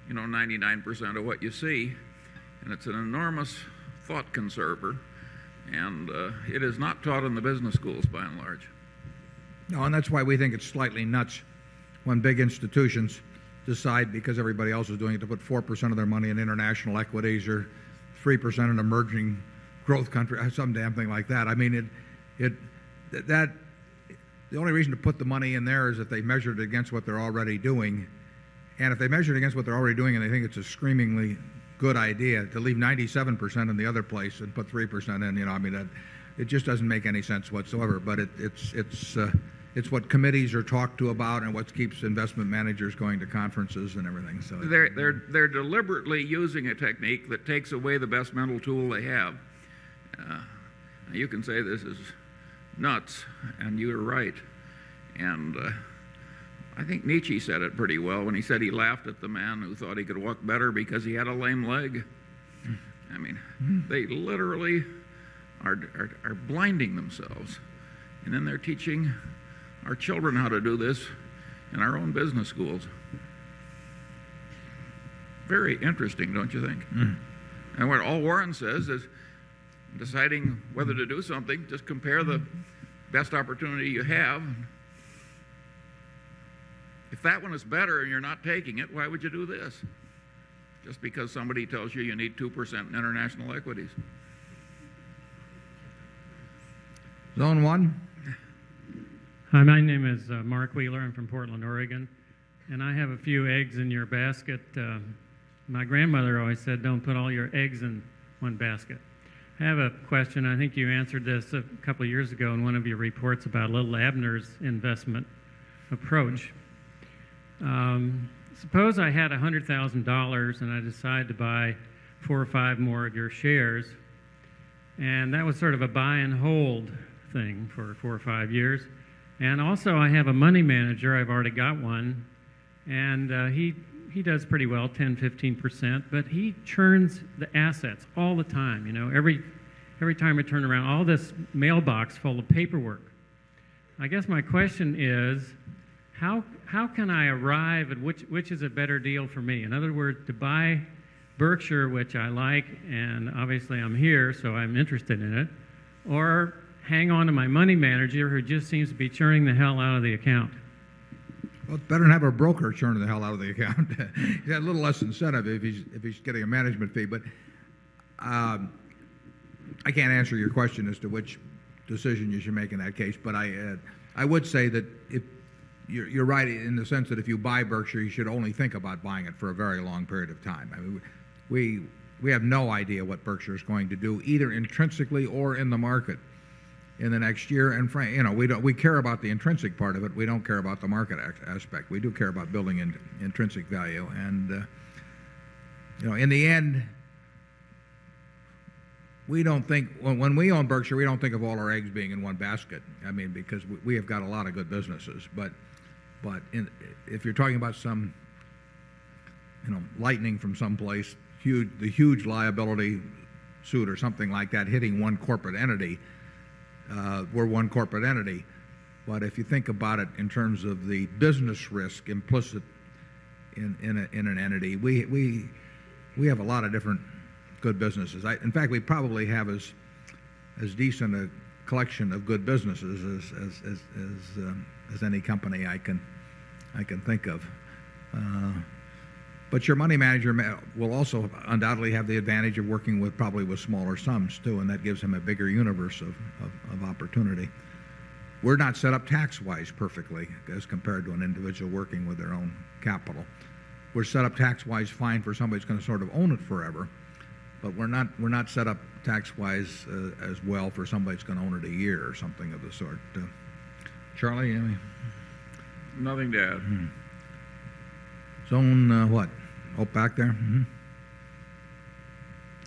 99% of what you see. And it's an enormous thought conservator. And it is not taught in the business schools by and large. And that's why we think it's slightly nuts when big institutions decide because everybody else is doing it to put 4% of their money in international equities or 3% in emerging growth countries, some damn thing like that. I mean, the only reason to put the money in there is that they measure it against what they're already doing. And if they measure it against what they're already doing, and I think it's a screamingly good idea to leave 97% in the other place and put 3% in. I mean, it just doesn't make any sense whatsoever. But it's what committees are talked to about and what keeps investment managers going to conferences and everything. They're deliberately using a technique that takes away the best mental tool they have. You can say this is nuts and you're right. And I think Nietzsche said it pretty well when he said he laughed at the man who thought he could walk better because he had a lame leg. I mean, they literally are blinding themselves. And then they're teaching our children how to do this in our own business schools. Very interesting, don't you think? And what all Warren says is deciding whether to do something, just compare the best opportunity you have. If that one is better and you're not taking it, why would you do this? Just because somebody tells you you need 2% in international equities. Zone 1. Hi. My name is Mark Wheeler. I'm from Portland, Oregon. And I have a few eggs in your basket. My grandmother always said don't put all your eggs in one basket. I have a question. I think you answered this a couple of years ago in one of your reports about Litt Labner's investment approach. Suppose I had $100,000 and I decide to buy 4 or 5 more of your shares And that was sort of a buy and hold thing for 4 or 5 years. And also I have a money manager. I've already got one. And he does pretty well, 10%, 15%, but he churns the assets all the time. Every time I turn around, all this mailbox full of paperwork. I guess my question is how can I arrive and which is a better deal for me? In other words, to buy Berkshire, which I like and obviously I'm here, so I'm interested in it, or hang on to my money manager who just seems to be churning the hell out of the account? Better have a broker churn the hell out of the account. He had a little less incentive if he he's getting a management fee. But I can't answer your question as to which decision you should make in that case, but I would say that you're right in the sense that if you buy Berkshire, you should only think about buying it for a very long period of time. We have no idea what Berkshire is going to do, either intrinsically or in the market in the next year. We care about the intrinsic part of it. We don't care about the market aspect. We do care about building intrinsic value. And in the end, we don't think when we own Berkshire, we don't think of all our eggs being in one basket, I mean, because we have got a lot of good businesses. But if you're talking about some lightning from some place, the huge liability suit or something like that hitting 1 corporate entity, We're 1 corporate entity. But if you think about it in terms of the business risk implicit in an entity, we have a lot of different good businesses. In fact, we probably have as decent a collection of good businesses as any company I can think of. But your money manager will also undoubtedly have the advantage of working with probably with smaller sums too, and that gives him a bigger universe of opportunity. We're not set up tax wise perfectly as compared to an individual working with their own capital. We're set up tax wise fine for somebody who's going to sort of own it forever, but we're not set up tax wise as well for somebody who's going to own it a year or something of the sort. Charlie? Nothing to add. Zone what? Back there?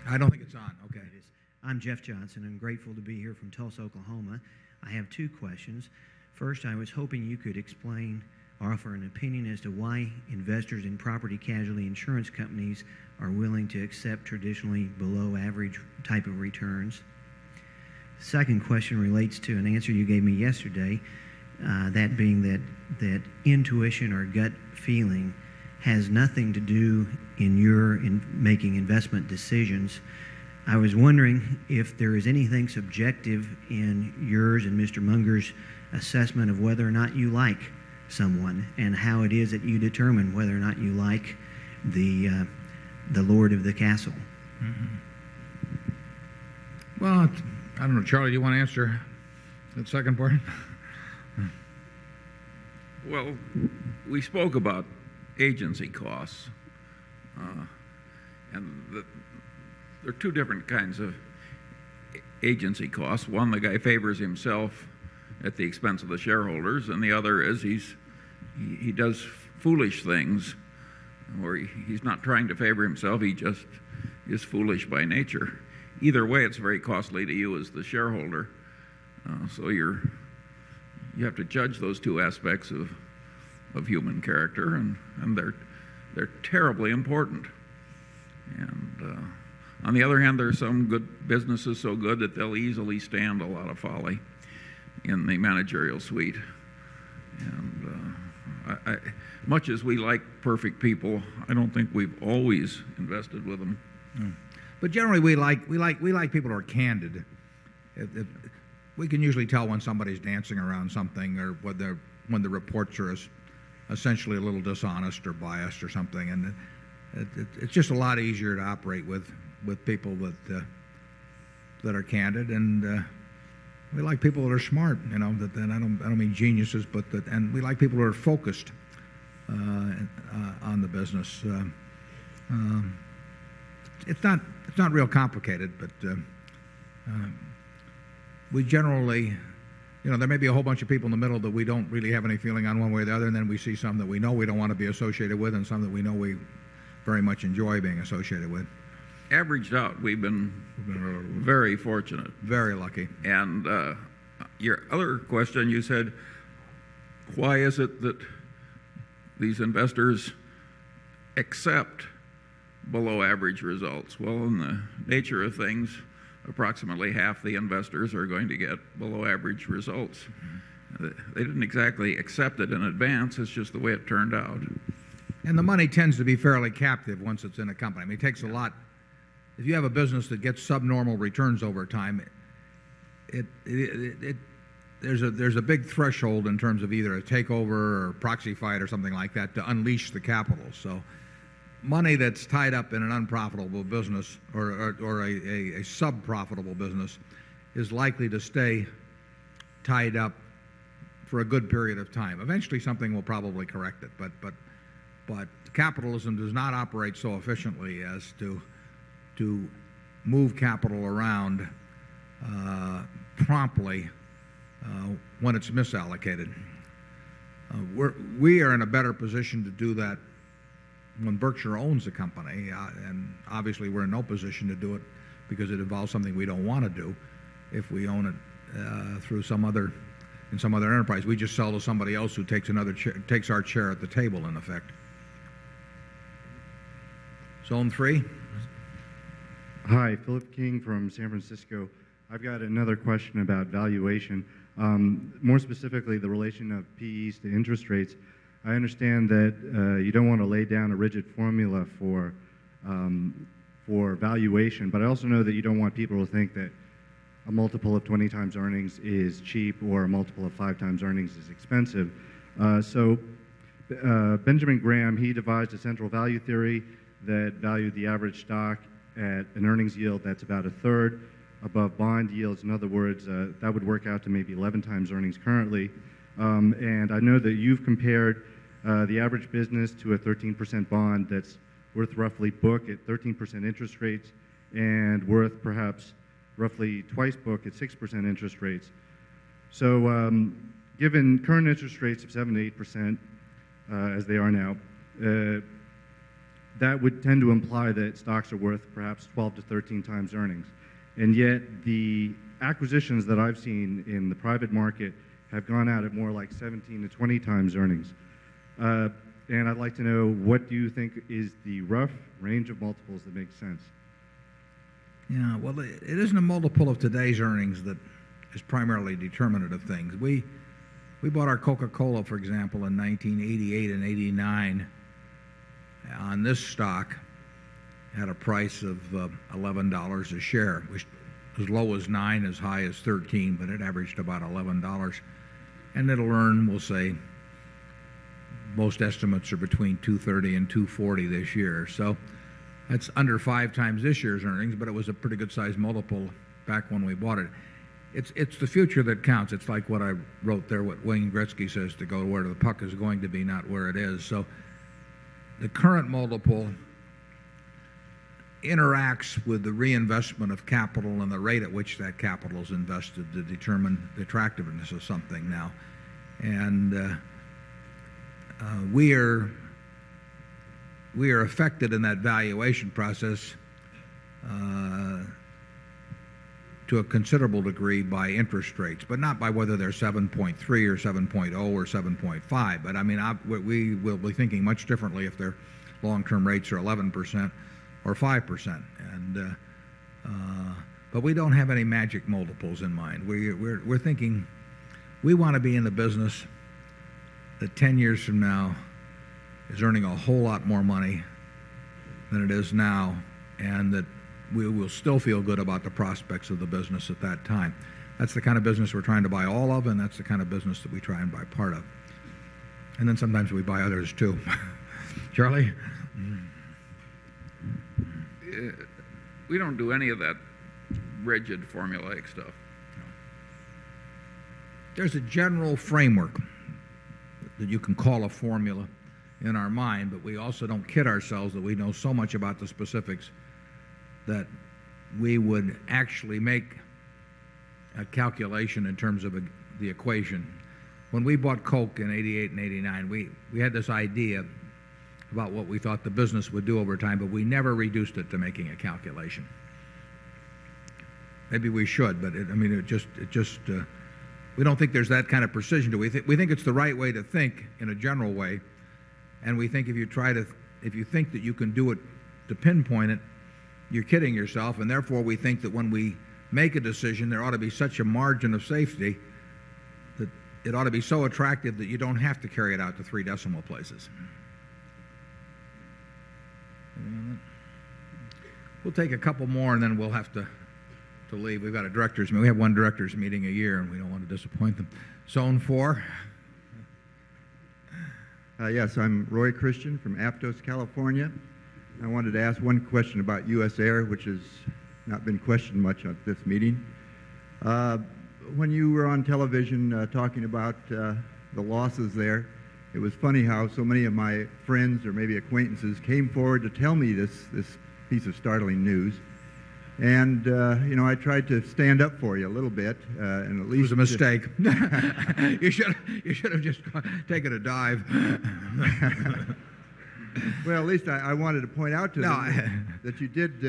I don't think it's on. Okay. I'm Jeff Johnson. I'm grateful to be here from Tulsa, Oklahoma. I have two questions. First, I was hoping you could explain or offer an opinion as to why investors in property casualty insurance companies are willing to accept traditionally below average type of returns. Second question relates to an answer you gave me yesterday, that being that intuition or gut feeling has nothing to do in your making investment decisions. I was wondering if there is anything subjective in yours and Mr. Munger's assessment of whether or not you like someone, and how it is that you determine whether or not you like the Lord of the Castle? Well, I don't know. Charlie, do you want to answer that second part? Well, we spoke about agency costs and there there are 2 different kinds of agency costs. 1, the guy favors himself at the expense of the shareholders and the other is he does foolish things where he's not trying to favor himself. He just is foolish by nature. Either way, it's very costly to you as the shareholder. So you have to judge those two aspects of human character and they're terribly important. And on the other hand, there are some good businesses so good that they'll easily stand a lot of folly in the managerial suite. And Much as we like perfect people, I don't think we've always invested with them. But generally, we like people who are candid. We can usually tell when somebody is dancing around something or when the reports are essentially a little dishonest or biased or something. It's just a lot easier to operate with people that are candid. And we like people that are smart. I don't mean geniuses, but we like people who are focused on the business. It's not real complicated, but we generally there may be a whole bunch of people in the middle that we don't really have any feeling on one way or the other, and then we see some that we know we don't want to be associated with and some that we know we very much enjoy being associated with. Averaged out, we've been very fortunate, very lucky. And your other question, you said, why is it that these investors accept below average results. Well, in the nature of things, approximately half the investors are going to get below average results. They didn't exactly accept it in advance. It's just the way it turned out. And the money tends to be fairly captive once it's in a company. It takes a lot. If you have a business that gets subnormal returns over time, there's a big threshold in terms of either a takeover or proxy fight or something like that to unleash the capital. So money that's tied up in an unprofitable business or a sub profitable business is likely to stay tied up for a good period of time. Eventually, something will probably correct it, But capitalism does not operate so efficiently as to move capital around promptly when it's misallocated. We are in a better position to do that when Berkshire owns the company, And obviously, we're in no position to do it because it involves something we don't want to do if we own it through some other in some other enterprise. We just sell to somebody else who takes another chair takes our chair at the table, in effect. Zone 3? Hi, Philip King from San Francisco. I've got another question about valuation. More specifically, the relation of PEs to interest rates. I understand that you don't want to lay down a rigid formula for valuation. But I also know that you don't want people to think that a multiple of 20 times earnings is cheap or a multiple of 5 times earnings is expensive. So, Benjamin Graham, he devised a central value theory that valued the average stock at an earnings yield that's about a third above bond yields. In other words, that would work out to maybe 11 times earnings currently. And I know that you've compared the average business to a 13% bond that's worth roughly book at 13% interest rates and worth perhaps roughly twice book at 6% interest rates. So, given current interest rates of 7% to 8% as they are now, that would tend to imply that stocks are worth perhaps 12 to 13 times earnings. And yet the acquisitions that I've seen in the private market have gone out at more like 17 to 20 times earnings. And I'd like to know what do you think is the rough range of multiples that makes sense? Yes. Well, it isn't a multiple of today's earnings that is primarily determinant of things. We bought our Coca Cola, for example, in 1988 and 'eighty nine on this stock had a price of $11 a share, which was as low as $9 as high as $13 but it averaged about $11 And it'll earn, we'll say, most estimates are between $2.30 $2.40 this year. So that's under 5 times this year's earnings, but it was a pretty good sized multiple back when we bought it. It's the future that counts. It's like what I wrote there, what Wayne Gretzky says, to go where the puck is going to be, not where it is. So the current multiple interacts with the reinvestment of capital and the rate at which that capital is invested to determine attractiveness of something now. And we are affected in that valuation process to a considerable degree by interest rates, but not by whether they're 7.3% or 7.0% or 7.5%. But I mean, we will be thinking much differently if their long term rates are 11% or 5%. But we don't have any magic multiples in mind. We're thinking we want to be in the business that 10 years from now is earning a whole lot more money than it is now and that we will still feel good about the prospects of the business at that time. That's the kind of business we're trying to buy all of, and that's the kind of business that we try and buy part of. And then sometimes we buy others too. Charlie? We don't do any of that rigid formulaic stuff. There's a general framework that you can call a formula in our mind, but we also don't kid ourselves that we know so much about the specifics that we would actually make a calculation in terms of the equation. When we bought coke in 'eighty eight and 'eighty nine, we had this idea about what we thought the business would do over time, but we never reduced it to making a calculation. Maybe we should, but I mean, it just we don't think there's that kind of precision. We think it's the right way to think in a general way. And we think if you try to if you think that you can do it to pinpoint it, you're kidding yourself. And therefore, we think that when we make a decision, there ought to be such a margin of safety that it ought to be so attractive that you don't have to carry it out to 3 decimal places. We'll take a couple more and then we'll have to leave. We've got a director's meeting. We have 1 director's meeting a year and we don't want to disappoint them. Zone 4? Yes. I'm Roy Christian from Aptos, California. I wanted to ask one question about U. S. Air, which has not been questioned much at this meeting. When you were on television talking about the losses there, it was funny how so many of my friends or maybe acquaintances came forward to tell me this piece of startling news. And, you know, I tried to stand up for you a little bit. And at least It was a mistake. You should have just taken a dive. Well, at least I wanted to point out to you that you did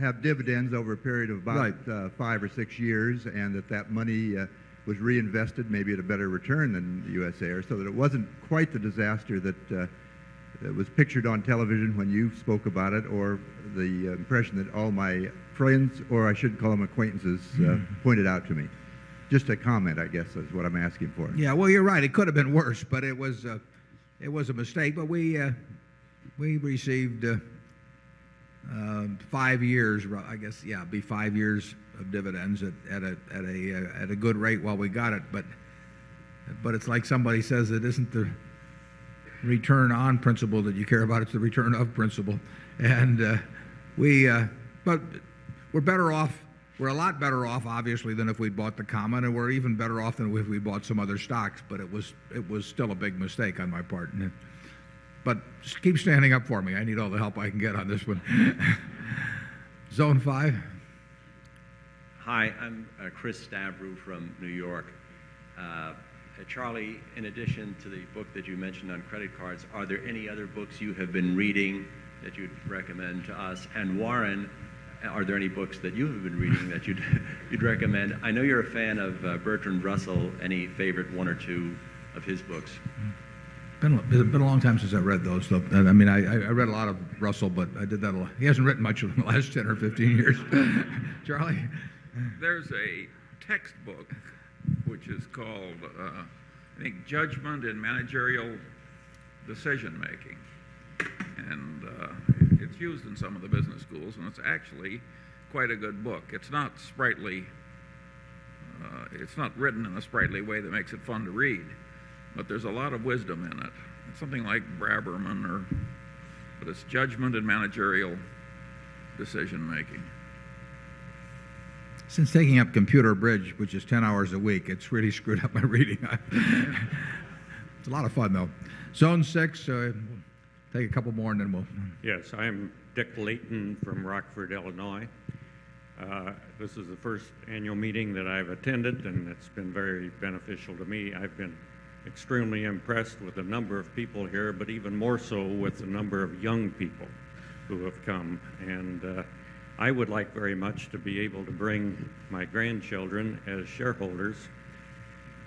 have dividends over a period of about 5 or 6 years and that, that money was reinvested maybe at a better return than USAir. So that it wasn't quite the disaster that was pictured on television when you spoke about it or the impression that all my friends, or I should call them acquaintances, pointed out to me. Just a comment, I guess, is what I'm asking for. Yes. Well, you're right. It could have been worse, but it was a mistake. But we received 5 years, I guess, yes, it would be 5 years of dividends at a good rate while we got it. But it's like somebody says, it isn't the return on principal that you care about, it's the return of principal. And we but we're better off we're a lot better off obviously than if we'd bought the common, and we're even better off than if we bought some other stocks, but it was still a big mistake on my part. But just keep standing up for me. I need all the help I can get on this one. Zone 5. Hi. I'm Chris Stavrou from New York. Charlie, in addition to the book that you mentioned on credit cards, are there any other books you have been reading that you'd recommend to us? And Warren, are there any books that you have been reading that you'd recommend? I know you're a fan of Bertrand Russell. Any favorite one or 2 of his books? It's been a long time since I read those. I mean, I read a lot of Russell, but I did that a lot. He hasn't written much in the last 10 or 15 years. Charlie? There is a textbook, which is called I think Judgment in Managerial Decision Making and it's used in some of the business schools and it's actually quite a good book. It's not sprightly, it's not written in a sprightly way that makes it fun to read, but there's a lot of wisdom in it. It's something like Braverman, but it's judgment and managerial decision making. Mr. Earnest: Since taking up Computer Bridge, which is 10 hours a week, it's really screwed up my reading. It's a lot of fun, though. Zone 6, take a couple more and then we'll move. Yes. I am Dick Layton from Rockford, Illinois. This is the first annual meeting that I've attended and it's been very beneficial to me. I've been extremely impressed with the number of people here, but even more so with the number of young people who have come. And I would like very much to be able to bring my grandchildren as shareholders,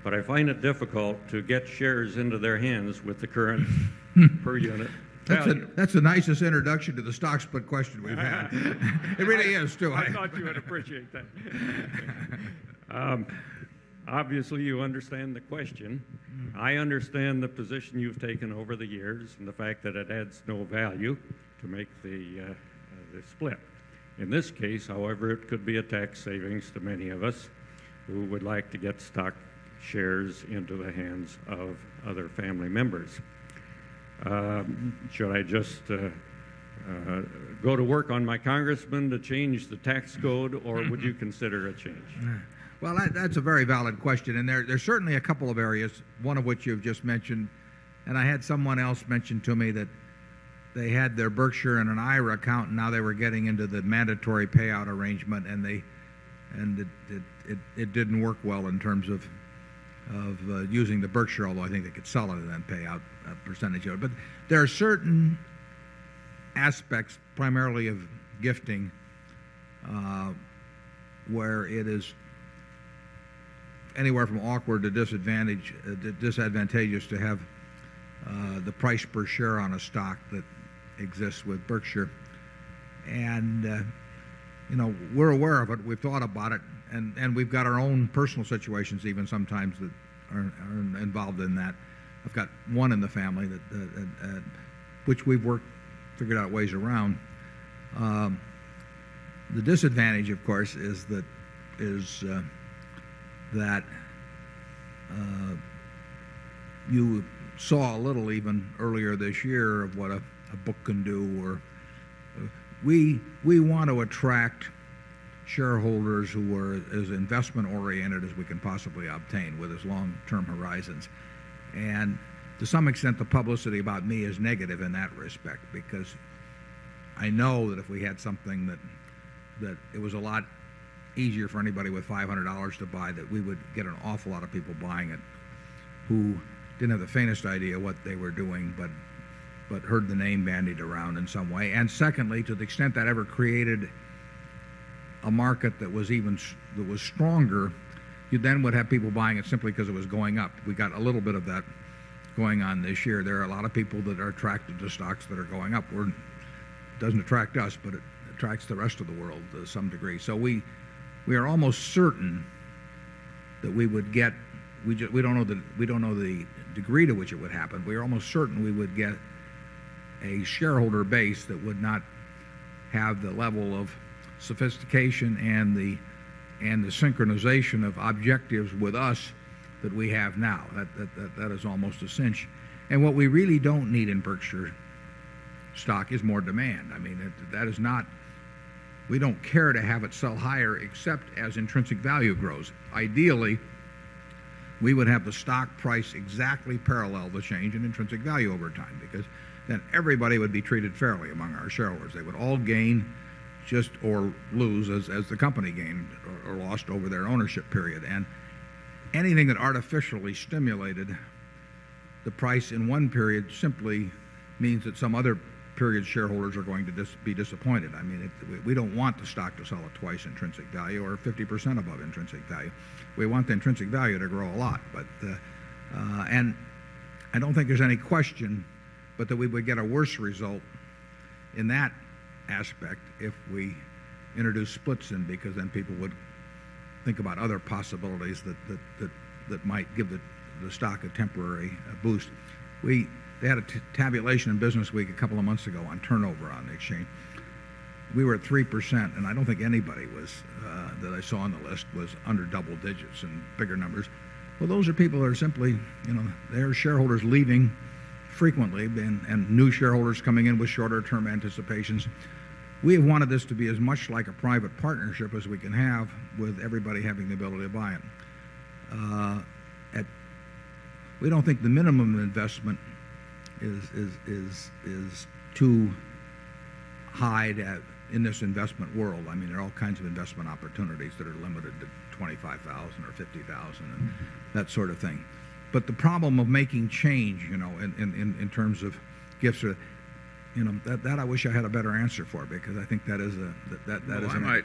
but I find it difficult to get shares into their hands with the current per unit. That's the nicest introduction to the stock split question we've had. It really is too. I thought you would appreciate that. Obviously, you understand the question. I understand the position you've taken over the years and the fact that it adds no value to make the split. In this case, however, it could be a tax savings to many of us who would like to get stock shares into the hands of other family members. Should I just go to work on my Congressman to change the tax code? Or would you consider a change? Well, that's a very valid question. And there are certainly a couple of areas, one of which you've just mentioned. And I had someone else mention to me that they had their Berkshire and an IRA account, and now they were getting into the mandatory payout arrangement. And it didn't work well in terms of using the Berkshire, although I think they could sell it and then pay out a percentage of it. But there are certain aspects, primarily of gifting, where it is anywhere from awkward to disadvantageous to have the price per share on a stock that exists with Berkshire. And we're aware of it, we've thought about it, and we've got our own personal situations even sometimes that aren't involved in that. I've got one in the family, which we've worked, figured out ways around. The disadvantage, of course, is that you saw a little even earlier this year of what a book can do. We want to attract shareholders who are as investment oriented as we can possibly obtain with as long term horizons. And to some extent, the publicity about me is negative in that respect because I know that if we had something that it was a lot easier for anybody with $500 to buy that we would get an awful lot of people buying it, who didn't have the faintest idea what they were doing, but heard the name bandied around in some way. And secondly, to the extent that ever created a market that was even that was stronger, you then would have people buying it simply because it was going up. We got a little bit of that going on this year. There are a lot of people that are attracted to stocks that are going upward. It doesn't attract us, but it attracts the rest of the world to some degree. So we are almost certain that we would get we don't know the degree to which it would happen. We are almost certain we would get a shareholder base that would not have the level of sophistication and the synchronization of objectives with us that we have now. That is almost a cinch. And what we really don't need in Berkshire stock is more demand. I mean, that is not we don't care to have it sell higher except as intrinsic value grows. Ideally, we would have the stock price exactly parallel the change in intrinsic value over time because then everybody would be treated fairly among our shareholders. They would all gain just or lose as the company gained or lost over their ownership period. And anything that artificially stimulated the price in one period simply means that some other period shareholders are going to be disappointed. I mean, we don't want the stock to sell at twice intrinsic value or 50% above intrinsic value. We want the intrinsic value to grow a lot. And I don't think there's any question but that we would get a worse result in that aspect if we introduce splits in because then people would think about other possibilities that might give the stock a temporary boost. We had a tabulation in Business Week a couple of months ago on turnover on the exchange. We were at 3%, and I don't think anybody was that I saw on the list was under double digits and bigger numbers. Well, those are people that are simply they are shareholders leaving frequently and new shareholders coming in with shorter term anticipations. We wanted this to be as much like a private partnership as we can have with everybody having the ability to buy it. We don't think the minimum investment is too high in this investment world. I mean, there are all kinds of investment opportunities that are limited to 25,000 or 50,000 and that sort of thing. But the problem of making change in terms of gifts, that I wish I had a better answer for because I think that is a Why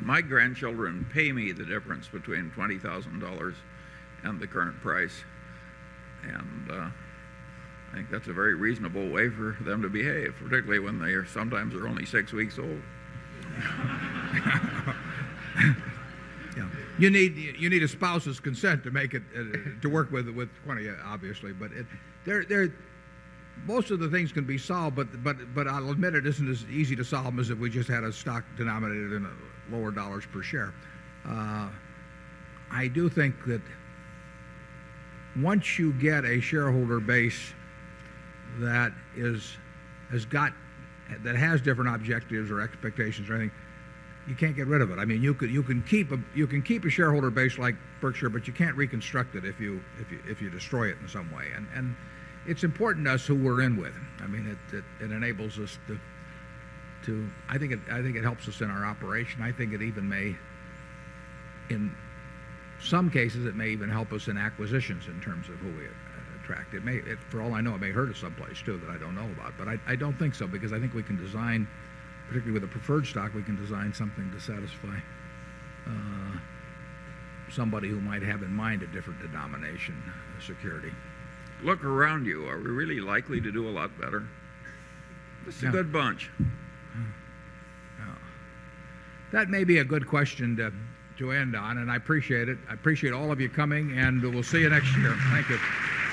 my grandchildren pay me the difference between $20,000 and the current price. And I think that's a very reasonable way for them to behave, particularly when they are sometimes are only 6 weeks old. You need a spouse's consent to make it to work with 20, obviously. But most of the things can be solved, but I'll admit it isn't as easy to solve as if we just had a stock denominated in lower dollars per share. I do think that once you get a shareholder base that has different objectives or expectations or anything, you can't get rid of it. I mean, you can keep a shareholder base like Berkshire, but you can't reconstruct it if you destroy it in some way. And it's important to us who we're in with. I mean, it enables us to I think it helps us in our operation. I think it even may in some cases, it may even help us in acquisitions in terms of who we attract. It may for all I know, it may hurt us someplace too that I don't know about. But I don't think so because I think we can design particularly with the preferred stock, we can design something to satisfy somebody who might have in mind a different denomination of security. Look around you. Are we really likely to do a lot better? This is a good bunch. That may be a good question to end on, and I appreciate it. Appreciate all of you coming, and we'll see you next year. Thank you.